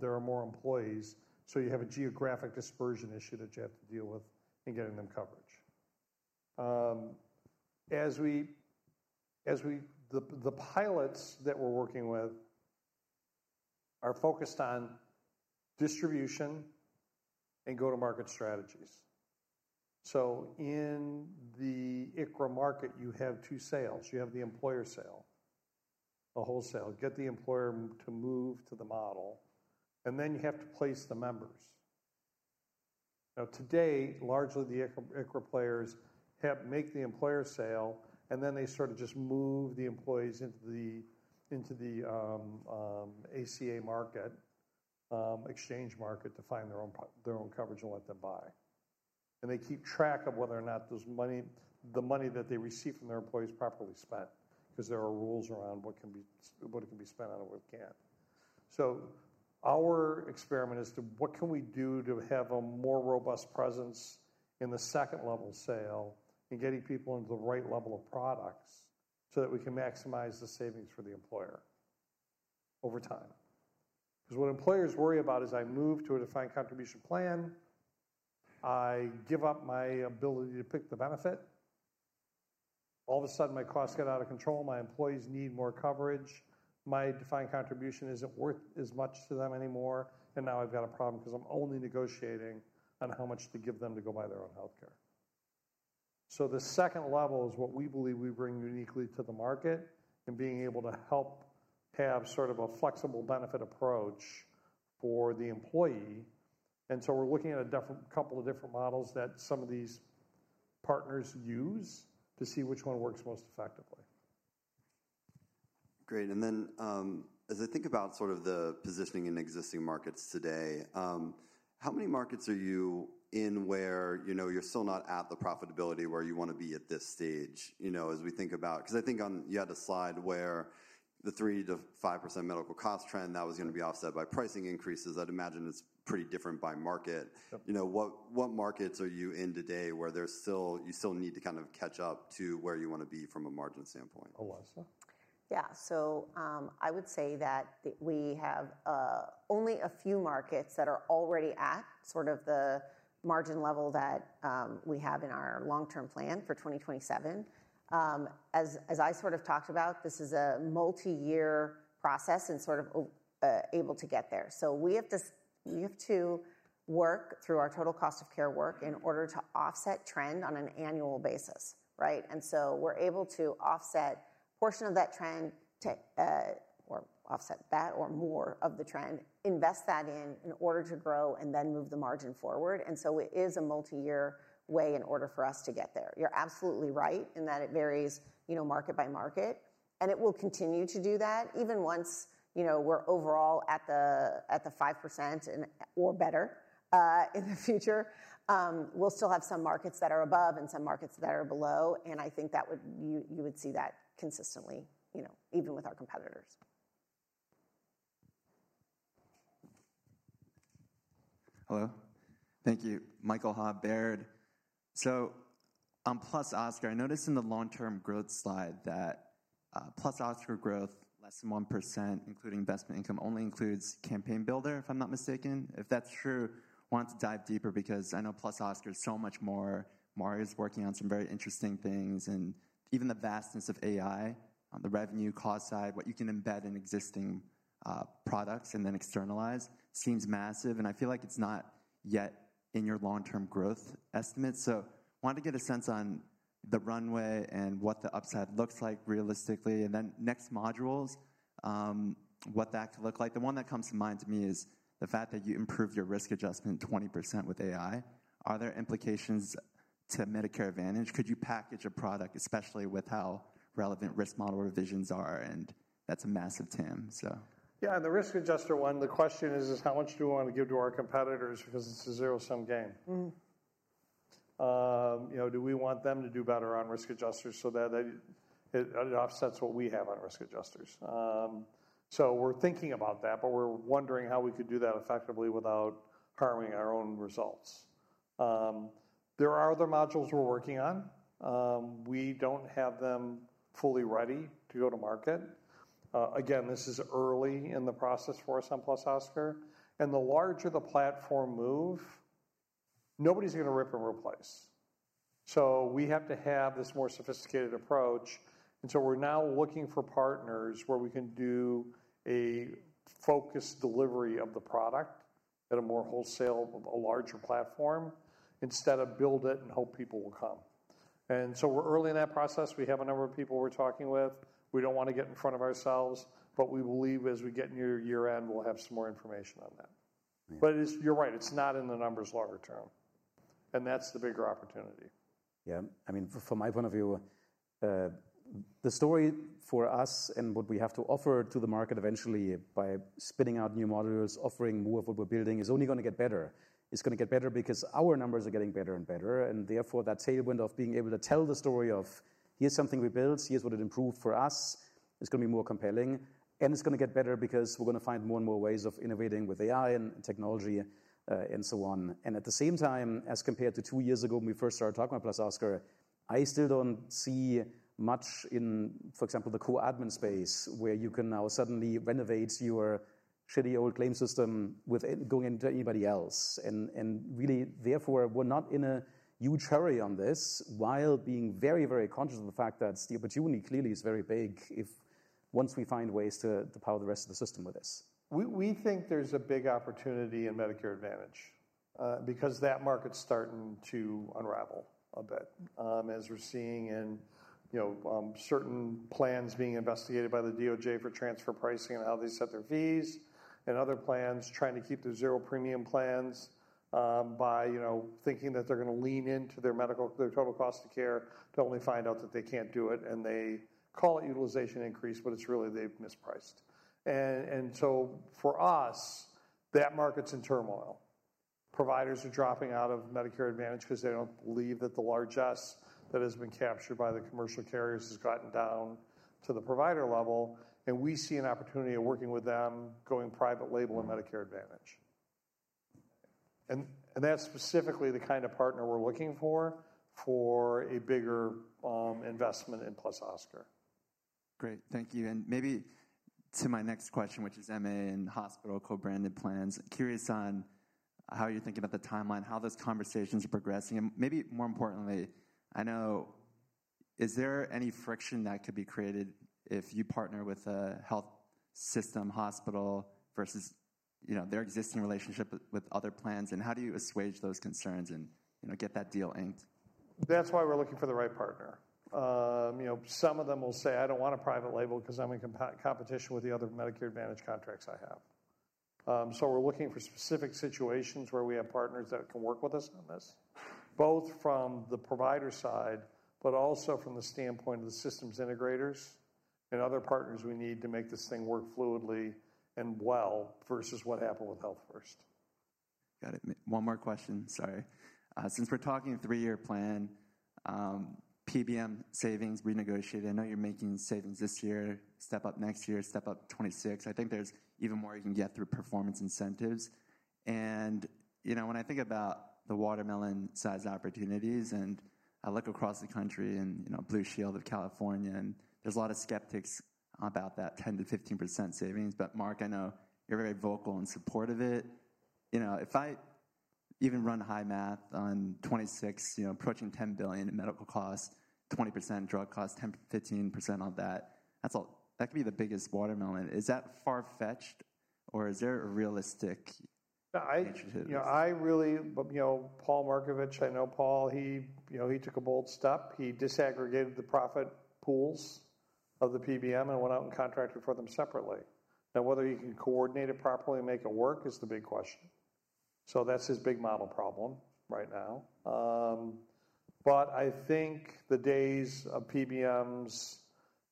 there are more employees. So you have a geographic dispersion issue that you have to deal with in getting them coverage. The pilots that we're working with are focused on distribution and go-to-market strategies. So in the ICHRA market, you have two sales. You have the employer sale, the wholesale, get the employer to move to the model, and then you have to place the members. Now, today, largely the ICHRA players have make the employer sale, and then they sort of just move the employees into the ACA market, exchange market to find their own coverage and let them buy. And they keep track of whether or not the money that they receive from their employees is properly spent, because there are rules around what can be spent on it, what can't. So our experiment is to, what can we do to have a more robust presence in the second-level sale and getting people into the right level of products so that we can maximize the savings for the employer over time? Because what employers worry about is, I move to a defined contribution plan, I give up my ability to pick the benefit. All of a sudden, my costs get out of control, my employees need more coverage, my defined contribution isn't worth as much to them anymore, and now I've got a problem because I'm only negotiating on how much to give them to go buy their own healthcare. So the second level is what we believe we bring uniquely to the market, and being able to help have sort of a flexible benefit approach for the employee. So we're looking at a couple of different models that some of these partners use to see which one works most effectively. Great, and then, as I think about sort of the positioning in existing markets today, how many markets are you in where, you know, you're still not at the profitability where you wanna be at this stage? You know, as we think about... Because I think on, you had a slide where the 3%-5% medical cost trend, that was gonna be offset by pricing increases. I'd imagine it's pretty different by market. Yep. You know, what, what markets are you in today where there's still— you still need to kind of catch up to where you wanna be from a margin standpoint? Alessa? Yeah, so, I would say that the, we have only a few markets that are already at sort of the margin level that we have in our long-term plan for 2027. As I sort of talked about, this is a multi-year process and sort of able to get there. So we have to work through our total cost of care work in order to offset trend on an annual basis, right? And so we're able to offset a portion of that trend or offset that or more of the trend, invest that in order to grow and then move the margin forward. And so it is a multi-year way in order for us to get there. You're absolutely right in that it varies, you know, market by market, and it will continue to do that even once, you know, we're overall at the 5% and or better in the future. We'll still have some markets that are above and some markets that are below, and I think that would, you would see that consistently, you know, even with our competitors. Hello. Thank you. Michael Ha, Baird. So on Plus Oscar, I noticed in the long-term growth slide that, +Oscar growth, less than 1%, including investment income, only includes Campaign Builder, if I'm not mistaken. If that's true, I wanted to dive deeper because I know Plus Oscar is so much more. Mario is working on some very interesting things, and even the vastness of AI on the revenue cost side, what you can embed in existing, products and then externalize, seems massive, and I feel like it's not yet in your long-term growth estimate. So wanted to get a sense on the runway and what the upside looks like realistically, and then next modules, what that could look like. The one that comes to mind to me is the fact that you improved your risk adjustment 20% with AI. Are there implications to Medicare Advantage? Could you package a product, especially with how relevant risk model revisions are? And that's a massive TAM, so. Yeah, the risk adjustment one, the question is how much do we want to give to our competitors because it's a zero-sum game. Mm-hmm. You know, do we want them to do better on risk adjustment so that it offsets what we have on risk adjustment? So we're thinking about that, but we're wondering how we could do that effectively without harming our own results. There are other modules we're working on. We don't have them fully ready to go to market. Again, this is early in the process for us on +Oscar, and the larger the platform move, nobody's going to rip and replace. So we have to have this more sophisticated approach, and so we're now looking for partners where we can do a focused delivery of the product at a more wholesale, a larger platform, instead of build it and hope people will come. And so we're early in that process. We have a number of people we're talking with. We don't want to get in front of ourselves, but we believe as we get nearer year-end, we'll have some more information on that. Mm-hmm. But it's, you're right, it's not in the numbers longer term, and that's the bigger opportunity. Yeah, I mean, from my point of view, the story for us and what we have to offer to the market eventually by spinning out new modules, offering more of what we're building, is only going to get better. It's going to get better because our numbers are getting better and better, and therefore, that tailwind of being able to tell the story of: Here's something we built, here's what it improved for us, is going to be more compelling. And it's going to get better because we're going to find more and more ways of innovating with AI and technology, and so on. At the same time, as compared to two years ago, when we first started talking about +Oscar, I still don't see much in, for example, the core admin space, where you can now suddenly renovate your shitty old claim system with it going into anybody else. And really, therefore, we're not in a huge hurry on this, while being very, very conscious of the fact that the opportunity clearly is very big if once we find ways to power the rest of the system with this. We think there's a big opportunity in Medicare Advantage because that market's starting to unravel a bit, as we're seeing in, you know, certain plans being investigated by the DOJ for transfer pricing and how they set their fees, and other plans trying to keep their zero-premium plans by, you know, thinking that they're going to lean into their medical, their total cost of care, to only find out that they can't do it, and they call it utilization increase, but it's really they've mispriced. So for us, that market's in turmoil. Providers are dropping out of Medicare Advantage because they don't believe that the large spreads that has been captured by the commercial carriers has gotten down to the provider level, and we see an opportunity of working with them, going private label and Medicare Advantage. And that's specifically the kind of partner we're looking for, for a bigger investment in +Oscar. Great. Thank you. Maybe to my next question, which is MA and hospital co-branded plans. Curious on how you're thinking about the timeline, how those conversations are progressing, and maybe more importantly, I know... Is there any friction that could be created if you partner with a health system hospital versus, you know, their existing relationship with, with other plans? And how do you assuage those concerns and, you know, get that deal inked? That's why we're looking for the right partner. You know, some of them will say, "I don't want a private label because I'm in competition with the other Medicare Advantage contracts I have." So we're looking for specific situations where we have partners that can work with us on this, both from the provider side, but also from the standpoint of the systems integrators and other partners we need to make this thing work fluidly and well, versus what happened with Health First. Got it. One more question, sorry. Since we're talking a three-year plan, PBM savings renegotiated, I know you're making savings this year, step up next year, step up 2026. I think there's even more you can get through performance incentives. And you know, when I think about the watermelon-sized opportunities, and I look across the country and, you know, Blue Shield of California, and there's a lot of skeptics about that 10%-15% savings. But Mark, I know you're very vocal in support of it. You know, if I even run high math on 2026, you know, approaching $10 billion in medical costs, 20% drug costs, 10%-15% on that, that's a-- That could be the biggest watermelon. Is that far-fetched, or is there a realistic approach to this? You know, I really, but, you know, Paul Markovich, I know Paul, he, you know, he took a bold step. He disaggregated the profit pools of the PBM and went out and contracted for them separately. Now, whether he can coordinate it properly and make it work is the big question. So that's his big model problem right now. But I think the days of PBMs,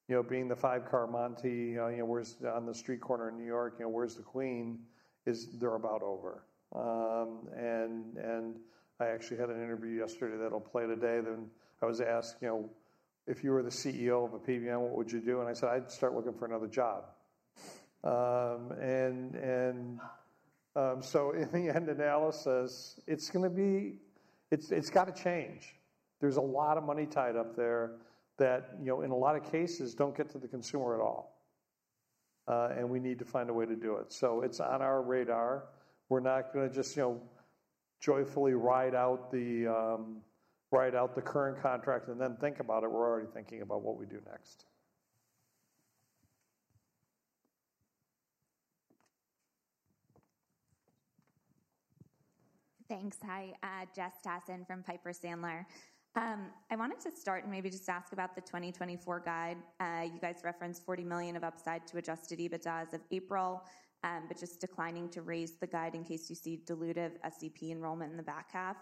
you know, being the five-card Monte, you know, where's on the street corner in New York, you know, "Where's the Queen?" Is they're about over. And I actually had an interview yesterday that'll play today, then I was asked, you know, "If you were the CEO of a PBM, what would you do?" And I said, "I'd start looking for another job." So in the end analysis, it's gonna be... It's, it's gotta change. There's a lot of money tied up there that, you know, in a lot of cases, don't get to the consumer at all, and we need to find a way to do it. So it's on our radar. We're not gonna just, you know, joyfully ride out the current contract and then think about it. We're already thinking about what we do next. Thanks. Hi, Jess Tassin from Piper Sandler. I wanted to start and maybe just ask about the 2024 guide. You guys referenced $40 million of upside to adjusted EBITDA as of April, but just declining to raise the guide in case you see dilutive SEP enrollment in the back half.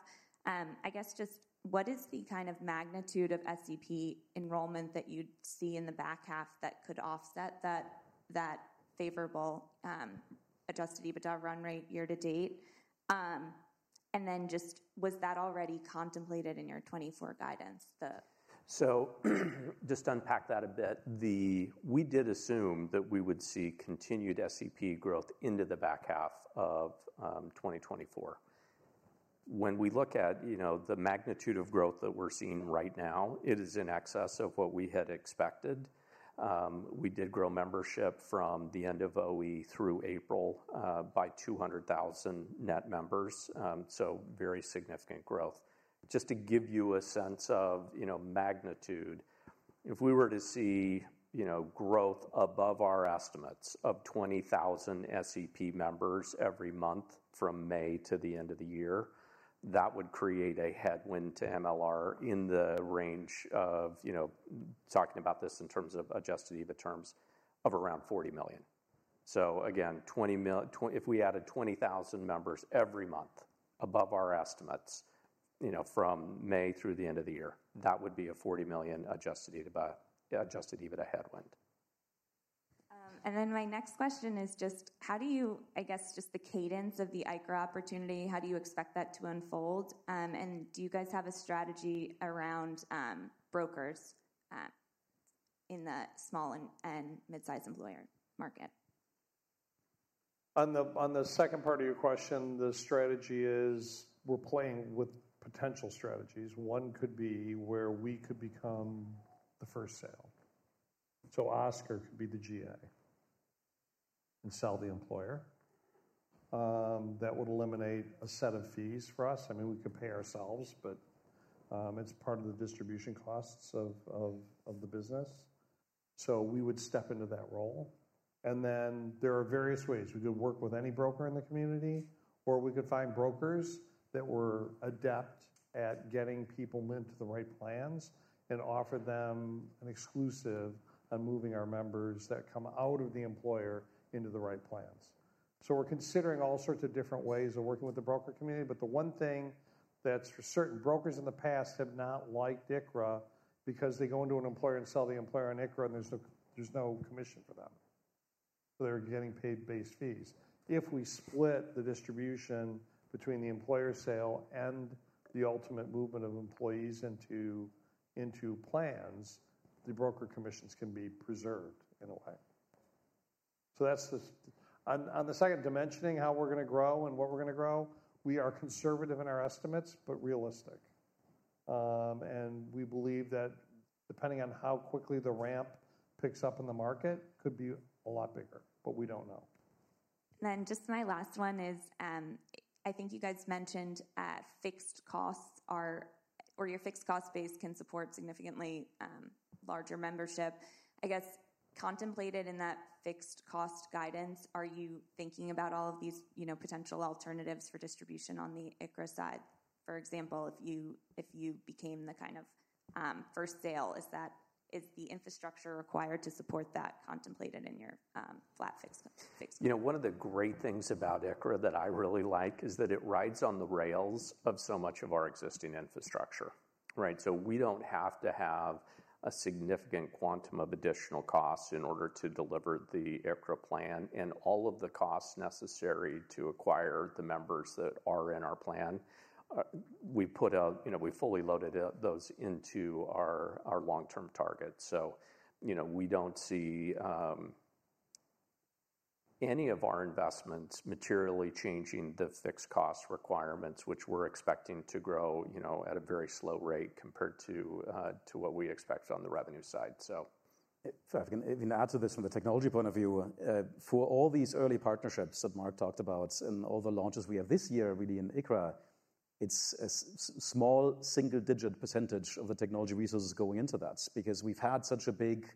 I guess just what is the kind of magnitude of SEP enrollment that you'd see in the back half that could offset that, that favorable, adjusted EBITDA run rate year to date? And then just was that already contemplated in your 2024 guidance, the- So, just to unpack that a bit, we did assume that we would see continued SEP growth into the back half of 2024. When we look at, you know, the magnitude of growth that we're seeing right now, it is in excess of what we had expected. We did grow membership from the end of OE through April by 200,000 net members, so very significant growth. Just to give you a sense of, you know, magnitude, if we were to see, you know, growth above our estimates of 20,000 SEP members every month from May to the end of the year, that would create a headwind to MLR in the range of, you know, talking about this in terms of adjusted EBITDA terms, of around $40 million. So again, if we added 20,000 members every month above our estimates, you know, from May through the end of the year, that would be a $40 million adjusted EBITDA, adjusted EBITDA headwind. And then my next question is just, how do you—I guess, just the cadence of the ICHRA opportunity—how do you expect that to unfold? And do you guys have a strategy around brokers in the small and midsize employer market? On the second part of your question, the strategy is we're playing with potential strategies. One could be where we could become the first sale. So Oscar could be the GA and sell the employer. That would eliminate a set of fees for us. I mean, we could pay ourselves, but it's part of the distribution costs of the business. So we would step into that role, and then there are various ways. We could work with any broker in the community, or we could find brokers that were adept at getting people into the right plans and offer them an exclusive on moving our members that come out of the employer into the right plans. So we're considering all sorts of different ways of working with the broker community, but the one thing that's for certain, brokers in the past have not liked ICHRA because they go into an employer and sell the employer on ICHRA, and there's no, there's no commission for them. They're getting paid base fees. If we split the distribution between the employer sale and the ultimate movement of employees into, into plans, the broker commissions can be preserved in a way. So that's the. On, on the second dimensioning, how we're gonna grow and what we're gonna grow, we are conservative in our estimates, but realistic. And we believe that depending on how quickly the ramp picks up in the market, could be a lot bigger, but we don't know. Then just my last one is, I think you guys mentioned, fixed costs are or your fixed cost base can support significantly larger membership. I guess, contemplated in that fixed cost guidance, are you thinking about all of these, you know, potential alternatives for distribution on the ICHRA side? For example, if you, if you became the kind of first sale, is that, is the infrastructure required to support that contemplated in your flat fixed, fixed? You know, one of the great things about ICHRA that I really like is that it rides on the rails of so much of our existing infrastructure, right? So we don't have to have a significant quantum of additional costs in order to deliver the ICHRA plan and all of the costs necessary to acquire the members that are in our plan. We put, you know, we fully loaded those into our long-term targets. So, you know, we don't see any of our investments materially changing the fixed cost requirements, which we're expecting to grow, you know, at a very slow rate compared to what we expect on the revenue side, so. If I can, if I can add to this from the technology point of view. For all these early partnerships that Mark talked about and all the launches we have this year, really in ICHRA, it's a small single-digit percentage of the technology resources going into that because we've had such a big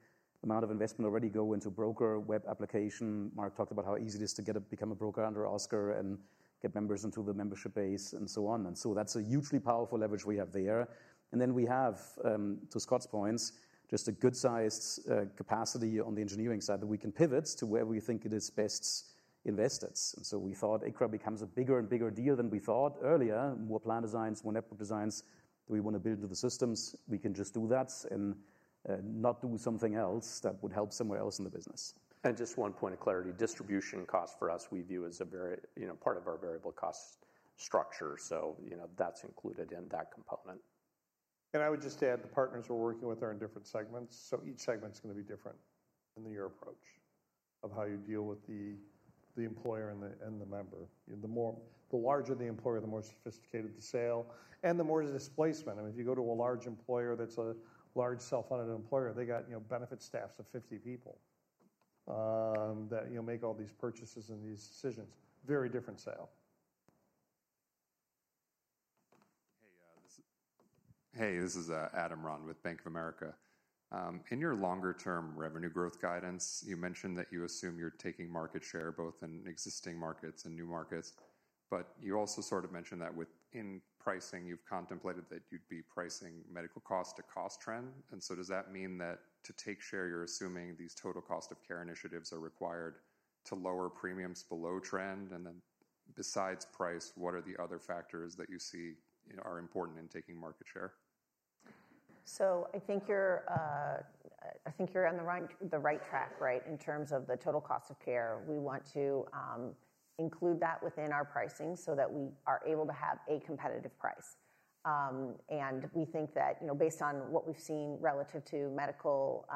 amount of investment already go into broker web application. Mark talked about how easy it is to get become a broker under Oscar and get members into the membership base and so on. And so that's a hugely powerful leverage we have there. And then we have, to Scott's points, just a good-sized, capacity on the engineering side that we can pivot to where we think it is best invested. And so we thought ICHRA becomes a bigger and bigger deal than we thought earlier. More plan designs, more network designs that we want to build into the systems. We can just do that and not do something else that would help somewhere else in the business. Just one point of clarity, distribution cost for us, we view as a very, you know, part of our variable cost structure. So, you know, that's included in that component. I would just add, the partners we're working with are in different segments, so each segment's gonna be different in their approach of how you deal with the employer and the member. The larger the employer, the more sophisticated the sale and the more the displacement. I mean, if you go to a large employer that's a large self-funded employer, they got, you know, benefit staffs of 50 people, that, you know, make all these purchases and these decisions. Very different sale. Hey, this is Adam Ron with Bank of America. In your longer-term revenue growth guidance, you mentioned that you assume you're taking market share both in existing markets and new markets, but you also sort of mentioned that within pricing, you've contemplated that you'd be pricing medical cost to cost trend. And so does that mean that to take share, you're assuming these total cost of care initiatives are required to lower premiums below trend? And then besides price, what are the other factors that you see, you know, are important in taking market share? So I think you're on the right track, right, in terms of the total cost of care. We want to include that within our pricing so that we are able to have a competitive price. And we think that, you know, based on what we've seen relative to medical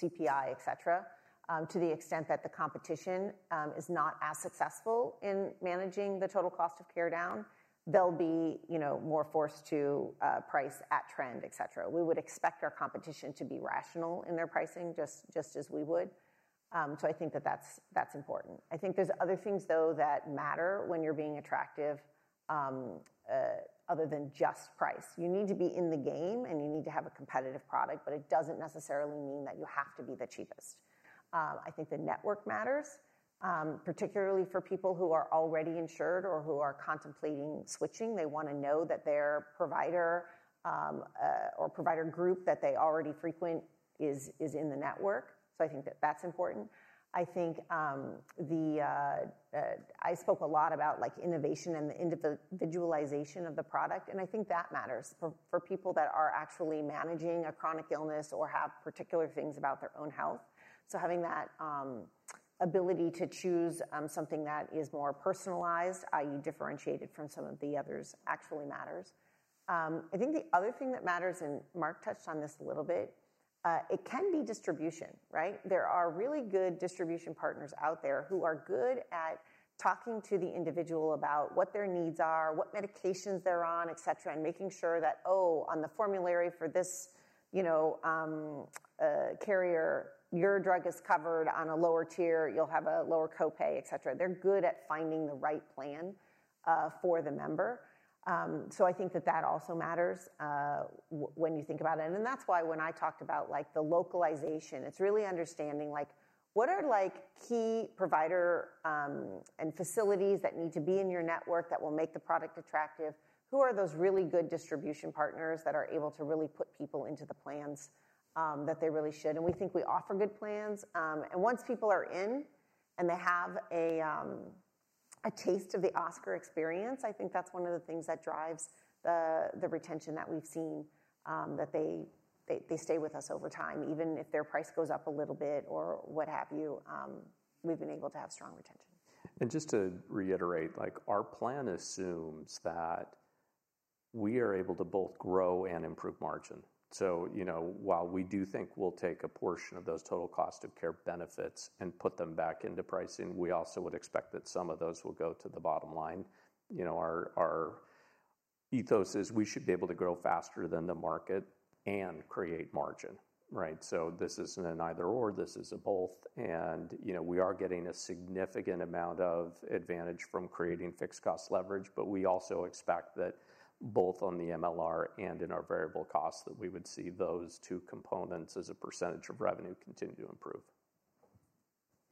CPI, et cetera, to the extent that the competition is not as successful in managing the total cost of care down, they'll be, you know, more forced to price at trend, et cetera. We would expect our competition to be rational in their pricing, just, just as we would. So I think that that's, that's important. I think there's other things, though, that matter when you're being attractive, other than just price. You need to be in the game, and you need to have a competitive product, but it doesn't necessarily mean that you have to be the cheapest. I think the network matters, particularly for people who are already insured or who are contemplating switching. They want to know that their provider, or provider group that they already frequent is, is in the network. So I think that that's important. I think I spoke a lot about, like, innovation and the individualization of the product, and I think that matters for, for people that are actually managing a chronic illness or have particular things about their own health. So having that ability to choose something that is more personalized, i.e., differentiated from some of the others, actually matters. I think the other thing that matters, and Mark touched on this a little bit, it can be distribution, right? There are really good distribution partners out there who are good at talking to the individual about what their needs are, what medications they're on, et cetera, and making sure that, "Oh, on the formulary for this, you know, carrier, your drug is covered on a lower tier, you'll have a lower copay," et cetera. They're good at finding the right plan for the member. So I think that that also matters, when you think about it. And then that's why when I talked about, like, the localization, it's really understanding, like, what are, like, key provider and facilities that need to be in your network that will make the product attractive? Who are those really good distribution partners that are able to really put people into the plans, that they really should? And we think we offer good plans. And once people are in and they have a taste of the Oscar experience, I think that's one of the things that drives the retention that we've seen, that they stay with us over time, even if their price goes up a little bit or what have you. We've been able to have strong retention. Just to reiterate, like, our plan assumes that we are able to both grow and improve margin. So, you know, while we do think we'll take a portion of those total cost of care benefits and put them back into pricing, we also would expect that some of those will go to the bottom line. You know, our ethos is we should be able to grow faster than the market and create margin, right? So this isn't an either/or, this is a both, and, you know, we are getting a significant amount of advantage from creating fixed cost leverage, but we also expect that both on the MLR and in our variable costs, that we would see those two components as a percentage of revenue continue to improve.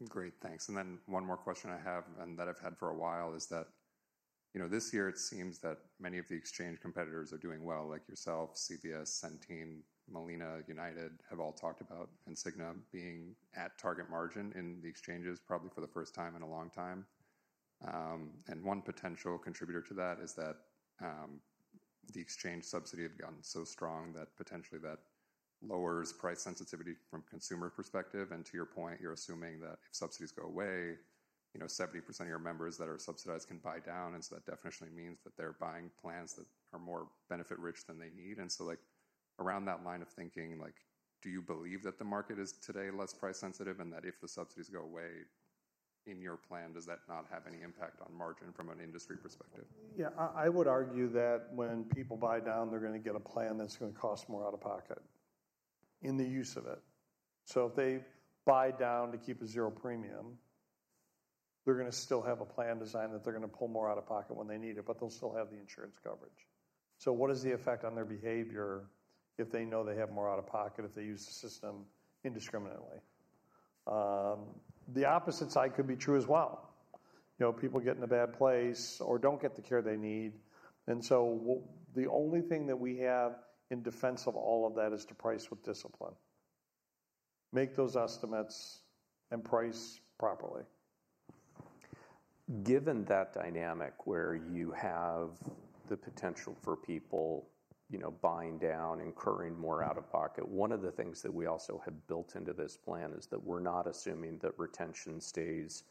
Great, thanks. Then one more question I have, and that I've had for a while, is that, you know, this year it seems that many of the exchange competitors are doing well, like yourself, CVS, Centene, Molina, United, have all talked about, and Cigna being at target margin in the exchanges, probably for the first time in a long time. And one potential contributor to that is that, the exchange subsidy have gotten so strong that potentially that lowers price sensitivity from a consumer perspective. And to your point, you're assuming that if subsidies go away, you know, 70% of your members that are subsidized can buy down, and so that definitionally means that they're buying plans that are more benefit-rich than they need. And so, like, around that line of thinking, like, do you believe that the market is today less price sensitive, and that if the subsidies go away in your plan, does that not have any impact on margin from an industry perspective? Yeah, I would argue that when people buy down, they're gonna get a plan that's gonna cost more out of pocket, in the use of it. So if they buy down to keep a zero premium, they're gonna still have a plan design that they're gonna pull more out of pocket when they need it, but they'll still have the insurance coverage. So what is the effect on their behavior if they know they have more out-of-pocket if they use the system indiscriminately? The opposite side could be true as well. You know, people get in a bad place or don't get the care they need, and so the only thing that we have in defense of all of that is to price with discipline. Make those estimates and price properly. Given that dynamic, where you have the potential for people, you know, buying down, incurring more out-of-pocket, one of the things that we also have built into this plan is that we're not assuming that retention stays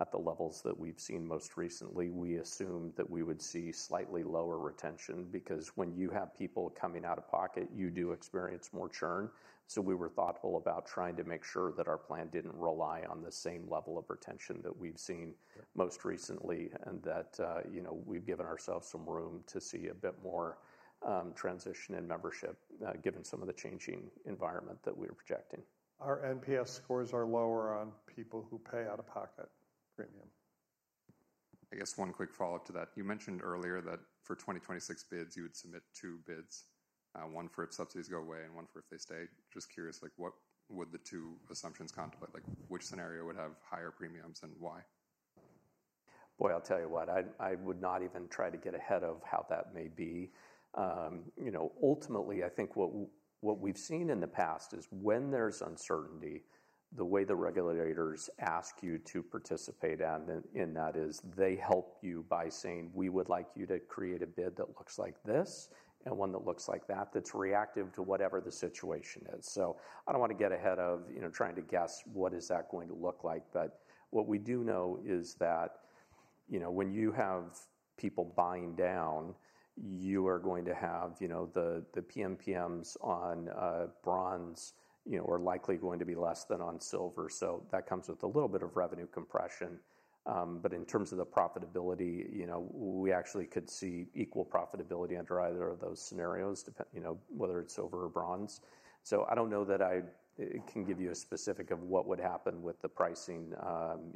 at the levels that we've seen most recently. We assume that we would see slightly lower retention, because when you have people coming out-of-pocket, you do experience more churn. So we were thoughtful about trying to make sure that our plan didn't rely on the same level of retention that we've seen most recently, and that, you know, we've given ourselves some room to see a bit more transition in membership, given some of the changing environment that we're projecting. Our NPS scores are lower on people who pay out-of-pocket premium. I guess one quick follow-up to that. You mentioned earlier that for 2026 bids, you would submit two bids, one for if subsidies go away and one for if they stay. Just curious, like, what would the two assumptions contemplate? Like, which scenario would have higher premiums, and why? Boy, I'll tell you what, I would not even try to get ahead of how that may be. You know, ultimately, I think what we've seen in the past is when there's uncertainty, the way the regulators ask you to participate in that is they help you by saying, "We would like you to create a bid that looks like this, and one that looks like that," that's reactive to whatever the situation is. So I don't wanna get ahead of, you know, trying to guess what is that going to look like, but what we do know is that, you know, when you have people buying down, you are going to have, you know, the PMPMs on bronze, you know, are likely going to be less than on silver, so that comes with a little bit of revenue compression. But in terms of the profitability, you know, we actually could see equal profitability under either of those scenarios, you know, whether it's silver or bronze. So I don't know that I can give you a specific of what would happen with the pricing,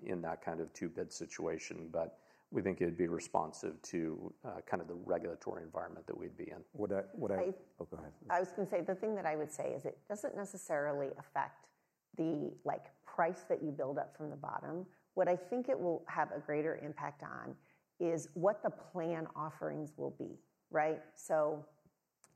in that kind of two-bid situation, but we think it'd be responsive to, kind of the regulatory environment that we'd be in. Would I- I- Oh, go ahead. I was gonna say, the thing that I would say is it doesn't necessarily affect the, like, price that you build up from the bottom. What I think it will have a greater impact on is what the plan offerings will be, right? So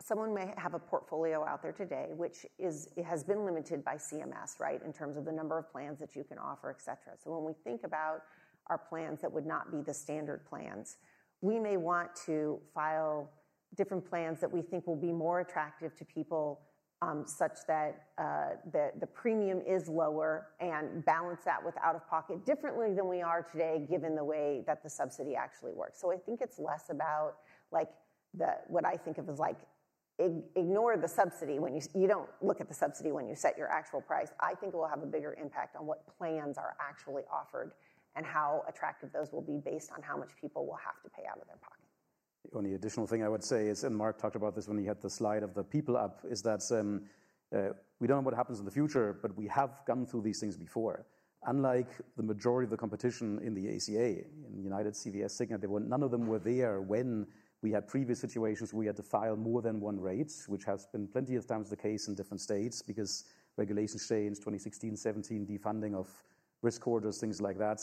someone may have a portfolio out there today, which is, it has been limited by CMS, right, in terms of the number of plans that you can offer, et cetera. So when we think about our plans that would not be the standard plans, we may want to file different plans that we think will be more attractive to people, such that the premium is lower, and balance that with out-of-pocket differently than we are today, given the way that the subsidy actually works. So I think it's less about, like, the... What I think of as like, ignore the subsidy when you you don't look at the subsidy when you set your actual price. I think it will have a bigger impact on what plans are actually offered and how attractive those will be based on how much people will have to pay out of their pocket. The only additional thing I would say is, and Mark talked about this when he had the slide of the people up, is that, we don't know what happens in the future, but we have gone through these things before. Unlike the majority of the competition in the ACA, in United, CVS, Cigna, none of them were there when we had previous situations where we had to file more than one rate, which has been plenty of times the case in different states, because regulations change, 2016, 2017, defunding of risk corridors, things like that.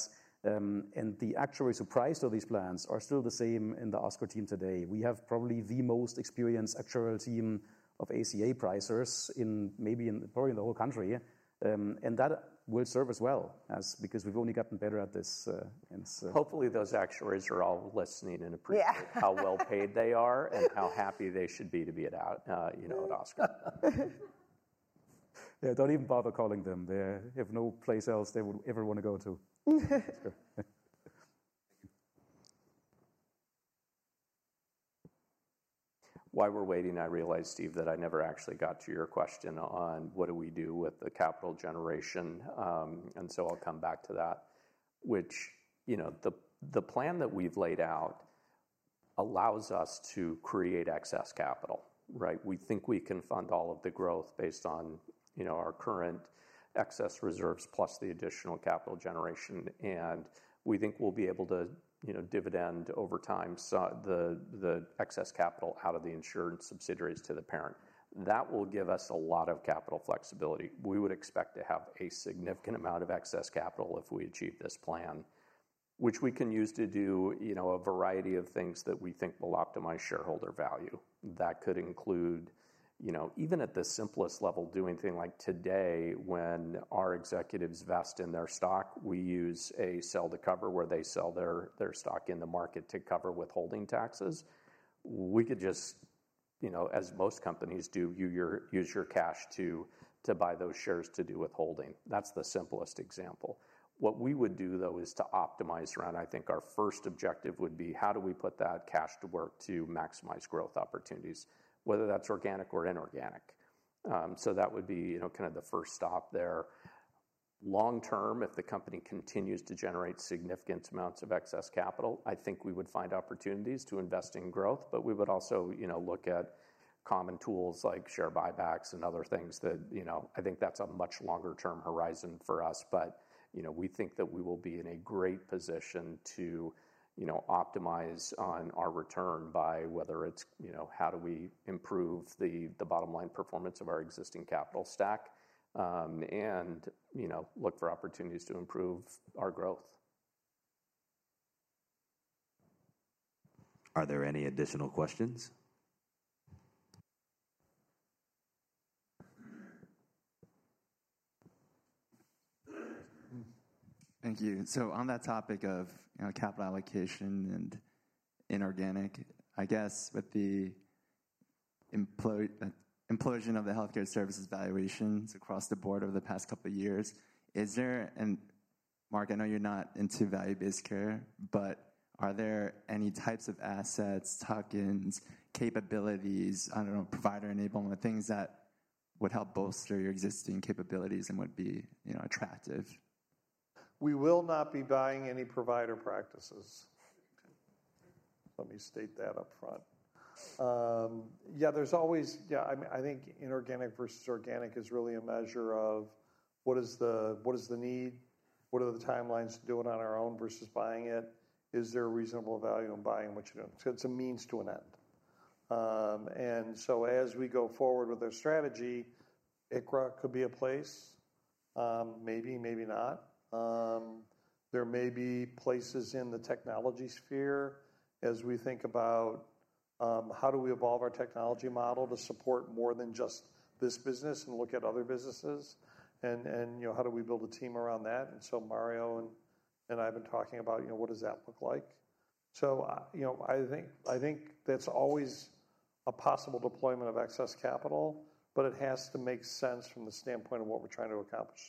And the actuaries who priced all these plans are still the same in the Oscar team today. We have probably the most experienced actuarial team of ACA pricers in maybe, probably in the whole country. And that will serve us well, as because we've only gotten better at this, and so- Hopefully, those actuaries are all listening and appreciate- Yeah. how well paid they are and how happy they should be to be at, you know, at Oscar. Yeah, don't even bother calling them. They have no place else they would ever wanna go to. While we're waiting, I realize, Steve, that I never actually got to your question on what do we do with the capital generation? And so I'll come back to that. Which, you know, the plan that we've laid out allows us to create excess capital, right? We think we can fund all of the growth based on, you know, our current excess reserves plus the additional capital generation, and we think we'll be able to, you know, dividend over time, so the excess capital out of the insurance subsidiaries to the parent. That will give us a lot of capital flexibility. We would expect to have a significant amount of excess capital if we achieve this plan, which we can use to do, you know, a variety of things that we think will optimize shareholder value. That could include, you know, even at the simplest level, doing a thing like today, when our executives vest in their stock, we use a sell to cover, where they sell their, their stock in the market to cover withholding taxes. We could just, you know, as most companies do, use your, use your cash to, to buy those shares to do withholding. That's the simplest example. What we would do, though, is to optimize around, I think our first objective would be: how do we put that cash to work to maximize growth opportunities, whether that's organic or inorganic? So that would be, you know, kind of the first stop there. Long term, if the company continues to generate significant amounts of excess capital, I think we would find opportunities to invest in growth, but we would also, you know, look at common tools like share buybacks and other things that, you know, I think that's a much longer term horizon for us. But, you know, we think that we will be in a great position to, you know, optimize on our return by whether it's, you know, how do we improve the bottom line performance of our existing capital stack, and, you know, look for opportunities to improve our growth. Are there any additional questions? Thank you. So on that topic of, you know, capital allocation and inorganic, I guess with the implosion of the healthcare services valuations across the board over the past couple of years, is there... And, Mark, I know you're not into value-based care, but are there any types of assets, tuck-ins, capabilities, I don't know, provider enablement, things that would help bolster your existing capabilities and would be, you know, attractive? We will not be buying any provider practices. Let me state that up front. I think inorganic versus organic is really a measure of what is the, what is the need? What are the timelines to do it on our own versus buying it? Is there a reasonable value in buying what you own? So it's a means to an end. And so as we go forward with our strategy, ICHRA could be a place, maybe, maybe not. There may be places in the technology sphere as we think about, how do we evolve our technology model to support more than just this business and look at other businesses and, and, you know, how do we build a team around that? And so Mario and, and I have been talking about, you know, what does that look like? You know, I think, I think that's always a possible deployment of excess capital, but it has to make sense from the standpoint of what we're trying to accomplish.